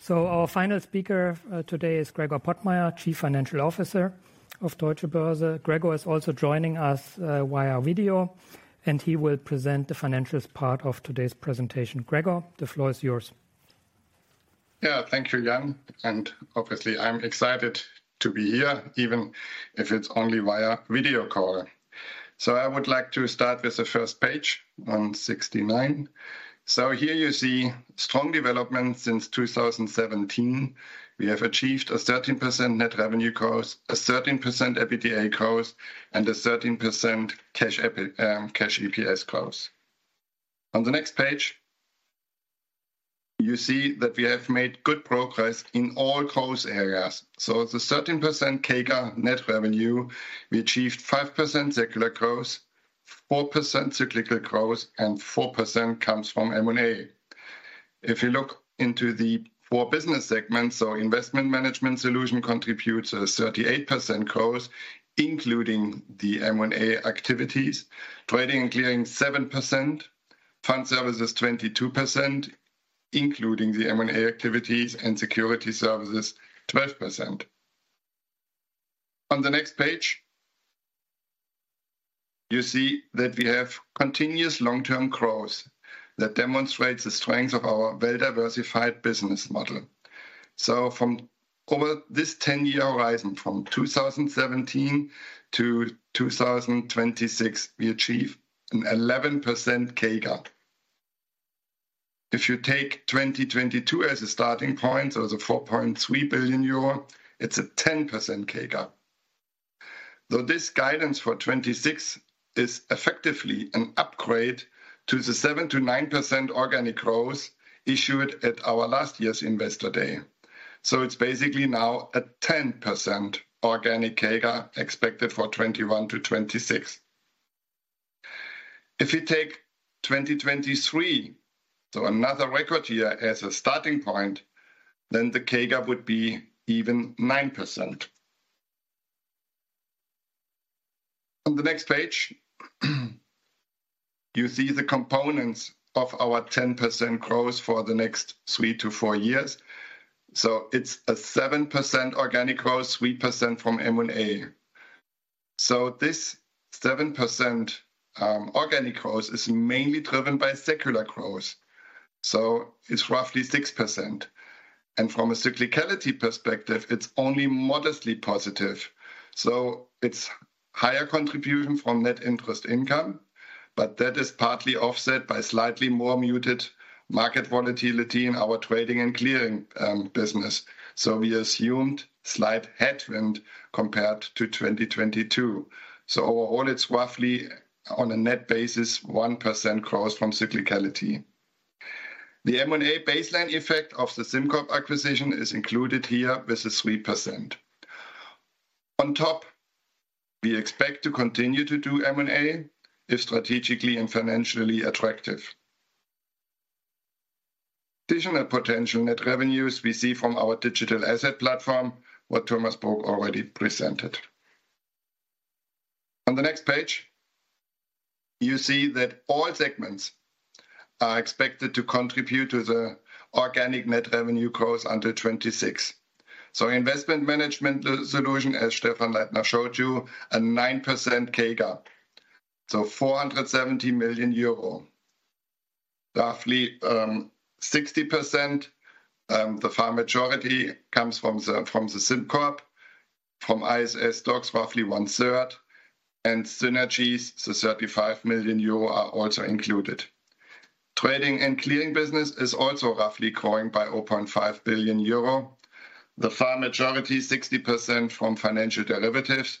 So, our final speaker today is Gregor Pottmeyer, Chief Financial Officer of Deutsche Börse. Gregor is also joining us via video, and he will present the financials part of today's presentation. Gregor, the floor is yours. Yeah. Thank you, Jan, and obviously, I'm excited to be here, even if it's only via video call. So, I would like to start with the first page, on 69. So, here you see strong development since 2017. We have achieved a 13% net revenue growth, a 13% EBITDA growth, and a 13% cash EPS growth. On the next page, you see that we have made good progress in all growth areas. So, the 13% CAGR net revenue, we achieved 5% secular growth, 4% cyclical growth, and 4% comes from M&A. If you look into the four business segments, so Investment Management Solutions contributes a 38% growth, including the M&A activities. Trading and Clearing, 7%. Fund Services, 22%, including the M&A activities, and security services, 12%. On the next page, you see that we have continuous long-term growth that demonstrates the strength of our well-diversified business model. So, from over this 10-year horizon, from 2017 to 2026, we achieve an 11% CAGR. If you take 2022 as a starting point, so the 4.3 billion euro, it's a 10% CAGR. Though this guidance for 2026 is effectively an upgrade to the 7%-9% organic growth issued at our last year's Investor Day. So, it's basically now a 10% organic CAGR expected for 2021-2026. If you take 2023, so another record year, as a starting point, then the CAGR would be even 9%. On the next page, you see the components of our 10% growth for the next 3-4 years. So, it's a 7% organic growth, 3% from M&A. So, this 7%, organic growth is mainly driven by secular growth, so it's roughly 6%. And from a cyclicality perspective, it's only modestly positive. So, it's higher contribution from net interest income, but that is partly offset by slightly more muted market volatility in our Trading and Clearing, business. So we assumed slight headwind compared to 2022. So overall, it's roughly, on a net basis, 1% growth from cyclicality. The M&A baseline effect of the SimCorp acquisition is included here with the 3%. On top, we expect to continue to do M&A if strategically and financially attractive. Additional potential net revenues we see from our digital asset platform, what Thomas spoke already presented. On the next page, you see that all segments are expected to contribute to the organic net revenue growth until Investment Management Solutions, as stephan Leithner showed you, a 9% CAGR, so EUR 470 million.... roughly, 60%, the far majority comes from the, from the SimCorp, from ISS STOXX, roughly one-third, and synergies, the 35 million euro are also included. Trading and Clearing business is also roughly growing by 0.5 billion euro. The far majority, 60% from financial derivatives,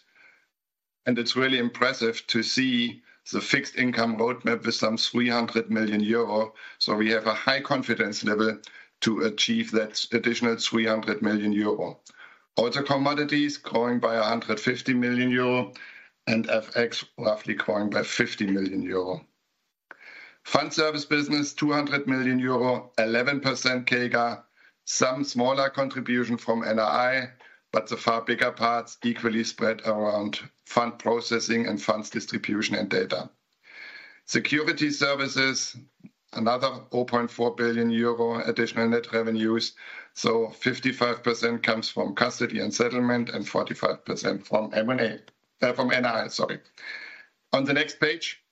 and it's really impressive to see the fixed income roadmap with some 300 million euro. So, we have a high confidence level to achieve that additional 300 million euro. Also, commodities growing by 150 million euro, and FX roughly growing by 50 million euro. Fund Services business, 200 million euro, 11% CAGR. Some smaller contribution from NII, but the far bigger parts equally spread around fund processing and funds distribution and data. Securities Services, another 0.4 billion euro additional net revenues, so 55% comes from custody and settlement, and 45% from M&A, from NII, sorry. On the next page,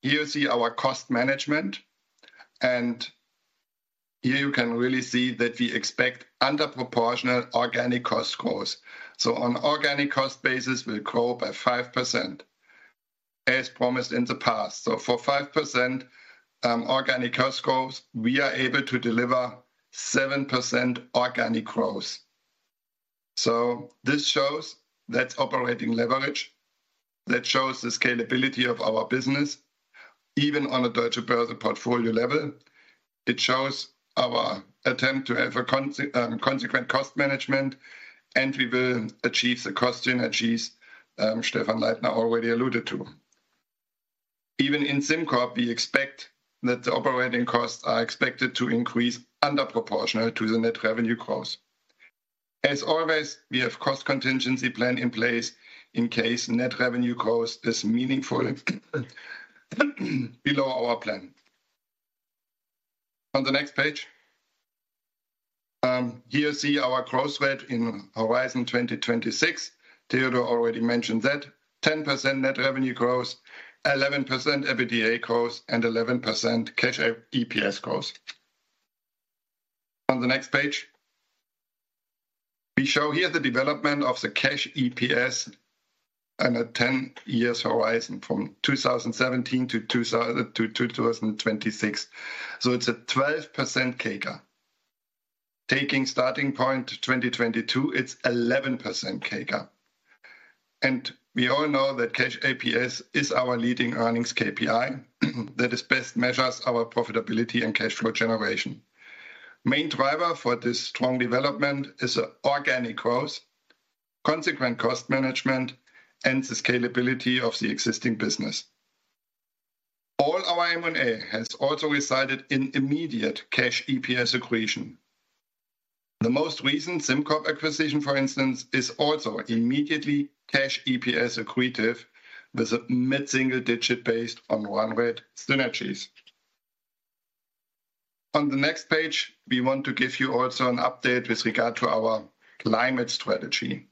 here you see our cost management, and here you can really see that we expect disproportional organic cost growth. So, on organic cost basis, we'll grow by 5%, as promised in the past. So, for 5% organic cost growth, we are able to deliver 7% organic growth. So, this shows the operating leverage. That shows the scalability of our business, even on a Deutsche Börse portfolio level. It shows our attempt to have a consequent cost management, and we will achieve the cost synergies, Stephan Leithner already alluded to. Even in SimCorp, we expect that the operating costs are expected to increase under proportional to the net revenue costs. As always, we have cost contingency plan in place in case net revenue cost is meaningfully below our plan. On the next page, here you see our growth rate in Horizon 2026. Theodor already mentioned that. 10% net revenue growth, 11% EBITDA growth, and 11% cash EPS growth. On the next page, we show here the development of the cash EPS and a 10-year horizon from 2017 to 2026. So, it's a 12% CAGR. Taking starting point to 2022, it's 11% CAGR. And we all know that cash EPS is our leading earnings KPI, that is best measures our profitability and cash flow generation. Main driver for this strong development is organic growth, consequent cost management, and the scalability of the existing business. All our M&A has also resulted in immediate Cash EPS accretion. The most recent SimCorp acquisition, for instance, is also immediately Cash EPS accretive, with a mid-single digit based on run rate synergies. On the next page, we want to give you also an update with regard to our climate strategy.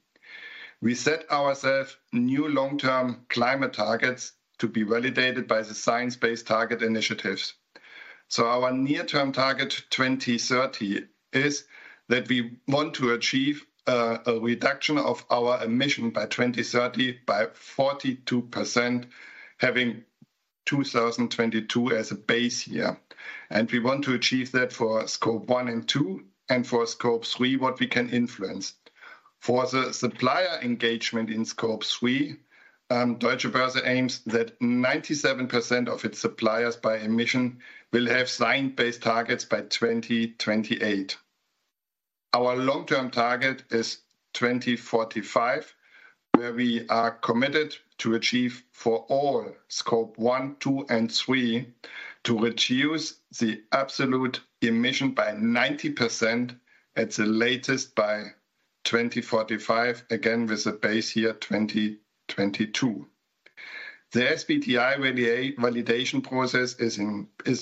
We set ourselves new long-term climate targets to be validated by the science-based target initiatives. So, our near-term target, 2030, is that we want to achieve a reduction of our emission by 2030 by 42%, having 2022 as a base year. And we want to achieve that for Scope 1 and 2, and for Scope 3, what we can influence. For the supplier engagement in Scope 3, Deutsche Börse aims that 97% of its suppliers by emission will have science-based targets by 2028. Our long-term target is 2045, where we are committed to achieve for all Scope 1, 2, and 3, to reduce the absolute emission by 90% at the latest by 2045, again, with a base year, 2022. The SBTI validation process is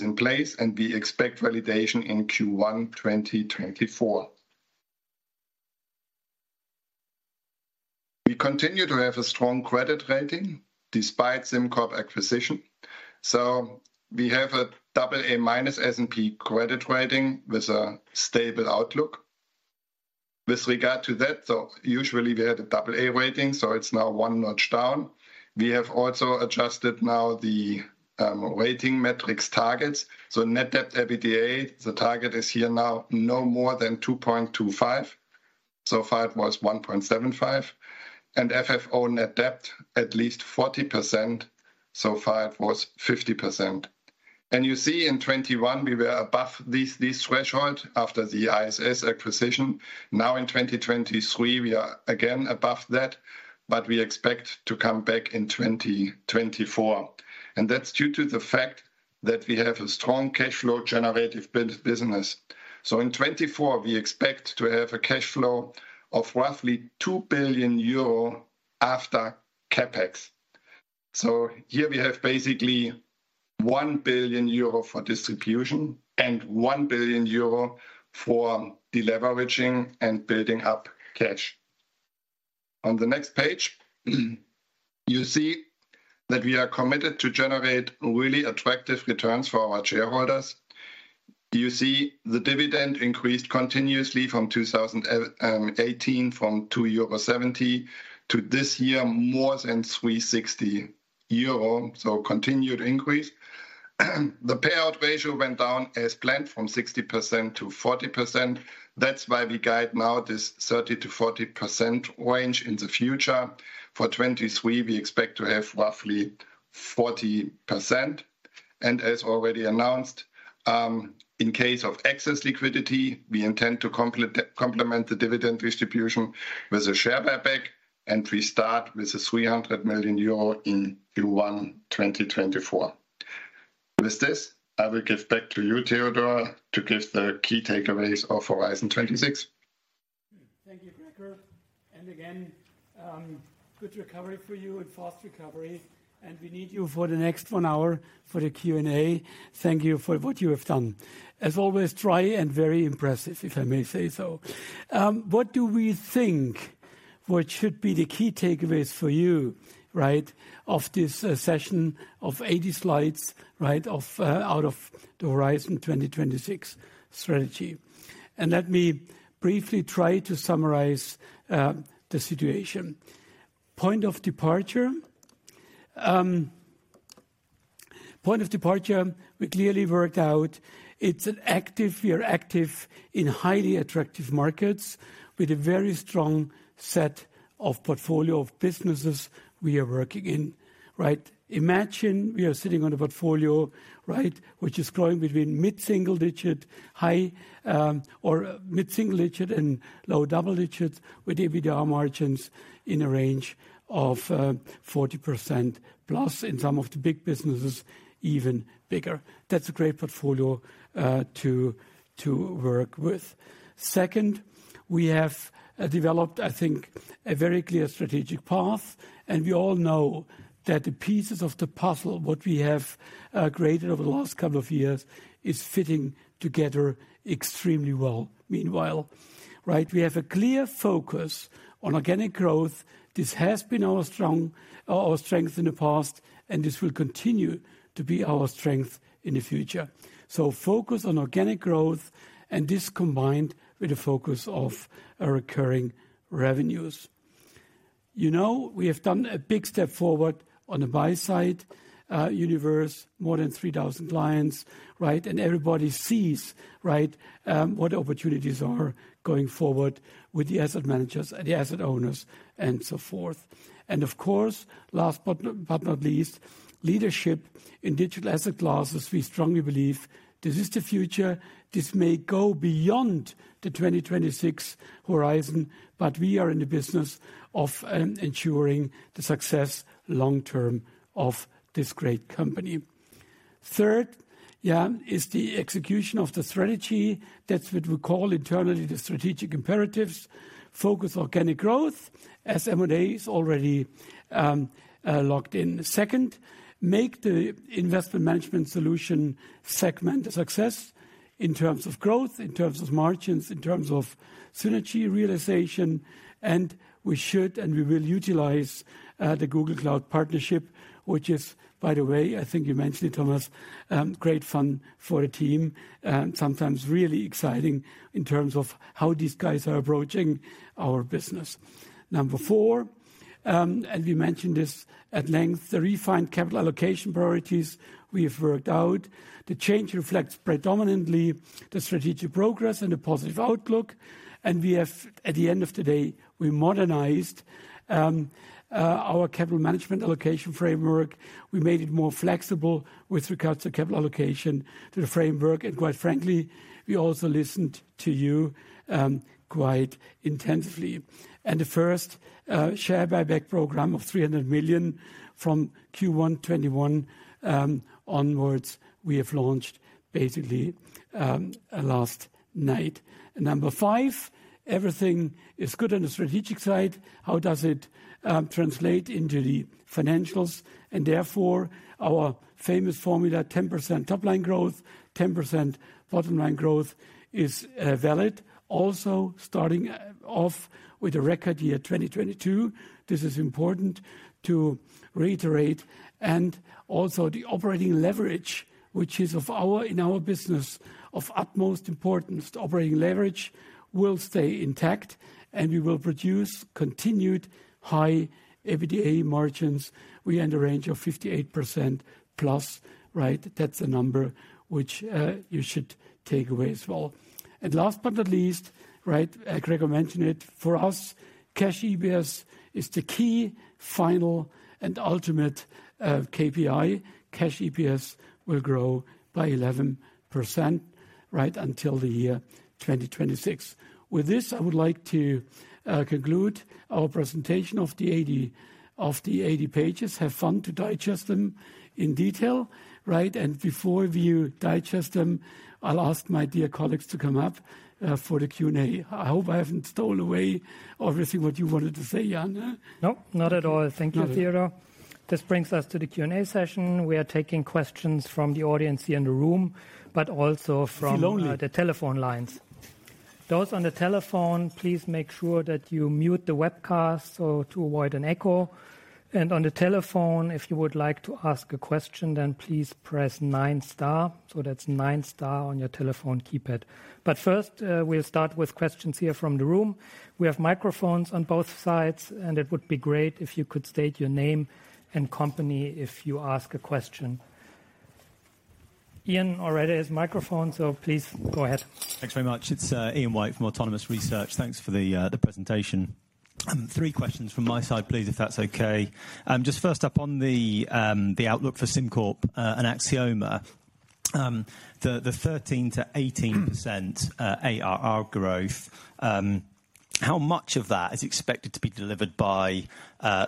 in place, and we expect validation in Q1 2024. We continue to have a strong credit rating despite SimCorp acquisition. So, we have a double A minus S&P credit rating with a stable outlook. With regard to that, so usually we had a double A rating, so it's now one notch down. We have also adjusted now the rating metrics targets. So, net debt to EBITDA, the target is here now, no more than 2.25. So far, it was 1.75, and FFO net debt, at least 40%, so far it was 50%. And you see in 2021, we were above these thresholds after the ISS acquisition. Now in 2023, we are again above that, but we expect to come back in 2024, and that's due to the fact that we have a strong cash flow generative business. So, in 2024, we expect to have a cash flow of roughly 2 billion euro after CapEx. So, here we have basically 1 billion euro for distribution and 1 billion euro for deleveraging and building up cash. On the next page, you see that we are committed to generate really attractive returns for our shareholders. You see the dividend increased continuously from 2018, from 2.70 euro, to this year, more than 3.60 euro, so, continued increase. The payout ratio went down as planned, from 60% to 40%. That's why we guide now this 30%-40% range in the future. For 2023, we expect to have roughly 40%. And as already announced, in case of excess liquidity, we intend to complement the dividend distribution with a share buyback, and we start with 300 million euro in Q1 2024. With this, I will give back to you, Theodor, to give the key takeaways of Horizon 2026. Thank you, Gregor. Again, good recovery for you and fast recovery, and we need you for the next 1 hour for the Q&A. Thank you for what you have done. As always, dry and very impressive, if I may say so. What do we think? What should be the key takeaways for you, right, of this session of 80 slides, right, of out of the Horizon 2026 strategy? Let me briefly try to summarize the situation. Point of departure. Point of departure, we clearly worked out we are active in highly attractive markets, with a very strong set of portfolios of businesses we are working in, right? Imagine we are sitting on a portfolio, right, which is growing between mid-single digit high or mid-single digit and low double digits, with EBITDA margins in a range of 40% plus, in some of the big businesses, even bigger. That's a great portfolio to work with. Second, we have developed, I think, a very clear strategic path, and we all know that the pieces of the puzzle, what we have created over the last couple of years, is fitting together extremely well meanwhile, right? We have a clear focus on organic growth. This has been our strength in the past, and this will continue to be our strength in the future. So, focus on organic growth, and this combined with a focus of our recurring revenues. You know, we have done a big step forward on the buy side universe, more than 3,000 clients, right? And everybody sees, right, what opportunities are going forward with the asset managers and the asset owners, and so forth. And of course, last but not least, leadership in digital asset classes. We strongly believe this is the future. This may go beyond the Horizon 2026, but we are in the business of ensuring the success long term of this great company. Third, yeah, is the execution of the strategy. That's what we call internally, the strategic imperatives. Focus organic growth, as M&A is already locked in. Second, make the Investment Management Solutions segment a success in terms of growth, in terms of margins, in terms of synergy realization. We should, and we will, utilize the Google Cloud partnership, which is, by the way, I think you mentioned it, Thomas, great fun for the team, and sometimes really exciting in terms of how these guys are approaching our business. Number four, and we mentioned this at length, the refined capital allocation priorities we've worked out. The change reflects predominantly the strategic progress and the positive outlook, and we have at the end of the day, we modernized our capital management allocation framework. We made it more flexible with regards to capital allocation to the framework, and quite frankly, we also listened to you quite intensively. And the first share buyback program of 300 million from Q1 2021 onwards, we have launched basically last night. Number five, everything is good on the strategic side. How does it translate into the financials? And therefore, our famous formula, 10% top line growth, 10% bottom line growth is valid. Also, starting off with a record year, 2022. This is important to reiterate. And also, the operating leverage, which is of our, in our business, of utmost importance. Operating leverage will stay intact, and we will produce continued high EBITDA margins. We are in the range of 58% plus, right? That's a number which you should take away as well. And last but not least, right, Gregor mentioned it, for us, cash EPS is the key final and ultimate KPI. Cash EPS will grow by 11%, right, until the year 2026. With this, I would like to conclude our presentation of the 80 of the 80 pages. Have fun to digest them in detail, right? Before you digest them, I'll ask my dear colleagues to come up for the Q&A. I hope I haven't stolen away obviously what you wanted to say, Jan?... Nope, not at all. Thank you, Theodor. This brings us to the Q&A session. We are taking questions from the audience here in the room, but also from- Feel lonely! the telephone lines. Those on the telephone, please make sure that you mute the webcast, so to avoid an echo. On the telephone, if you would like to ask a question, then please press 9 * so, that's 9 * on your telephone keypad. But first, we'll start with questions here from the room. We have microphones on both sides, and it would be great if you could state your name and company if you ask a question. Ian already has microphone, so please go ahead. Thanks very much. It's Ian White from Autonomous Research. Thanks for the presentation. Three questions from my side, please, if that's okay. Just first up on the outlook for SimCorp and Axioma. The 13%-18% ARR growth, how much of that is expected to be delivered by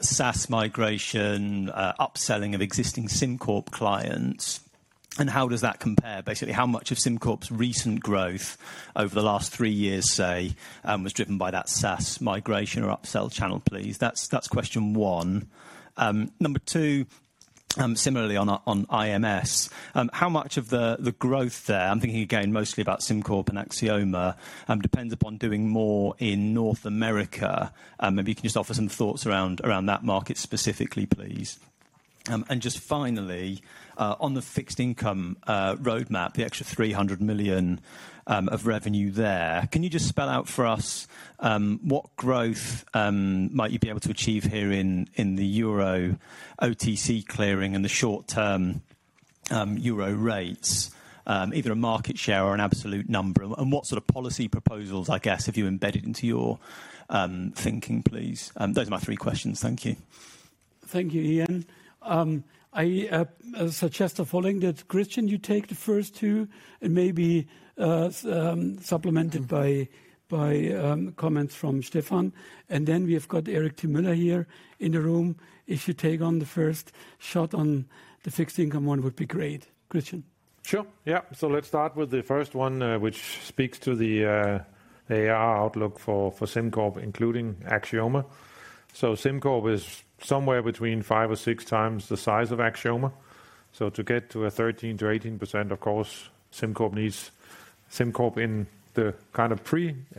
SaaS migration, upselling of existing SimCorp clients? And how does that compare? Basically, how much of SimCorp's recent growth over the last three years, say, was driven by that SaaS migration or upsell channel, please? That's question one. Number two, similarly, on IMS, how much of the growth there, I'm thinking again, mostly about SimCorp and Axioma, depends upon doing more in North America? Maybe you can just offer some thoughts around that market specifically, please. Just finally, on the fixed income roadmap, the extra 300 million of revenue there, can you just spell out for us what growth might you be able to achieve here in the Euro OTC clearing and the short-term euro rates? Either a market share or an absolute number. What sort of policy proposals, I guess, have you embedded into your thinking, please? Those are my three questions. Thank you. Thank you, Ian. I suggest the following, that Christian, you take the first two and maybe supplemented by comments from Stephan. And then we've got Erik Müller here in the room. If you take on the first shot on the fixed income one, would be great. Christian? Sure. Yeah. So, let's start with the first one, which speaks to the ARR outlook for SimCorp, including Axioma. So SimCorp is somewhere between 5 or 6 times the size of Axioma. So, to get to a 13%-18%, of course, SimCorp needs SimCorp in the kind of pre-integration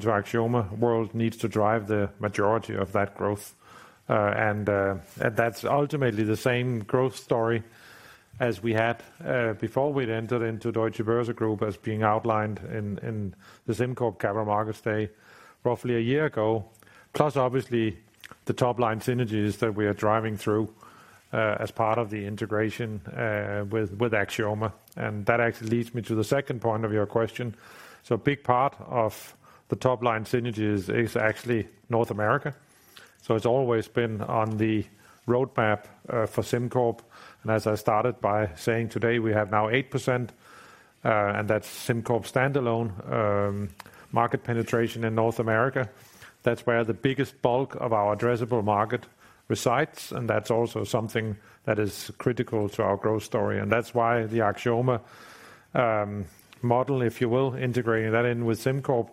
to Axioma world, needs to drive the majority of that growth. And that's ultimately the same growth story as we had before we'd entered into Deutsche Börse Group, as being outlined in the SimCorp Capital Markets Day, roughly a year ago. Plus, obviously, the top line synergies that we are driving through as part of the integration with Axioma. And that actually leads me to the second point of your question. So, a big part of the top line synergies is actually North America. So, it's always been on the roadmap for SimCorp. And as I started by saying, today, we have now 8%, and that's SimCorp standalone, market penetration in North America. That's where the biggest bulk of our addressable market resides, and that's also something that is critical to our growth story. And that's why the Axioma model, if you will, integrating that in with SimCorp,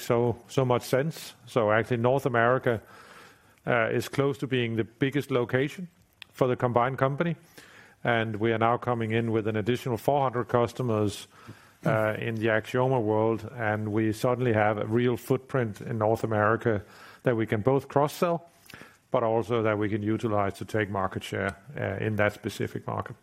so much sense. So, actually, North America is close to being the biggest location for the combined company, and we are now coming in with an additional 400 customers in the Axioma world. And we suddenly have a real footprint in North America that we can both cross-sell, but also that we can utilize to take market share in that specific market.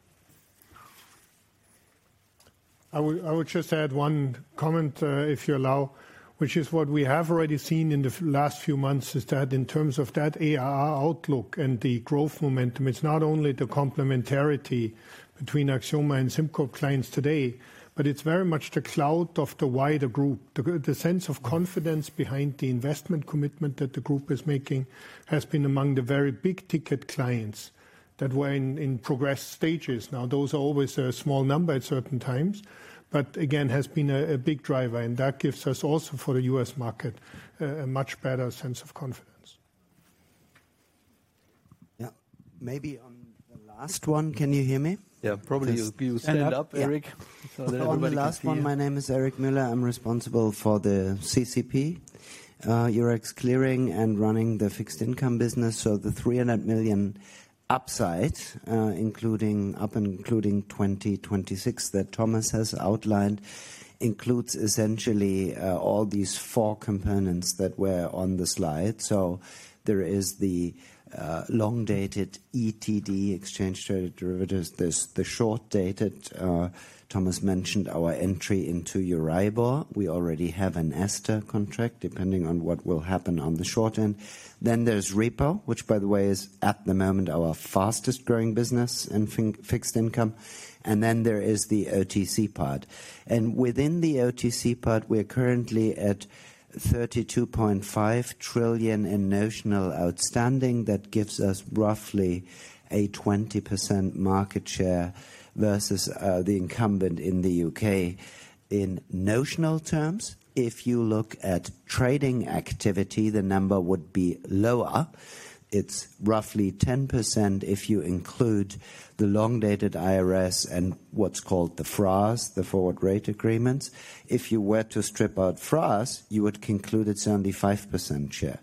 I would just add one comment, if you allow, which is what we have already seen in the last few months, is that in terms of that AR outlook and the growth momentum, it's not only the complementarity between Axioma and SimCorp clients today, but it's very much the clout of the wider group. The sense of confidence behind the investment commitment that the group is making, has been among the very big-ticket clients that were in progress stages. Now, those are always a small number at certain times, but again, has been a big driver, and that gives us also, for the U.S. market, a much better sense of confidence.... Yeah, maybe on the last one. Can you hear me? Yeah, probably you stand up, Eric, so that everybody can hear you. On the last one, my name is Erik Müller. I'm responsible for the CCP, Eurex Clearing and running the fixed income business. So, the 300 million upside, including up, including 2026, that Thomas has outlined, includes essentially, all these four components that were on the slide. So, there is the, long-dated ETD, exchange-traded derivatives. There's the short-dated, Thomas mentioned our entry into Euribor. We already have an €STR contract, depending on what will happen on the short end. Then there's repo, which by the way, is at the moment, our fastest-growing business in fixed income. And then there is the OTC part. And within the OTC part, we're currently at 32.5 trillion in notional outstanding. That gives us roughly a 20% market share versus, the incumbent in the UK. In notional terms, if you look at trading activity, the number would be lower. It's roughly 10% if you include the long-dated IRS and what's called the FRAs, the forward rate agreements. If you were to strip out FRAs, you would conclude it's only 5% share.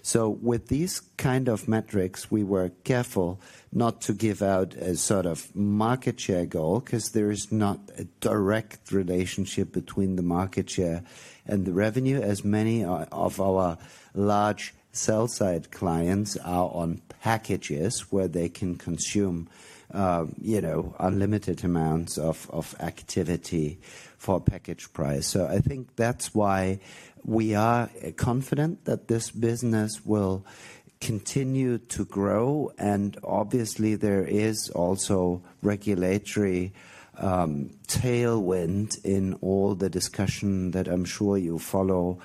So, with these kind of metrics, we were careful not to give out a sort of market share goal, 'cause there is not a direct relationship between the market share and the revenue, as many of our large sell side clients are on packages where they can consume, you know, unlimited amounts of activity for a package price. So, I think that's why we are confident that this business will continue to grow, and obviously, there is also regulatory tailwind in all the discussion that I'm sure you follow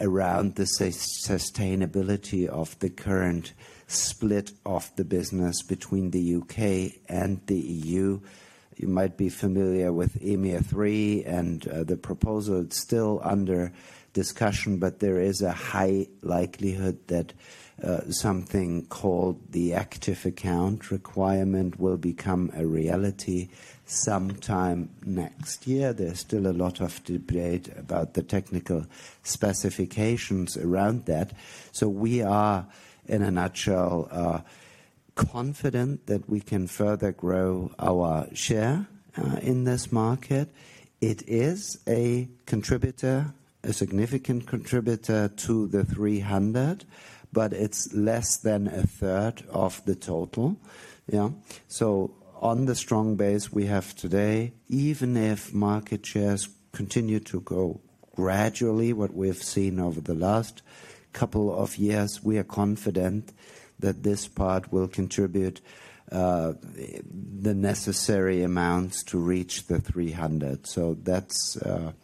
around the sustainability of the current split of the business between the U.K. and the E.U. You might be familiar with EMIR 3.0, and the proposal is still under discussion, but there is a high likelihood that something called the active account requirement will become a reality sometime next year. There's still a lot of debate about the technical specifications around that. So we are, in a nutshell, confident that we can further grow our share in this market. It is a contributor, a significant contributor to the 300, but it's less than a third of the total. Yeah. On the strong base we have today, even if market shares continue to grow gradually, what we've seen over the last couple of years, we are confident that this part will contribute the necessary amounts to reach the 300 million.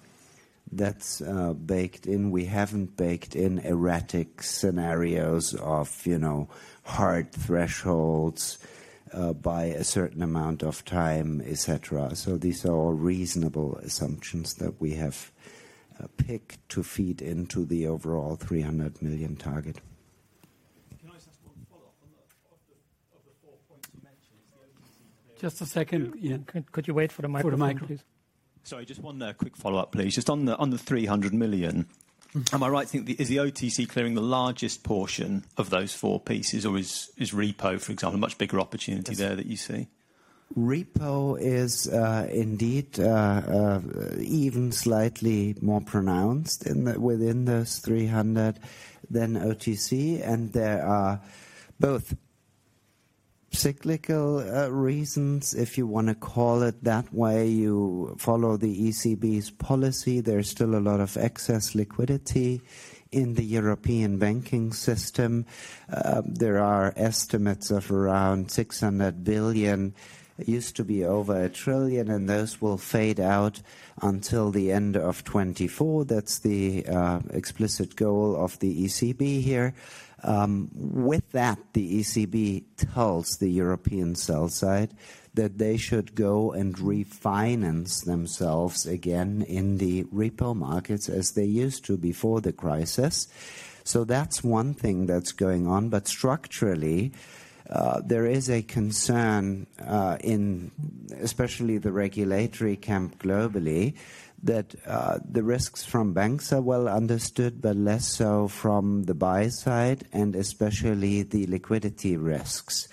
That's baked in. We haven't baked in erratic scenarios of, you know, hard thresholds by a certain amount of time, et cetera. These are all reasonable assumptions that we have picked to feed into the overall 300 million target. Can I just ask one follow-up on the four points you mentioned? Just a second. Yeah. Could you wait for the mic, please? Sorry, just one quick follow-up, please. Just on the 300 million- Mm-hmm. Am I right to think, is the OTC clearing the largest portion of those four pieces, or is, is repo, for example, a much bigger opportunity there that you see? Repo is, indeed, even slightly more pronounced within those three hundred than OTC, and there are both cyclical reasons, if you want to call it that way. You follow the ECB's policy; there's still a lot of excess liquidity in the European banking system. There are estimates of around 600 billion. It used to be over 1 trillion, and those will fade out until the end of 2024. That's the explicit goal of the ECB here. With that, the ECB tells the European sell side that they should go and refinance themselves again in the repo markets as they used to before the crisis. So, that's one thing that's going on. Structurally, there is a concern in especially the regulatory camp globally, that the risks from banks are well understood, but less so, from the buy side, and especially the liquidity risks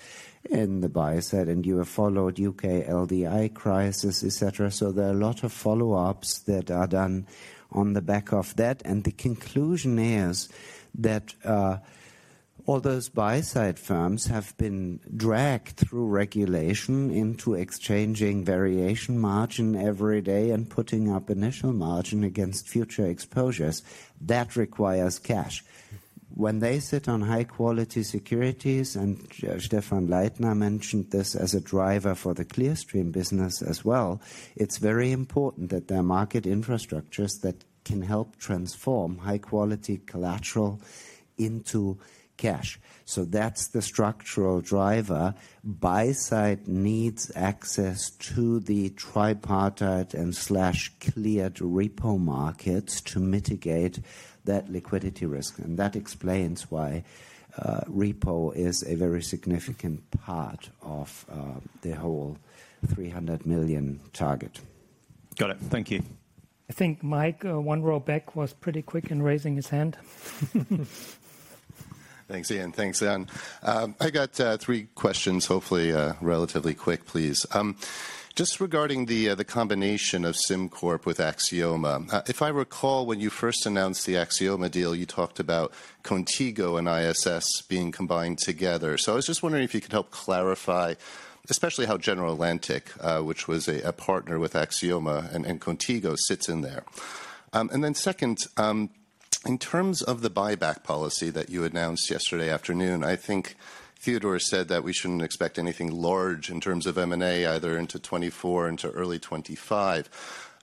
in the buy side. You have followed U.K. LDI crisis, et cetera. There are a lot of follow-ups that are done on the back of that, and the conclusion is that all those buy side firms have been dragged through regulation into exchanging variation margin every day and putting up initial margin against future exposures. That requires cash. When they sit on high-quality securities, and Stephan Leithner mentioned this as a driver for the Clearstream business as well, it's very important that there are market infrastructures that can help transform high-quality collateral into cash. That's the structural driver. Buy side needs access to the tripartite and slash cleared repo markets to mitigate that liquidity risk, and that explains why, repo is a very significant part of, the whole 300 million target.... Got it. Thank you. I think Mike, one row back was pretty quick in raising his hand. Thanks, Ian. Thanks, Ian. I got three questions, hopefully, relatively quick, please. Just regarding the combination of SimCorp with Axioma. If I recall, when you first announced the Axioma deal, you talked about Qontigo and ISS being combined together. So, I was just wondering if you could help clarify, especially how General Atlantic, which was a partner with Axioma and Qontigo, sits in there. And then second, in terms of the buyback policy that you announced yesterday afternoon, I think Theodor said that we shouldn't expect anything large in terms of M&A, either into 2024, into early 2025,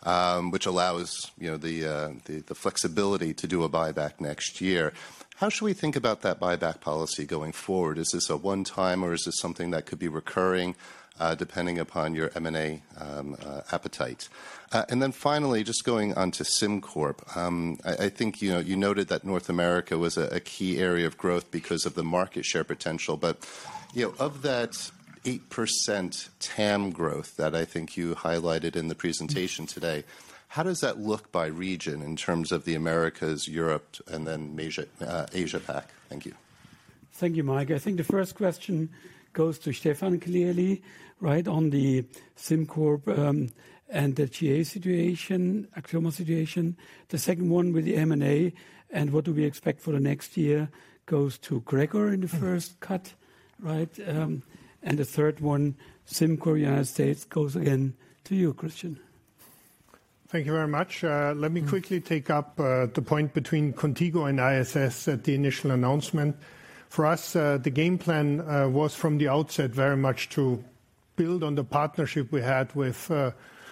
which allows, you know, the flexibility to do a buyback next year. How should we think about that buyback policy going forward? Is this a one-time, or is this something that could be recurring, depending upon your M&A, appetite? And then finally, just going on to SimCorp. I, I think, you know, you noted that North America was a, a key area of growth because of the market share potential. But, you know, of that 8% TAM growth that I think you highlighted in the presentation today, how does that look by region in terms of the Americas, Europe, and then Asia Pac? Thank you. Thank you, Mike. I think the first question goes to Stephan, clearly, right on the SimCorp, and the GA situation, Axioma situation. The second one with the M&A, and what do we expect for the next year, goes to Gregor in the first cut, right? And the third one, SimCorp United States, goes again to you, Christian. Thank you very much. Let me quickly take up the point between Qontigo and ISS at the initial announcement. For us, the game plan was from the outset, very much to build on the partnership we had with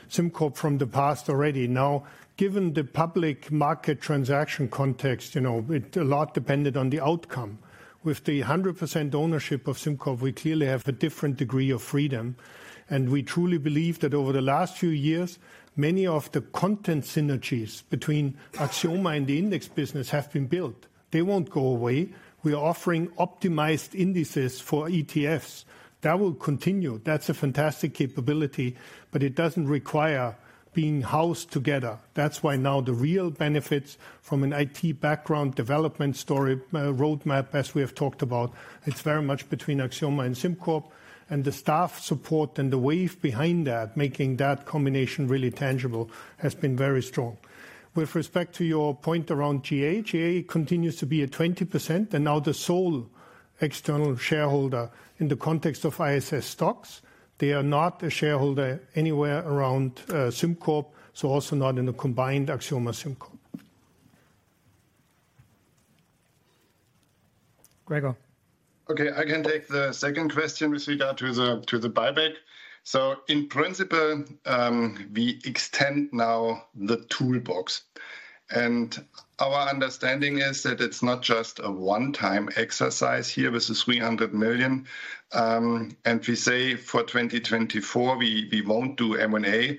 SimCorp from the past already. Now, given the public market transaction context, you know, it, a lot depended on the outcome. With the 100% ownership of SimCorp, we clearly have a different degree of freedom, and we truly believe that over the last few years, many of the content synergies between Axioma and the index business have been built. They won't go away. We are offering optimized indices for ETFs. That will continue. That's a fantastic capability, but it doesn't require being housed together. That's why now the real benefits from an IT background development story, roadmap, as we have talked about, it's very much between Axioma and SimCorp, and the staff support and the wave behind that, making that combination really tangible, has been very strong. With respect to your point around GA, GA continues to be at 20%, and now the sole external shareholder in the context of ISS STOXX. They are not a shareholder anywhere around SimCorp, so also not in the combined Axioma SimCorp. Gregor? Okay, I can take the second question with regard to the buyback. So, in principle, we extend now the toolbox, and our understanding is that it's not just a one-time exercise here with the 300 million. And we say for 2024, we won't do M&A,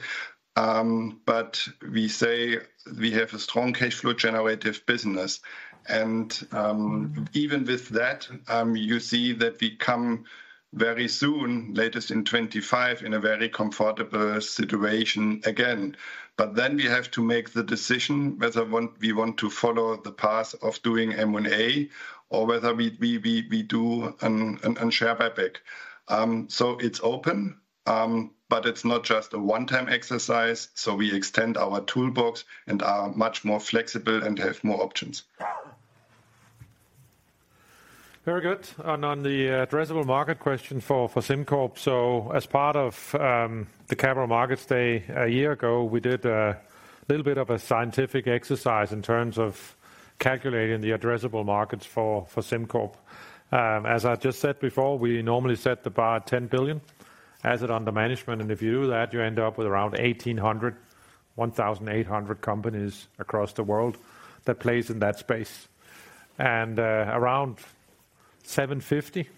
but we say we have a strong cash flow generative business, and even with that, you see that we come very soon, latest in 2025, in a very comfortable situation again. But then we have to make the decision whether we want to follow the path of doing M&A or whether we do a share buyback. So, it's open, but it's not just a one-time exercise, so we extend our toolbox and are much more flexible and have more options. Very good. And on the addressable market question for SimCorp. So, as part of the Capital Markets Day a year ago, we did a little bit of a scientific exercise in terms of calculating the addressable markets for SimCorp. As I just said before, we normally set the bar at 10 billion assets under management, and if you do that, you end up with around 1,800 companies across the world that plays in that space. And around 750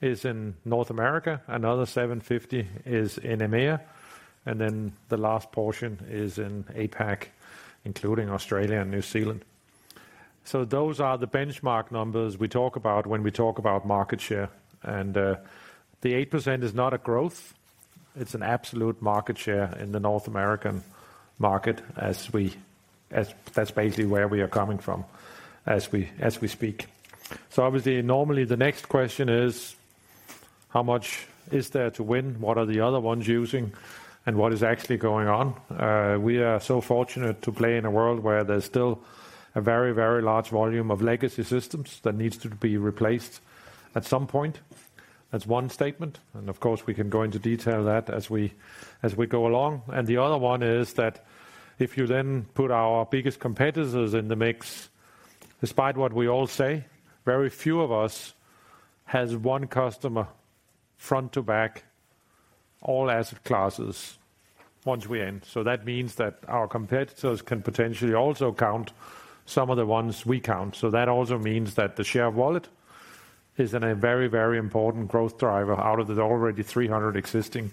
is in North America, another 750 is in EMEA, and then the last portion is in APAC, including Australia and New Zealand. So, those are the benchmark numbers we talk about when we talk about market share, and the 8% is not a growth, it's an absolute market share in the North American market, as we speak. That's basically where we are coming from, as we speak. So obviously, normally, the next question is: How much is there to win? What are the other ones using, and what is actually going on? We are so fortunate to play in a world where there's still a very, very large volume of legacy systems that needs to be replaced at some point. That's one statement, and of course, we can go into detail as we go along. The other one is that if you then put our biggest competitors in the mix, despite what we all say, very few of us has one customer front to back, all asset classes, once we end. So, that means that our competitors can potentially also count some of the ones we count. So, that also means that the share of wallet is in a very, very important growth driver out of the already 300 existing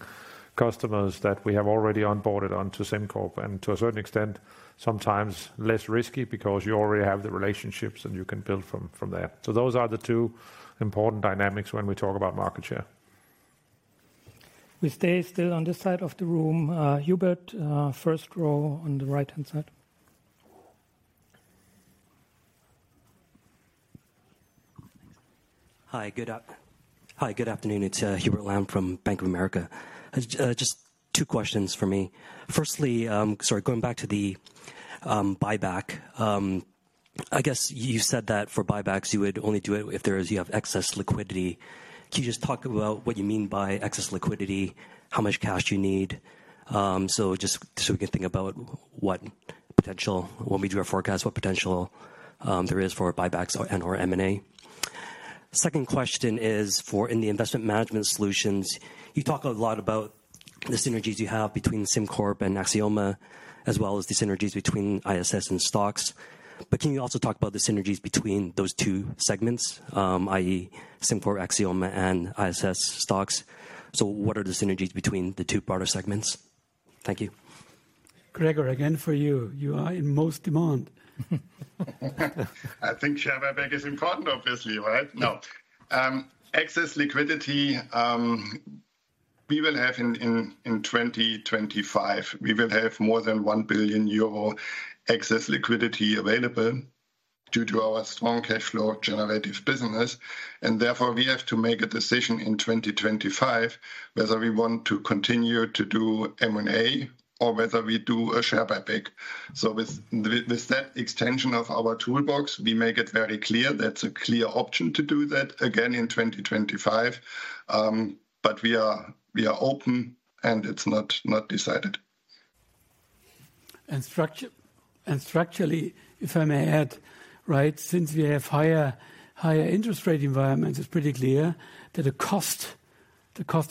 customers that we have already onboarded onto SimCorp, and to a certain extent, sometimes less risky, because you already have the relationships, and you can build from there. So, those are the two important dynamics when we talk about market share. We stay still on this side of the room. Hubert, first row on the right-hand side. Hi, good afternoon. It's Hubert Lam from Bank of America. Just two questions for me. Firstly, sorry, going back to the buyback. I guess you said that for buybacks, you would only do it if you have excess liquidity. Can you just talk about what you mean by excess liquidity? How much cash you need? So, just so we can think about what potential, when we do our forecast, what potential there is for buybacks and/or M&A. Second question is for Investment Management Solutionss, you talk a lot about the synergies you have between SimCorp and Axioma, as well as the synergies between ISS and STOXX. But can you also talk about the synergies between those two segments, i.e., SimCorp, Axioma and ISS STOXX? So, what are the synergies between the two broader segments? Thank you. Gregor, again for you. You are in most demand. I think share buyback is important, obviously, right? No, excess liquidity, we will have in 2025, we will have more than 1 billion euro excess liquidity available due to our strong cash flow generative business, and therefore, we have to make a decision in 2025 whether we want to continue to do M&A or whether we do a share buyback. So, with that extension of our toolbox, we make it very clear that's a clear option to do that again in 2025. But we are open, and it's not decided. Structurally, if I may add, right, since we have higher interest rate environments, it's pretty clear that the cost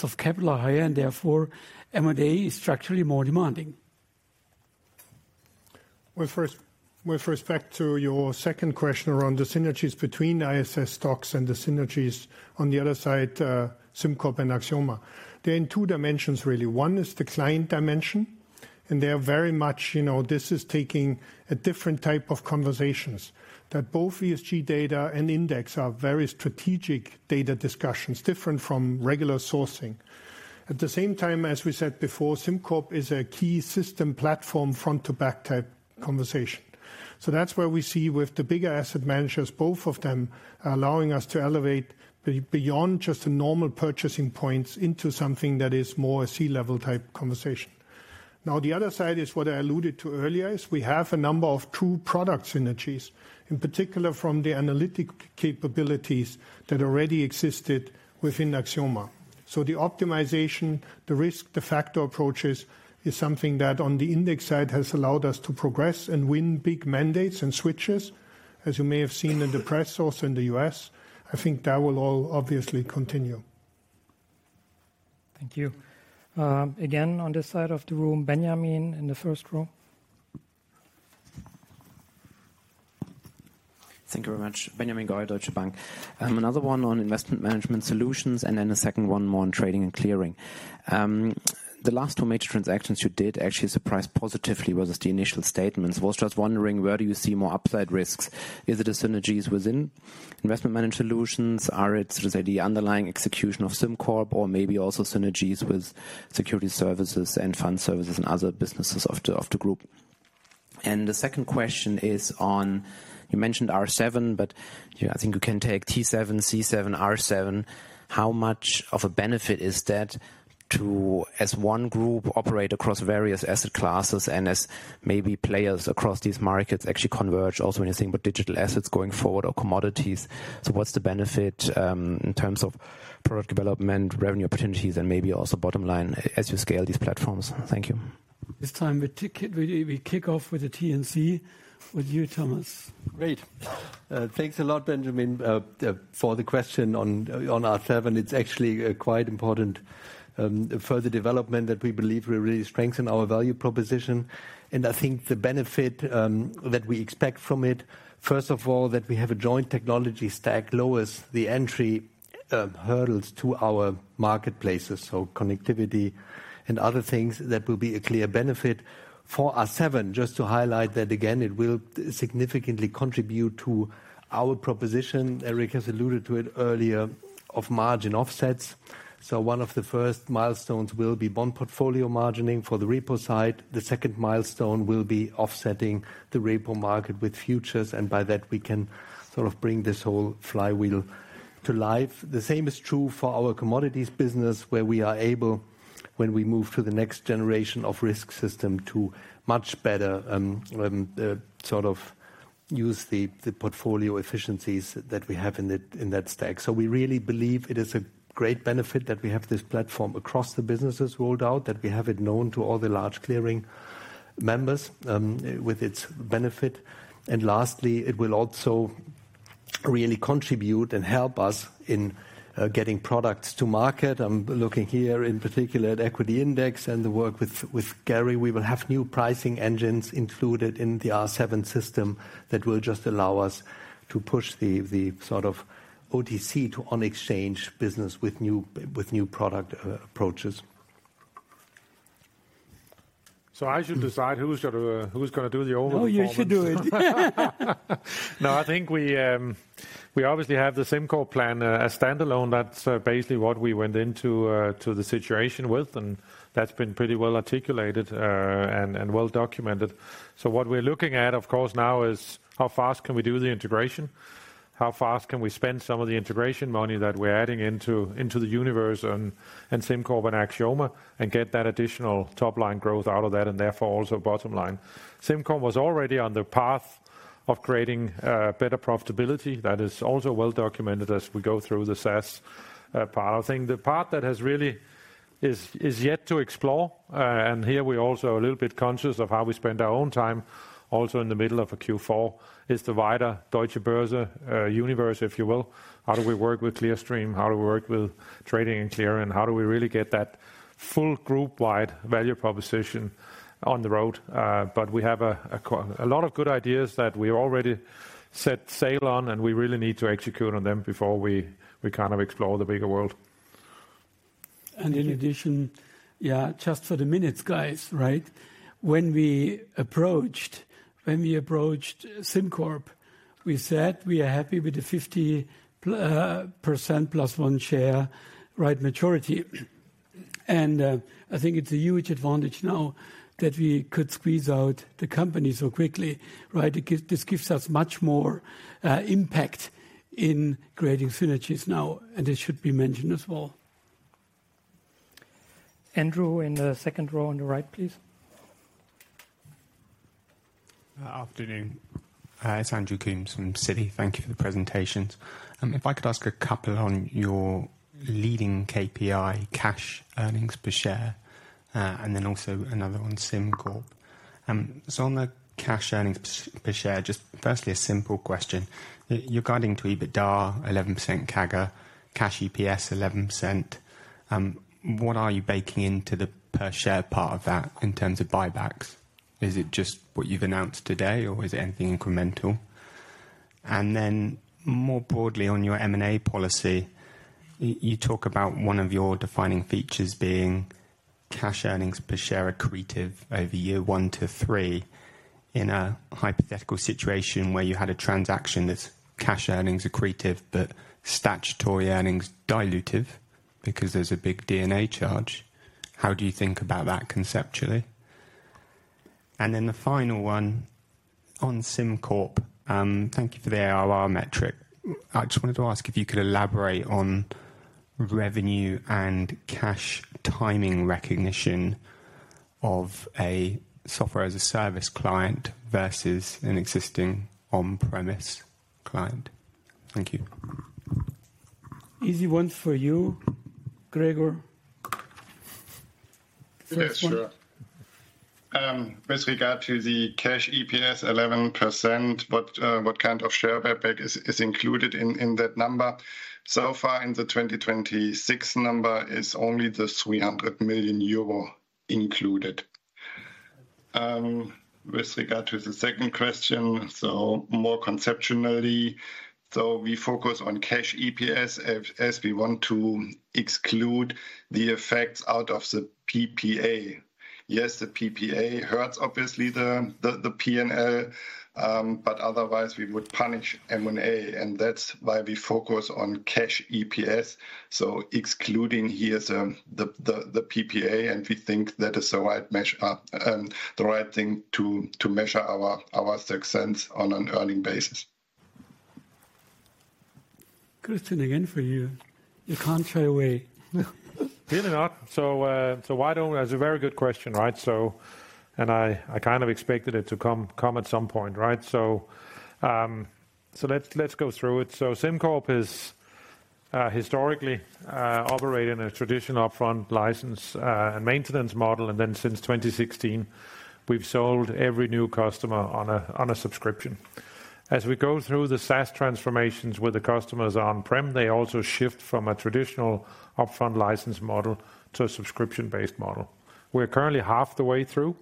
of capital are higher and therefore M&A is structurally more demanding. First, with respect to your second question around the synergies between ISS, STOXX, and the synergies on the other side, SimCorp and Axioma, they're in two dimensions, really. One is the client dimension, and they are very much, you know, this is taking a different type of conversations. That both ESG data and index are very strategic data discussions, different from regular sourcing. At the same time, as we said before, SimCorp is a key system platform front-to-back type conversation. So, that's where we see with the bigger asset managers, both of them are allowing us to elevate beyond just the normal purchasing points into something that is more a C-level type conversation. Now, the other side is, what I alluded to earlier, is we have a number of true product synergies, in particular from the analytic capabilities that already existed within Axioma. So, the optimization, the risk, the factor approaches, is something that, on the index side, has allowed us to progress and win big mandates and switches, as you may have seen in the press also in the U.S. I think that will all obviously continue. Thank you. Again, on this side of the room, Benjamin, in the first row. Thank you very much. Benjamin Goy, Deutsche Bank. Another Investment Management Solutions, and then a second one more on Trading and Clearing. The last two major transactions you did actually surprised positively versus the initial statements. Was just wondering, where do you see more upside risks? Is it the Investment Management Solutions? are it, sort of, say, the underlying execution of SimCorp or maybe also synergies with security services and Fund Services and other businesses of the, of the group? And the second question is on, you mentioned F7, but, you know, I think you can take T7, C7, F7. How much of a benefit is that to, as one group, operate across various asset classes and as maybe players across these markets actually converge, also when you think about digital assets going forward or commodities? So, what's the benefit in terms of product development, revenue opportunities, and maybe also bottom line as you scale these platforms? Thank you. This time, we kick off with the T&C with you, Thomas. Great. Thanks a lot, Benjamin, for the question on F7. It's actually a quite important further development that we believe will really strengthen our value proposition. And I think the benefit that we expect from it, first of all, that we have a joint technology stack lowers the entry hurdles to our marketplaces, so connectivity and other things. That will be a clear benefit for F7. Just to highlight that again, it will significantly contribute to our proposition, Eric has alluded to it earlier, of margin offsets. So, one of the first milestones will be bond portfolio margining for the repo side. The second milestone will be offsetting the repo market with futures, and by that, we can sort of bring this whole flywheel to life. The same is true for our commodities business, where we are able, when we move to the next generation of risk system, to much better sort of use the portfolio efficiencies that we have in that stack. So, we really believe it is a great benefit that we have this platform across the businesses rolled out, that we have it known to all the large clearing members with its benefit. And lastly, it will also really contribute and help us in getting products to market. I'm looking here in particular at Equity Index and the work with Gary. We will have new pricing engines included in the F7 system that will just allow us to push the sort of OTC to on-exchange business with new product approaches. So, I should decide who's gonna do the overall performance? No, you should do it. No, I think we,... We obviously have the SimCorp plan as standalone. That's basically what we went into to the situation with, and that's been pretty well articulated and, and well documented. So, what we're looking at, of course, now is how fast can we do the integration? How fast can we spend some of the integration money that we're adding into, into the universe and, and SimCorp and Axioma, and get that additional top line growth out of that, and therefore also bottom line. SimCorp was already on the path of creating better profitability. That is also well documented as we go through the SaaS part. I think the part that has really is yet to explore, and here we're also a little bit conscious of how we spend our own time, also in the middle of a Q4, is the wider Deutsche Börse universe, if you will. How do we work with Clearstream? How do we work with Trading and Clearing, and how do we really get that full group-wide value proposition on the road? But we have a lot of good ideas that we already set sail on, and we really need to execute on them before we kind of explore the bigger world. In addition, yeah, just for the minutes, guys, right? When we approached SimCorp, we said we are happy with the 50% plus one share, right, majority. And I think it's a huge advantage now that we could squeeze out the company so, quickly, right? This gives us much more impact in creating synergies now, and it should be mentioned as well. Andrew, in the second row on the right, please. Afternoon. It's Andrew Coombs from Citi. Thank you for the presentations. If I could ask a couple on your leading KPI cash earnings per share, and then also another one, SimCorp. So, on the cash earnings per share, just firstly, a simple question. You're guiding to EBITDA 11% CAGR, cash EPS 11%. What are you baking into the per share part of that in terms of buybacks? Is it just what you've announced today, or is it anything incremental? And then, more broadly, on your M&A policy, you talk about one of your defining features being cash earnings per share accretive over year one to three. In a hypothetical situation where you had a transaction that's cash earnings accretive, but statutory earnings dilutive because there's a big PPA charge, how do you think about that conceptually? The final one on SimCorp. Thank you for the ARR metric. I just wanted to ask if you could elaborate on revenue and cash timing recognition of a software-as-a-service client versus an existing on-premises client. Thank you. Easy one for you, Gregor. Yes, sure. With regard to the cash EPS 11%, what kind of share buyback is included in that number? So far, in the 2026 number is only the 300 million euro included. With regard to the second question, so more conceptually, so, we focus on cash EPS as we want to exclude the effects out of the PPA. Yes, the PPA hurts, obviously, the PNL, but otherwise, we would punish M&A, and that's why we focus on cash EPS. So, excluding here the PPA, and we think that is the right measure, the right thing to measure our success on an earning basis. Christian, again, for you. You can't shy away. Clearly not. So, why don't... That's a very good question, right? So, and I kind of expected it to come at some point, right? So, let's go through it. So, SimCorp is historically operating a traditional upfront license and maintenance model, and then since 2016, we've sold every new customer on a subscription. As we go through the SaaS transformations with the customers on-prem, they also shift from a traditional upfront license model to a subscription-based model. We're currently half the way through.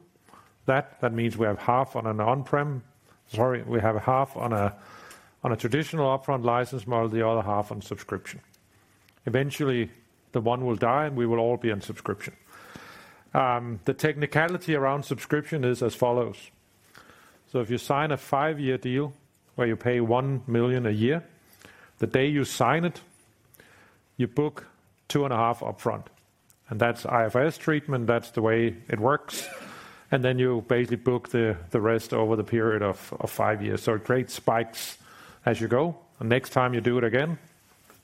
That means we have half on an on-prem... Sorry, we have half on a traditional upfront license model, the other half on subscription. Eventually, the one will die, and we will all be on subscription. The technicality around subscription is as follows: so, if you sign a 5-year deal where you pay 1 million a year, the day you sign it, you book 2.5 million upfront, and that's IFRS treatment, that's the way it works, and then you basically book the rest over the period of 5 years. So, great spikes as you go, and next time you do it again,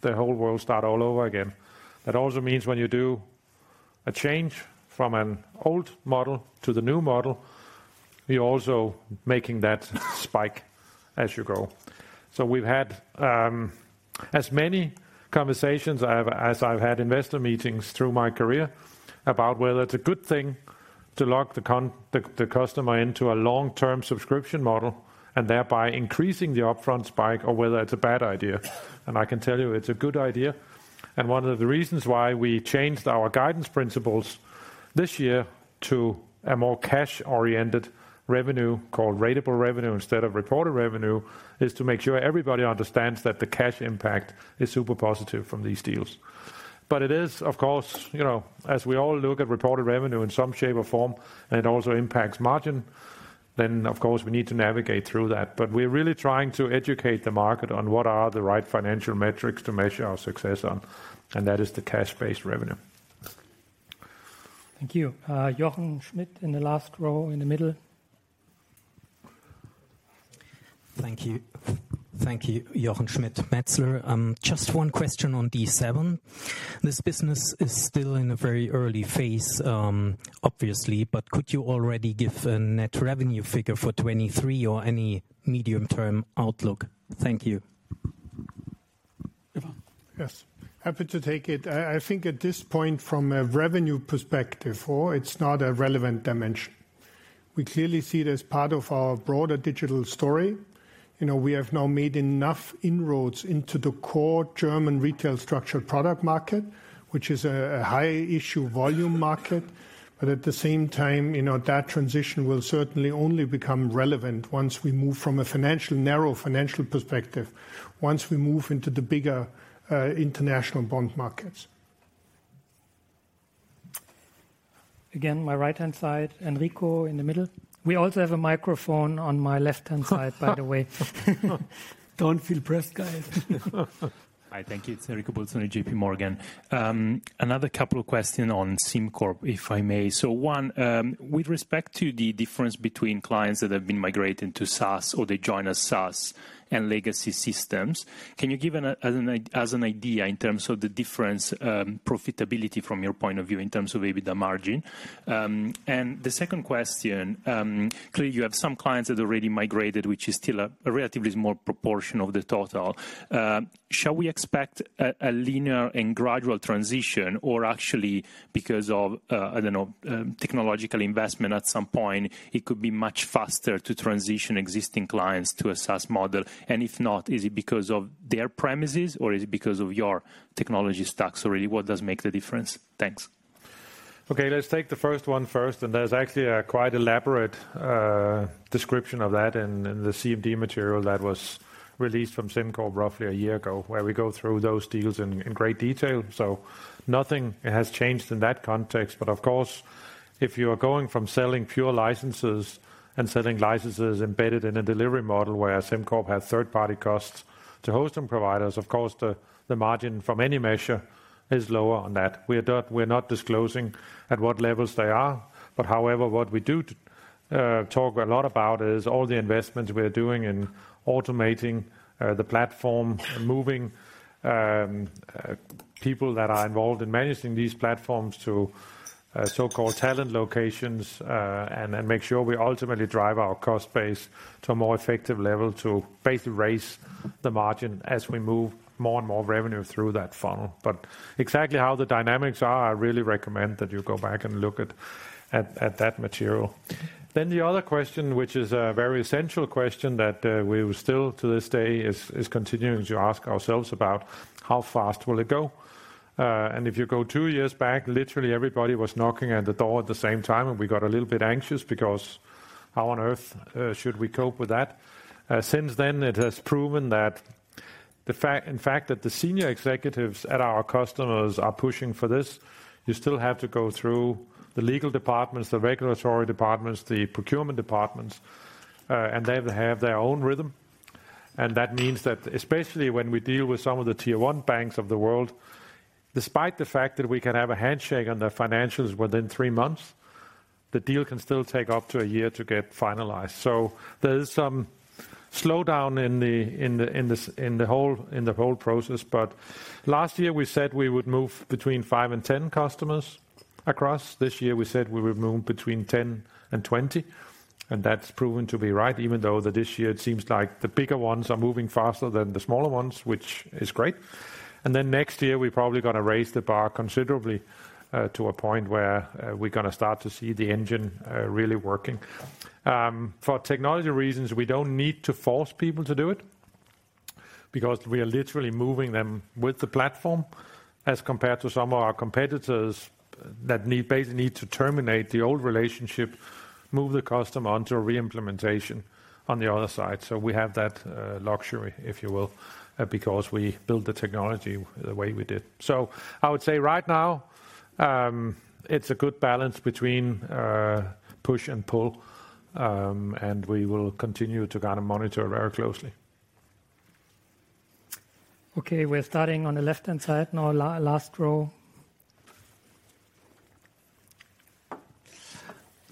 the whole world start all over again. That also means when you do a change from an old model to the new model, you're also making that spike as you go. So, we've had as many conversations as I've had investor meetings through my career about whether it's a good thing to lock the customer into a long-term subscription model, and thereby increasing the upfront spike, or whether it's a bad idea. And I can tell you, it's a good idea, and one of the reasons why we changed our guidance principles this year to a more cash-oriented revenue, called ratable revenue, instead of reported revenue, is to make sure everybody understands that the cash impact is super positive from these deals.... But it is, of course, you know, as we all look at reported revenue in some shape or form, and it also impacts margin, then of course we need to navigate through that. But we're really trying to educate the market on what are the right financial metrics to measure our success on, and that is the cash-based revenue. Thank you. Jochen Schmidt, in the last row in the middle. Thank you. Thank you, Jochen Schmidt, Metzler. Just one question on D7. This business is still in a very early phase, obviously, but could you already give a net revenue figure for 2023 or any medium-term outlook? Thank you. Stephan? Yes, happy to take it. I think at this point, from a revenue perspective, oh, it's not a relevant dimension. We clearly see it as part of our broader digital story. You know, we have now made enough inroads into the core German retail structured product market, which is a high issue volume market. But at the same time, you know, that transition will certainly only become relevant once we move from a narrow financial perspective, once we move into the bigger international bond markets. Again, my right-hand side, Enrico, in the middle. We also have a microphone on my left-hand side, by the way. Don't feel pressed, guys. Hi, thank you. It's Enrico Bolzoni, J.P. Morgan. Another couple of questions on SimCorp, if I may. So one, with respect to the difference between clients that have been migrating to SaaS, or they join as SaaS and legacy systems, can you give an, as an idea in terms of the difference, profitability from your point of view, in terms of EBITDA margin? And the second question, clearly, you have some clients that already migrated, which is still a relatively small proportion of the total. Shall we expect a linear and gradual transition, or actually, because of, I don't know, technological investment, at some point, it could be much faster to transition existing clients to a SaaS model? If not, is it because of their premises or is it because of your technology stacks, or really, what does make the difference? Thanks. Okay, let's take the first one first, and there's actually a quite elaborate description of that in the CMD material that was released from SimCorp roughly a year ago, where we go through those deals in great detail. So, nothing has changed in that context. But of course, if you are going from selling pure licenses and selling licenses embedded in a delivery model where SimCorp has third-party costs to hosting providers, of course, the margin from any measure is lower on that. We are not disclosing at what levels they are, but however, what we do talk a lot about is all the investments we are doing in automating the platform, moving people that are involved in managing these platforms to so-called talent locations. And make sure we ultimately drive our cost base to a more effective level, to basically raise the margin as we move more and more revenue through that funnel. But exactly how the dynamics are, I really recommend that you go back and look at that material. Then the other question, which is a very essential question that we still, to this day, is continuing to ask ourselves about: How fast will it go? And if you go two years back, literally everybody was knocking at the door at the same time, and we got a little bit anxious, because how on earth should we cope with that? Since then, it has proven that in fact, that the senior executives at our customers are pushing for this. You still have to go through the legal departments, the regulatory departments, the procurement departments, and they have their own rhythm. And that means that especially when we deal with some of the tier one banks of the world, despite the fact that we can have a handshake on the financials within 3 months, the deal can still take up to a year to get finalized. So, there is some slowdown in the whole process. But last year, we said we would move between 5 and 10 customers across. This year, we said we would move between 10 and 20, and that's proven to be right, even though this year it seems like the bigger ones are moving faster than the smaller ones, which is great. Then next year, we're probably gonna raise the bar considerably, to a point where, we're gonna start to see the engine, really working. For technology reasons, we don't need to force people to do it, because we are literally moving them with the platform, as compared to some of our competitors that need, basically need to terminate the old relationship, move the customer onto a re-implementation on the other side. We have that luxury, if you will, because we built the technology the way we did. I would say right now, it's a good balance between push and pull, and we will continue to kind of monitor very closely. Okay, we're starting on the left-hand side now, last row.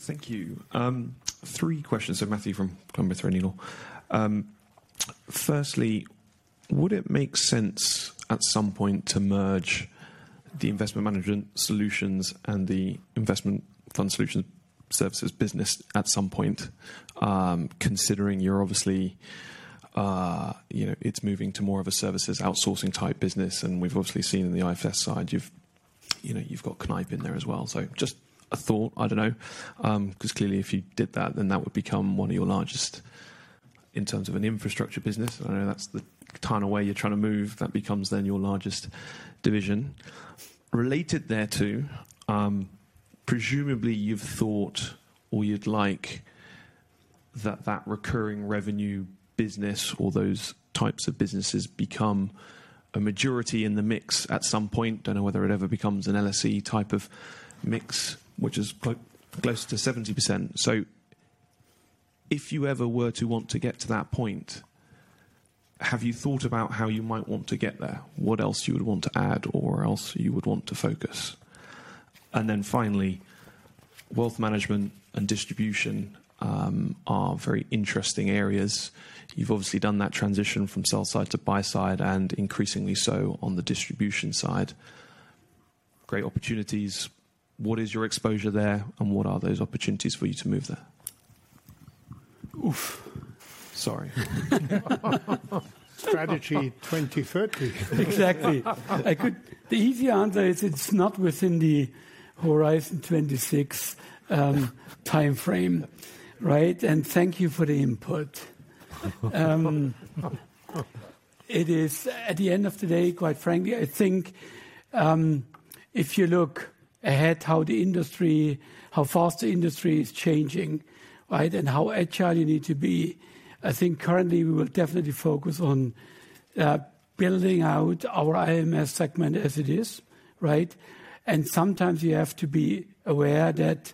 Thank you. Three questions. So, Matthew from Columbia Threadneedle. Firstly, would it make sense at some point to Investment Management Solutionss and the investment fund solutions services business at some point, considering you're obviously, you know, it's moving to more of a services outsourcing type business, and we've obviously seen in the IFS side, you know, you've got Kneip in there as well? So, just a thought. I don't know. 'Cause clearly, if you did that, then that would become one of your largest in terms of an infrastructure business. I know that's the kind of way you're trying to move, that becomes then your largest division. Related thereto, presumably you've thought or you'd like that recurring revenue business or those types of businesses become a majority in the mix at some point. Don't know whether it ever becomes an LSE type of mix, which is close to 70%. So, if you ever were to want to get to that point, have you thought about how you might want to get there? What else you would want to add or else you would want to focus? And then finally, wealth management and distribution are very interesting areas. You've obviously done that transition from sell side to buy side, and increasingly so on the distribution side. Great opportunities. What is your exposure there, and what are those opportunities for you to move there? Oof! Sorry. Strategy 2030. Exactly. The easy answer is it's not within the Horizon 2026 timeframe, right? And thank you for the input. It is... At the end of the day, quite frankly, I think, if you look ahead, how fast the industry is changing, right? And how agile you need to be, I think currently we will definitely focus on building out our IMS segment as it is, right? And sometimes you have to be aware that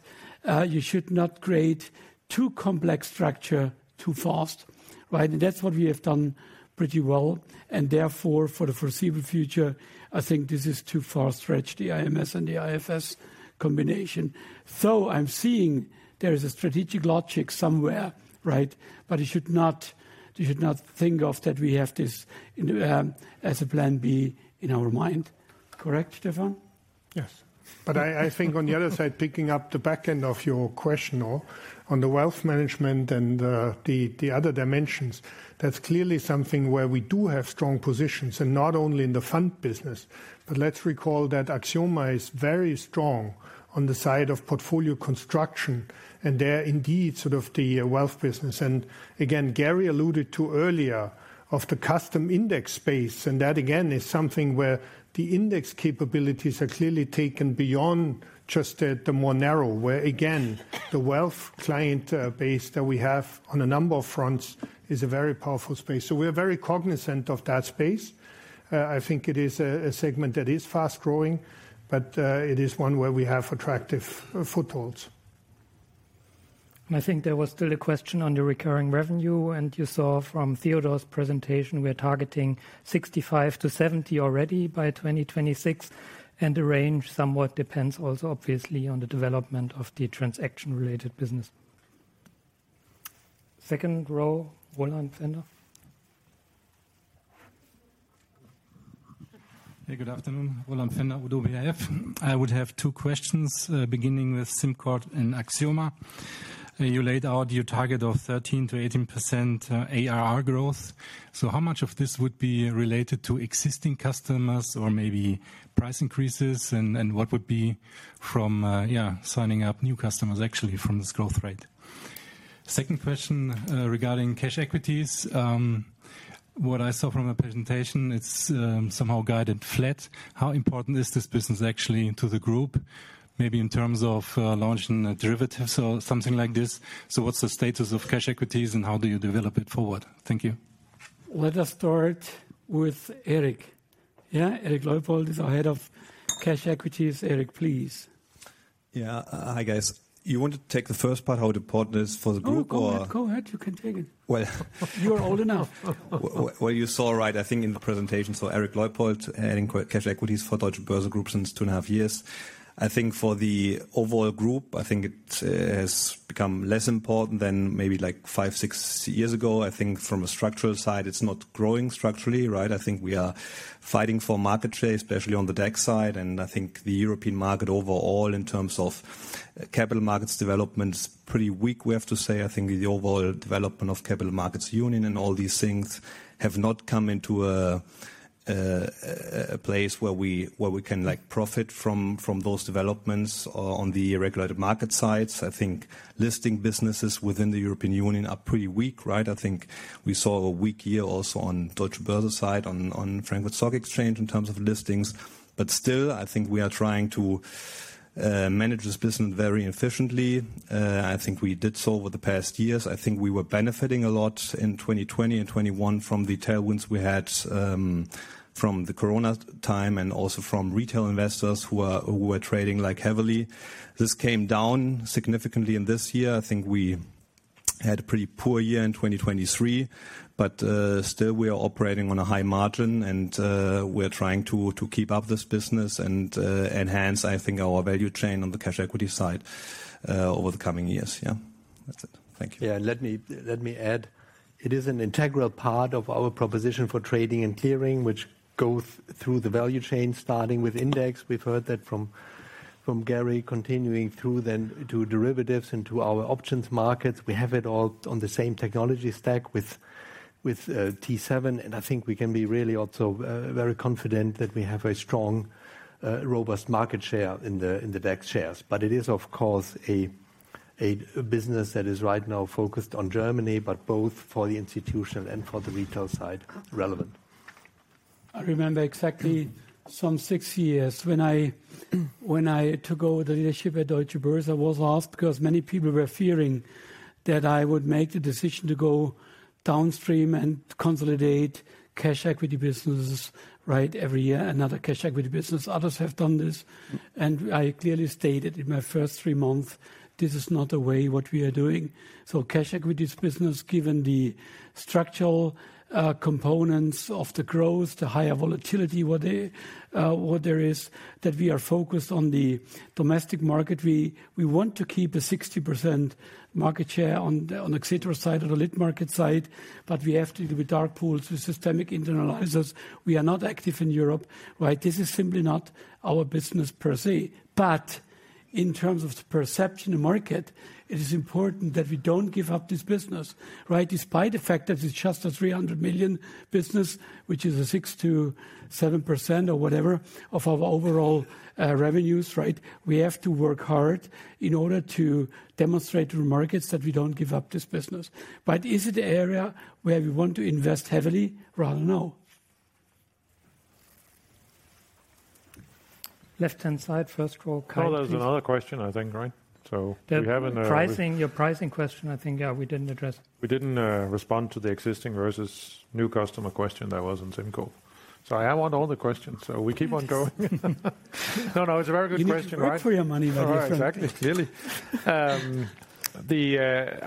you should not create too complex structure too fast, right? And that's what we have done pretty well, and therefore, for the foreseeable future, I think this is too far-fetched, the IMS and the IFS combination. So, I'm seeing there is a strategic logic somewhere, right? But you should not, you should not think of that we have this, as a plan B in our mind. Correct, Stephan? Yes. But I think on the other side, picking up the back end of your question, though, on the wealth management and the other dimensions, that's clearly something where we do have strong positions, and not only in the fund business. But let's recall that Axioma is very strong on the side of portfolio construction, and they are indeed sort of the wealth business. And again, Gary alluded to earlier of the custom index space, and that, again, is something where the index capabilities are clearly taken beyond just the more narrow, where again, the wealth client base that we have on a number of fronts is a very powerful space. So, we are very cognizant of that space. I think it is a segment that is fast growing, but it is one where we have attractive footholds. I think there was still a question on the recurring revenue, and you saw from Theodor's presentation, we are targeting 65%-70% already by 2026, and the range somewhat depends also, obviously, on the development of the transaction-related business. Second row, Roland Pfänder. Hey, good afternoon. Roland Pfänder, ODDO BHF. I would have two questions, beginning with SimCorp and Axioma. You laid out your target of 13%-18% ARR growth. So, how much of this would be related to existing customers or maybe price increases? And, and what would be from, yeah, signing up new customers, actually, from this growth rate? Second question, regarding cash equities. What I saw from a presentation, it's, somehow guided flat. How important is this business actually to the group? Maybe in terms of, launching derivatives or something like this. So, what's the status of cash equities and how do you develop it forward? Thank you. Let us start with Eric. Yeah, Eric Leupold is our head of Cash Equities. Eric, please. Yeah. Hi, guys. You want to take the first part, how important it is for the group or? No, go ahead. Go ahead, you can take it. Well- You're old enough. Well, you saw right, I think, in the presentation. So, Eric Leupold, heading Cash Equities for Deutsche Börse Group since 2.5 years. I think for the overall group, I think it has become less important than maybe like 5, 6 years ago. I think from a structural side, it's not growing structurally, right? I think we are fighting for market share, especially on the DAX side, and I think the European market overall, in terms of capital markets development, is pretty weak, we have to say. I think the overall development of Capital Markets Union and all these things have not come into a, a, a place where we, where we can, like, profit from, from those developments on the regulated market sides. I think listing businesses within the European Union are pretty weak, right? I think we saw a weak year also on Deutsche Börse side, on Frankfurt Stock Exchange in terms of listings. But still, I think we are trying to manage this business very efficiently. I think we did so over the past years. I think we were benefiting a lot in 2020 and 2021 from the tailwinds we had from the Corona time, and also from retail investors who were trading, like, heavily. This came down significantly in this year. I think we had a pretty poor year in 2023, but still, we are operating on a high margin and we're trying to keep up this business and enhance, I think, our value chain on the cash equity side over the coming years. Yeah, that's it. Thank you. Yeah, let me add. It is an integral part of our proposition for Trading and Clearing, which goes through the value chain, starting with index. We've heard that from Gary, continuing through then to derivatives into our options markets. We have it all on the same technology stack with T7, and I think we can be really also very confident that we have a strong robust market share in the DAX shares. But it is, of course, a business that is right now focused on Germany, but both for the institution and for the retail side, relevant.... I remember exactly some six years when I, when I took over the leadership at Deutsche Börse, I was asked, because many people were fearing that I would make the decision to go downstream and consolidate cash equity businesses, right? Every year, another cash equity business. Others have done this, and I clearly stated in my first three months, this is not the way what we are doing. So, cash equities business, given the structural, components of the growth, the higher volatility, what they, what there is, that we are focused on the domestic market. We, we want to keep a 60% market share on the, on Xetra side, on the lit market side, but we have to do with dark pools, with systemic internalizers. We are not active in Europe, right? This is simply not our business per se. But in terms of the perception in market, it is important that we don't give up this business, right? Despite the fact that it's just a 300 million business, which is a 6%-7% or whatever of our overall revenues, right? We have to work hard in order to demonstrate to the markets that we don't give up this business. But is it an area where we want to invest heavily? Well, no. Left-hand side, first row. Kyle, please. Well, there's another question, I think, right? So, we have an- The pricing, your pricing question, I think, yeah, we didn't address. We didn't respond to the existing versus new customer question that was in SimCorp. So, I want all the questions, so we keep on going. No, no, it's a very good question, right? You need to work for your money, my friend. Right, exactly. Clearly. I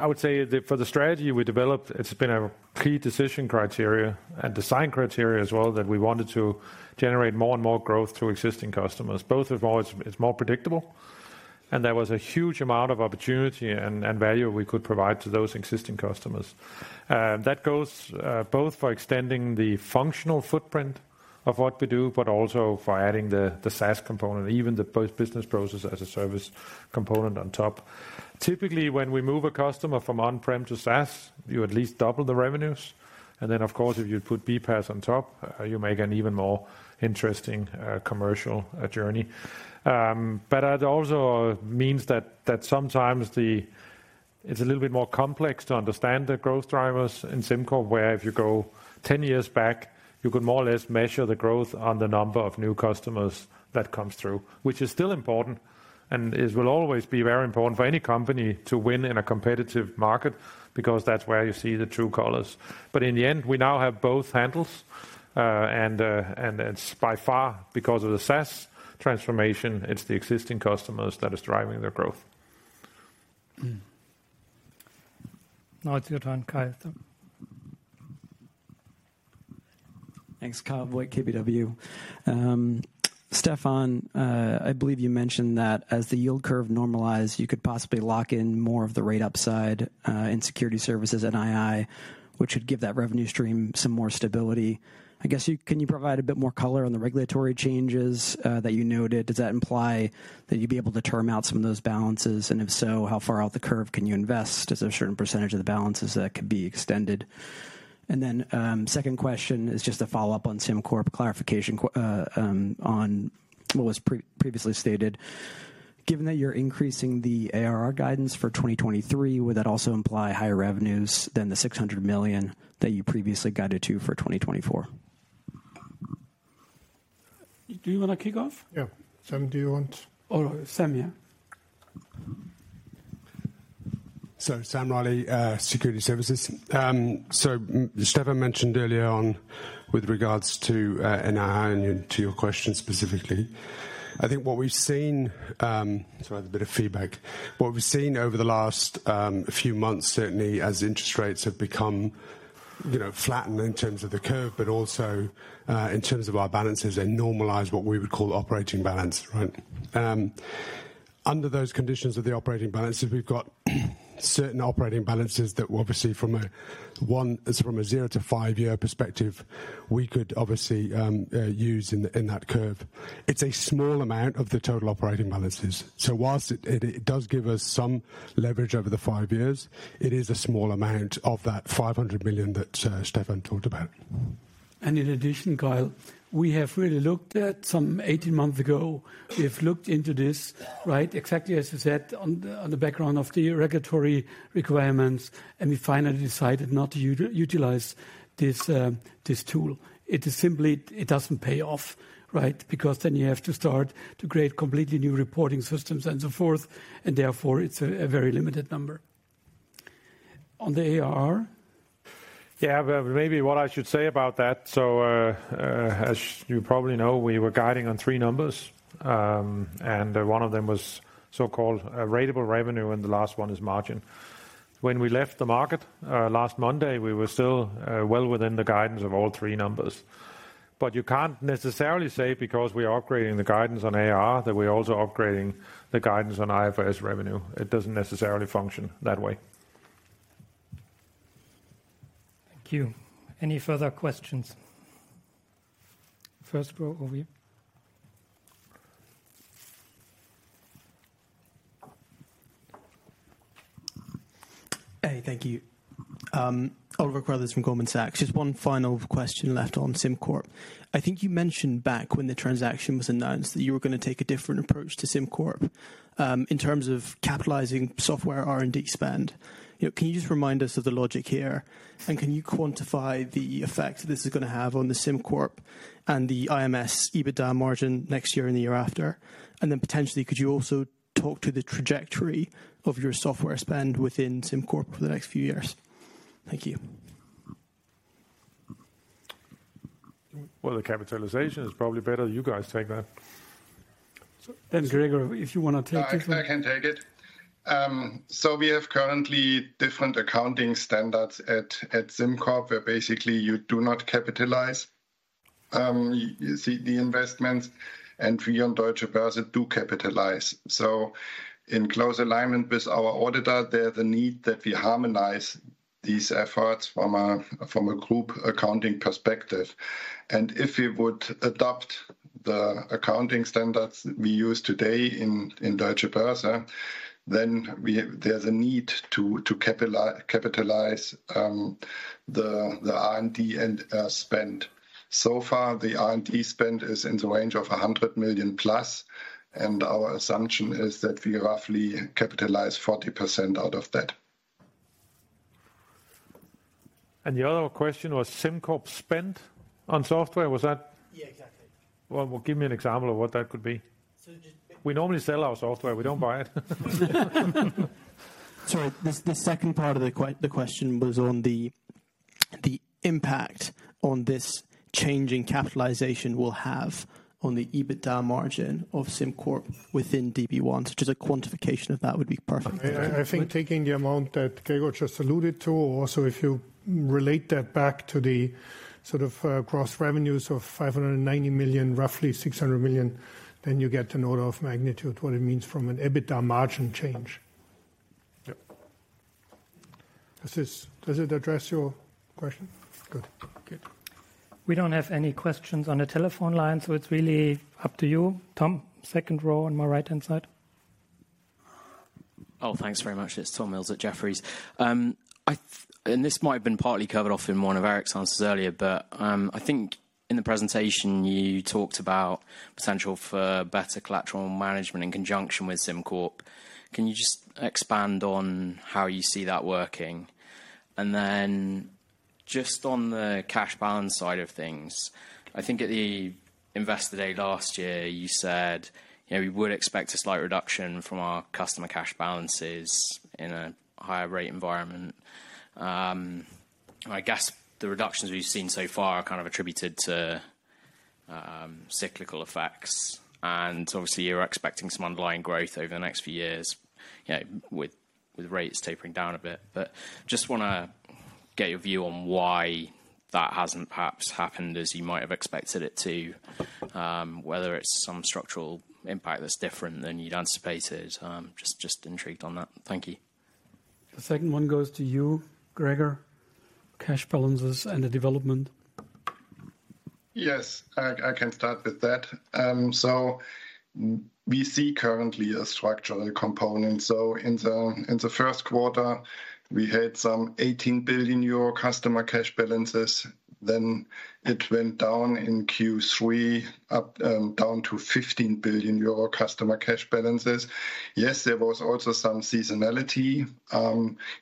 would say the, for the strategy we developed, it's been a key decision criteria and design criteria as well, that we wanted to generate more and more growth through existing customers. Above all, it's more predictable, and there was a huge amount of opportunity and value we could provide to those existing customers. That goes both for extending the functional footprint of what we do, but also for adding the SaaS component, even the business process as a service component on top. Typically, when we move a customer from on-prem to SaaS, you at least double the revenues, and then, of course, if you put BPaaS on top, you make an even more interesting commercial journey. But it also means that sometimes the... It's a little bit more complex to understand the growth drivers in SimCorp, where if you go ten years back, you could more or less measure the growth on the number of new customers that comes through. Which is still important, and it will always be very important for any company to win in a competitive market, because that's where you see the true colors. But in the end, we now have both handles, and it's by far because of the SaaS transformation, it's the existing customers that is driving their growth. Now it's your turn, Kyle. Thanks, Kyle White, KBW. Stephan, I believe you mentioned that as the yield curve normalized, you could possibly lock in more of the rate upside in security services and II, which would give that revenue stream some more stability. I guess, can you provide a bit more color on the regulatory changes that you noted? Does that imply that you'd be able to term out some of those balances? And if so, how far out the curve can you invest? Is there a certain percentage of the balances that could be extended? And then, second question is just a follow-up on SimCorp, clarification on what was previously stated. Given that you're increasing the ARR guidance for 2023, would that also imply higher revenues than the 600 million that you previously guided to for 2024? Do you want to kick off? Yeah. Sam, do you want- All right, Sam, yeah. So, Sam Riley, Securities Services. So, Stephan mentioned earlier on with regards to NII, and to your question specifically, I think what we've seen... Sorry, there's a bit of feedback. What we've seen over the last few months, certainly as interest rates have become, you know, flattened in terms of the curve, but also in terms of our balances, they normalize what we would call operating balance, right? Under those conditions of the operating balances, we've got certain operating balances that obviously from a zero to five-year perspective, we could obviously use in that curve. It's a small amount of the total operating balances. So, whilst it does give us some leverage over the five years, it is a small amount of that 500 million that Stephan talked about. In addition, Kyle, we have really looked at some 18 months ago, we've looked into this, right? Exactly as I said, on the background of the regulatory requirements, and we finally decided not to utilize this tool. It is simply, it doesn't pay off, right? Because then you have to start to create completely new reporting systems and so forth, and therefore, it's a very limited number. On the ARR? Yeah, but maybe what I should say about that, so, as you probably know, we were guiding on three numbers, and one of them was so-called ratable revenue, and the last one is margin. When we left the market last Monday, we were still well within the guidance of all three numbers. But you can't necessarily say because we are upgrading the guidance on ARR, that we're also upgrading the guidance on IFRS revenue. It doesn't necessarily function that way. Thank you. Any further questions? First row over here.... Hey, thank you. Oliver Carruthers from Goldman Sachs. Just one final question left on SimCorp. I think you mentioned back when the transaction was announced, that you were gonna take a different approach to SimCorp, in terms of capitalizing software R&D spend. You know, can you just remind us of the logic here? And can you quantify the effect this is gonna have on the SimCorp and the IMS EBITDA margin next year and the year after? And then potentially, could you also talk to the trajectory of your software spend within SimCorp for the next few years? Thank you. Well, the capitalization is probably better, you guys take that. Then, Gregor, if you wanna take it- Yeah, I can take it. So, we have currently different accounting standards at SimCorp, where basically you do not capitalize, you see the investments, and we on Deutsche Börse do capitalize. So, in close alignment with our auditor, there're the need that we harmonize these efforts from a group accounting perspective. And if we would adopt the accounting standards we use today in Deutsche Börse, then there's a need to capitalize the R&D spend. So far, the R&D spend is in the range of 100 million plus, and our assumption is that we roughly capitalize 40% out of that. The other question was SimCorp spend on software? Was that- Yeah, exactly. Well, well, give me an example of what that could be. So just- We normally sell our software, we don't buy it. Sorry, the second part of the question was on the impact on this changing capitalization will have on the EBITDA margin of SimCorp within DB1, so just a quantification of that would be perfect. I think taking the amount that Gregor just alluded to, or also if you relate that back to the sort of cross revenues of 590 million, roughly 600 million, then you get an order of magnitude, what it means from an EBITDA margin change. Yep. Does it address your question? Good. Good. We don't have any questions on the telephone line, so it's really up to you. Tom, second row on my right-hand side. Oh, thanks very much. It's Tom Mills at Jefferies. This might have been partly covered off in one of Eric's answers earlier, but I think in the presentation you talked about potential for better collateral management in conjunction with SimCorp. Can you just expand on how you see that working? And then just on the cash balance side of things, I think at the Investor Day last year, you said, you know, we would expect a slight reduction from our customer cash balances in a higher rate environment. I guess the reductions we've seen so far are kind of attributed to cyclical effects, and obviously you're expecting some underlying growth over the next few years, you know, with, with rates tapering down a bit. But just wanna get your view on why that hasn't perhaps happened as you might have expected it to. Whether it's some structural impact that's different than you'd anticipated. Just intrigued on that. Thank you. The second one goes to you, Gregor: cash balances and the development. Yes, I can start with that. So, we see currently a structural component. So, in the first quarter, we had some 18 billion euro customer cash balances, then it went down in Q3 down to 15 billion euro customer cash balances. Yes, there was also some seasonality.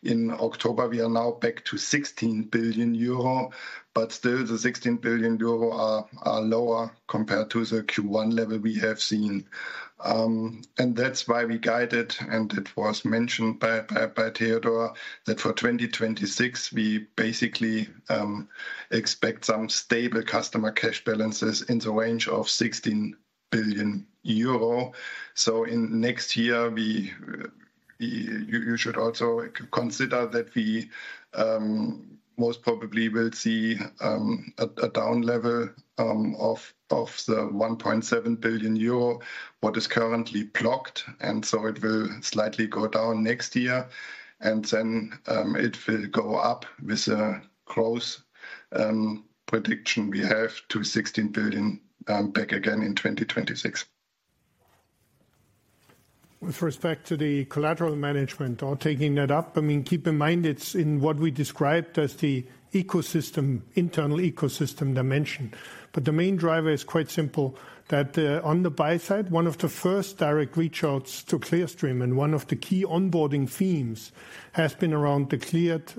In October, we are now back to 16 billion euro, but still the 16 billion euro are lower compared to the Q1 level we have seen. And that's why we guided, and it was mentioned by Theodor, that for 2026, we basically expect some stable customer cash balances in the range of 16 billion euro. So, in next year, we should also consider that we most probably will see a down level of the 1.7 billion euro what is currently blocked, and so it will slightly go down next year, and then it will go up with a close prediction we have to 16 billion back again in 2026. With respect to the collateral management or taking that up, I mean, keep in mind, it's in what we described as the ecosystem, internal ecosystem dimension. But the main driver is quite simple, that, on the buy side, one of the first direct reach outs to Clearstream and one of the key onboarding themes has been around the cleared,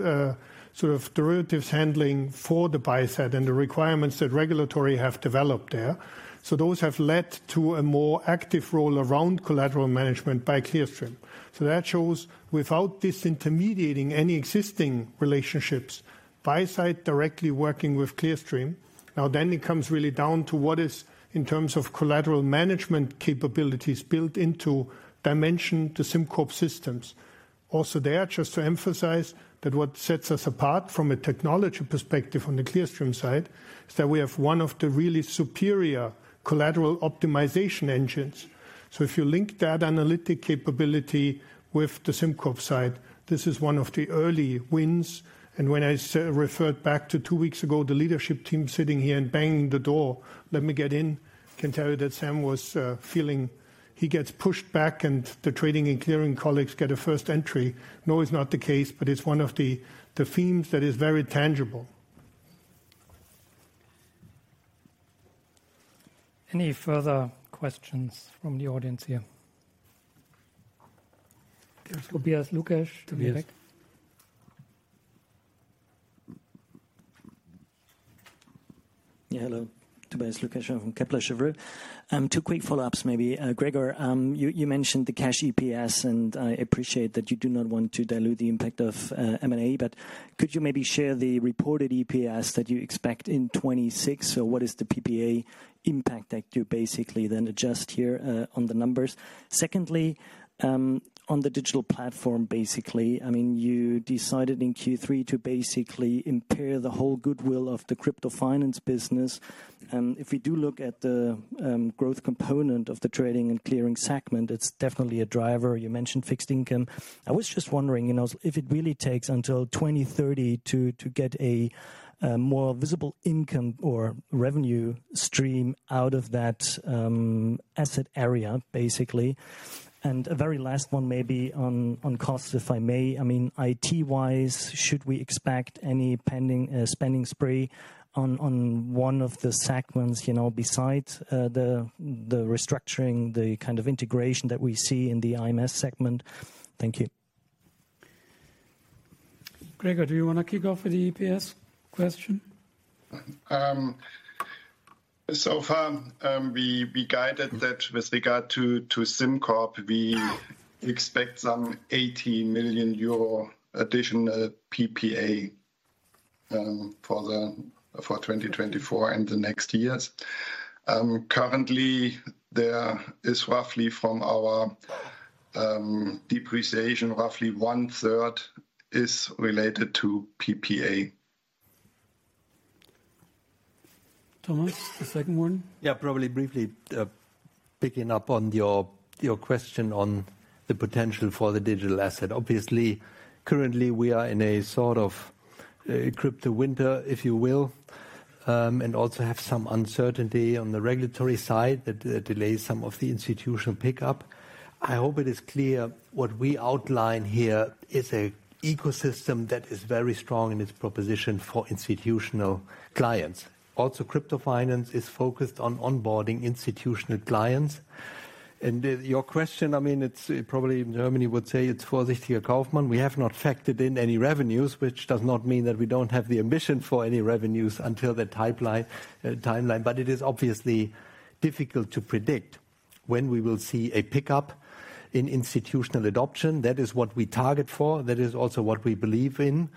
sort of derivatives handling for the buy side and the requirements that regulatory have developed there. So, those have led to a more active role around collateral management by Clearstream. So, that shows without disintermediating any existing relationships, buy side directly working with Clearstream. Now, then it comes really down to what is, in terms of collateral management capabilities, built into Dimension to SimCorp systems. Also, there, just to emphasize that what sets us apart from a technology perspective on the Clearstream side, is that we have one of the really superior collateral optimization engines. So, if you link that analytic capability with the SimCorp side, this is one of the early wins. And when I referred back to two weeks ago, the leadership team sitting here and banging the door, "Let me get in," I can tell you that Sam was feeling he gets pushed back, and the Trading and Clearing colleagues get a first entry. No, it's not the case, but it's one of the themes that is very tangible.... Any further questions from the audience here? There's Tobias Lukesch in the back. Yeah, hello. Tobias Lukesch from Kepler Cheuvreux. Two quick follow-ups, maybe. Gregor, you mentioned the Cash EPS, and I appreciate that you do not want to dilute the impact of M&A. But could you maybe share the reported EPS that you expect in 2026? So, what is the PPA impact that you basically then adjust here on the numbers? Secondly, on the digital platform, basically, I mean, you decided in Q3 to basically impair the whole goodwill of the crypto finance business. And if you do look at the growth component of the Trading and Clearing segment, it's definitely a driver. You mentioned fixed income. I was just wondering, you know, if it really takes until 2030 to get a more visible income or revenue stream out of that asset area, basically. A very last one may be on costs, if I may. I mean, IT-wise, should we expect any pending spending spree on one of the segments, you know, besides the restructuring, the kind of integration that we see in the IMS segment? Thank you. Gregor, do you wanna kick off with the EPS question? So far, we guided that with regard to SimCorp, we expect some 80 million euro additional PPA for 2024 and the next years. Currently, there is roughly from our depreciation, roughly one third is related to PPA. Thomas, the second one? Yeah, probably briefly, picking up on your question on the potential for the digital asset. Obviously, currently, we are in a sort of, crypto winter, if you will, and also have some uncertainty on the regulatory side that, delays some of the institutional pickup. I hope it is clear what we outline here is a ecosystem that is very strong in its proposition for institutional clients. Also, crypto finance is focused on onboarding institutional clients. And, your question, I mean, it's, probably in Germany would say it's in der Luft. We have not factored in any revenues, which does not mean that we don't have the ambition for any revenues until the timeline, timeline. But it is obviously difficult to predict when we will see a pickup in institutional adoption. That is what we target for. That is also what we believe in.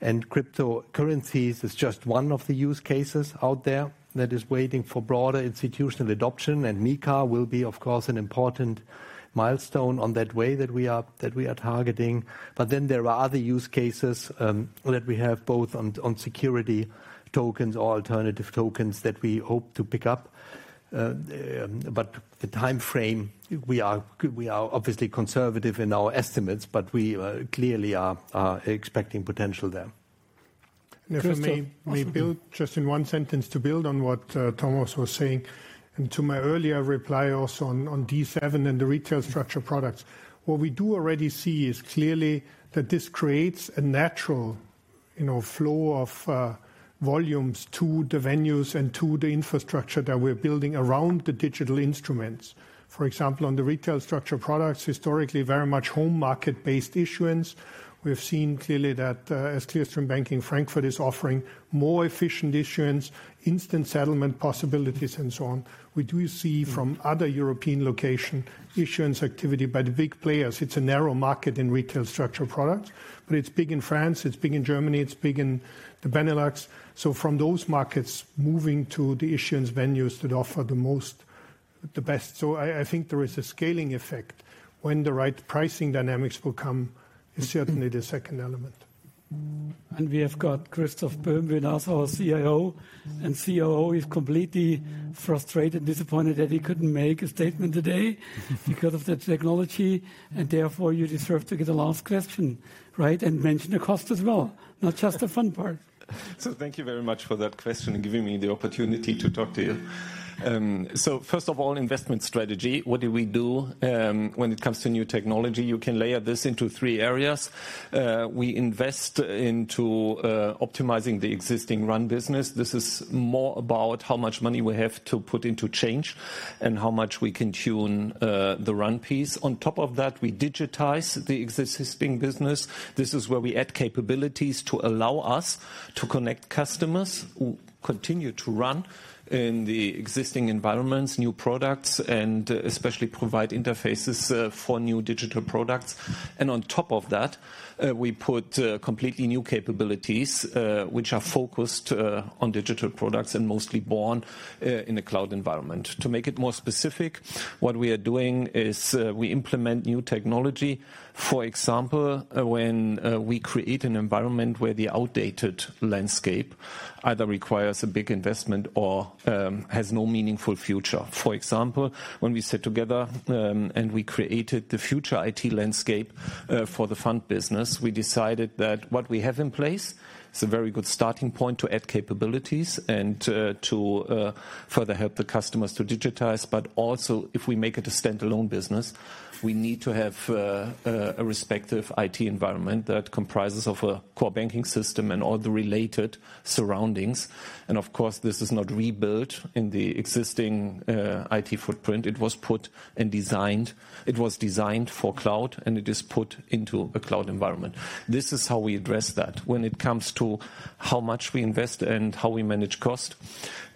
And cryptocurrencies is just one of the use cases out there that is waiting for broader institutional adoption. And MiCA will be, of course, an important milestone on that way that we are targeting. But then there are other use cases that we have both on security tokens or alternative tokens that we hope to pick up. But the timeframe, we are obviously conservative in our estimates, but we clearly are expecting potential there. And if I may- To build, just in one sentence, to build on what Thomas was saying, and to my earlier reply also on D7 and the retail structured products. What we do already see is clearly that this creates a natural, you know, flow of volumes to the venues and to the infrastructure that we're building around the digital instruments. For example, on the retail structured products, historically, very much home market-based issuance. We've seen clearly that, as Clearstream Banking Frankfurt is offering more efficient issuance, instant settlement possibilities, and so on. We do see from other European locations, issuance activity by the big players. It's a narrow market in retail structured products, but it's big in France, it's big in Germany, it's big in the Benelux. So, from those markets, moving to the issuance venues that offer the most, the best. So, I think there is a scaling effect when the right pricing dynamics will come, is certainly the second element. And we have got Christoph Böhm with us, our CIO and COO, is completely frustrated, disappointed that he couldn't make a statement today because of the technology, and therefore, you deserve to get the last question, right? And mention the cost as well, not just the fun part. So, thank you very much for that question, and giving me the opportunity to talk to you. So, first of all investment strategy. What do we do, when it comes to new technology? You can layer this into three areas. We invest into, optimizing the existing run business. This is more about how much money we have to put into change and how much we can tune, the run piece. On top of that, we digitize the existing business. This is where we add capabilities to allow us to connect customers who continue to run in the existing environments, new products, and especially provide interfaces, for new digital products. And on top of that, we put, completely new capabilities, which are focused, on digital products and mostly born, in the cloud environment. To make it more specific, what we are doing is, we implement new technology. For example, when we create an environment where the outdated landscape either requires a big investment or has no meaningful future. For example, when we sit together and we created the future IT landscape for the fund business, we decided that what we have in place is a very good starting point to add capabilities and to further help the customers to digitize. But also, if we make it a standalone business, we need to have a respective IT environment that comprises of a core banking system and all the related surroundings. And of course, this is not rebuilt in the existing IT footprint. It was put and designed... It was designed for cloud, and it is put into a cloud environment. This is how we address that. When it comes to how much we invest and how we manage cost,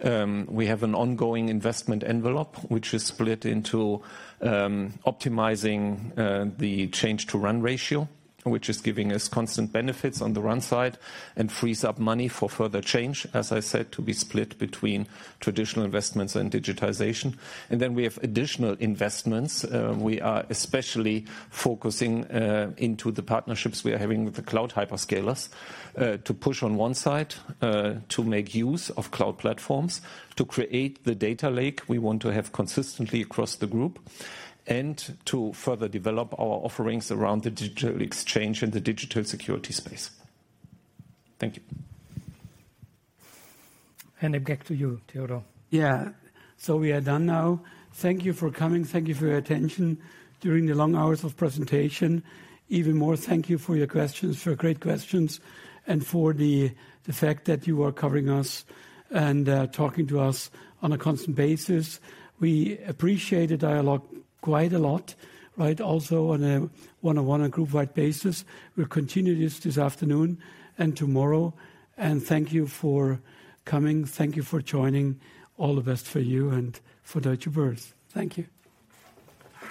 we have an ongoing investment envelope, which is split into optimizing the change-to-run ratio, which is giving us constant benefits on the run side and frees up money for further change, as I said, to be split between traditional investments and digitization. And then we have additional investments. We are especially focusing into the partnerships we are having with the cloud hyperscalers to push on one side to make use of cloud platforms, to create the data lake we want to have consistently across the group, and to further develop our offerings around the digital exchange and the digital security space. Thank you. Back to you, Theodor. Yeah. So, we are done now. Thank you for coming. Thank you for your attention during the long hours of presentation. Even more, thank you for your questions, for great questions, and for the, the fact that you are covering us and talking to us on a constant basis. We appreciate the dialogue quite a lot, right? Also, on a one-on-one and group-wide basis. We'll continue this, this afternoon and tomorrow, and thank you for coming. Thank you for joining. All the best for you and for Deutsche Börse. Thank you.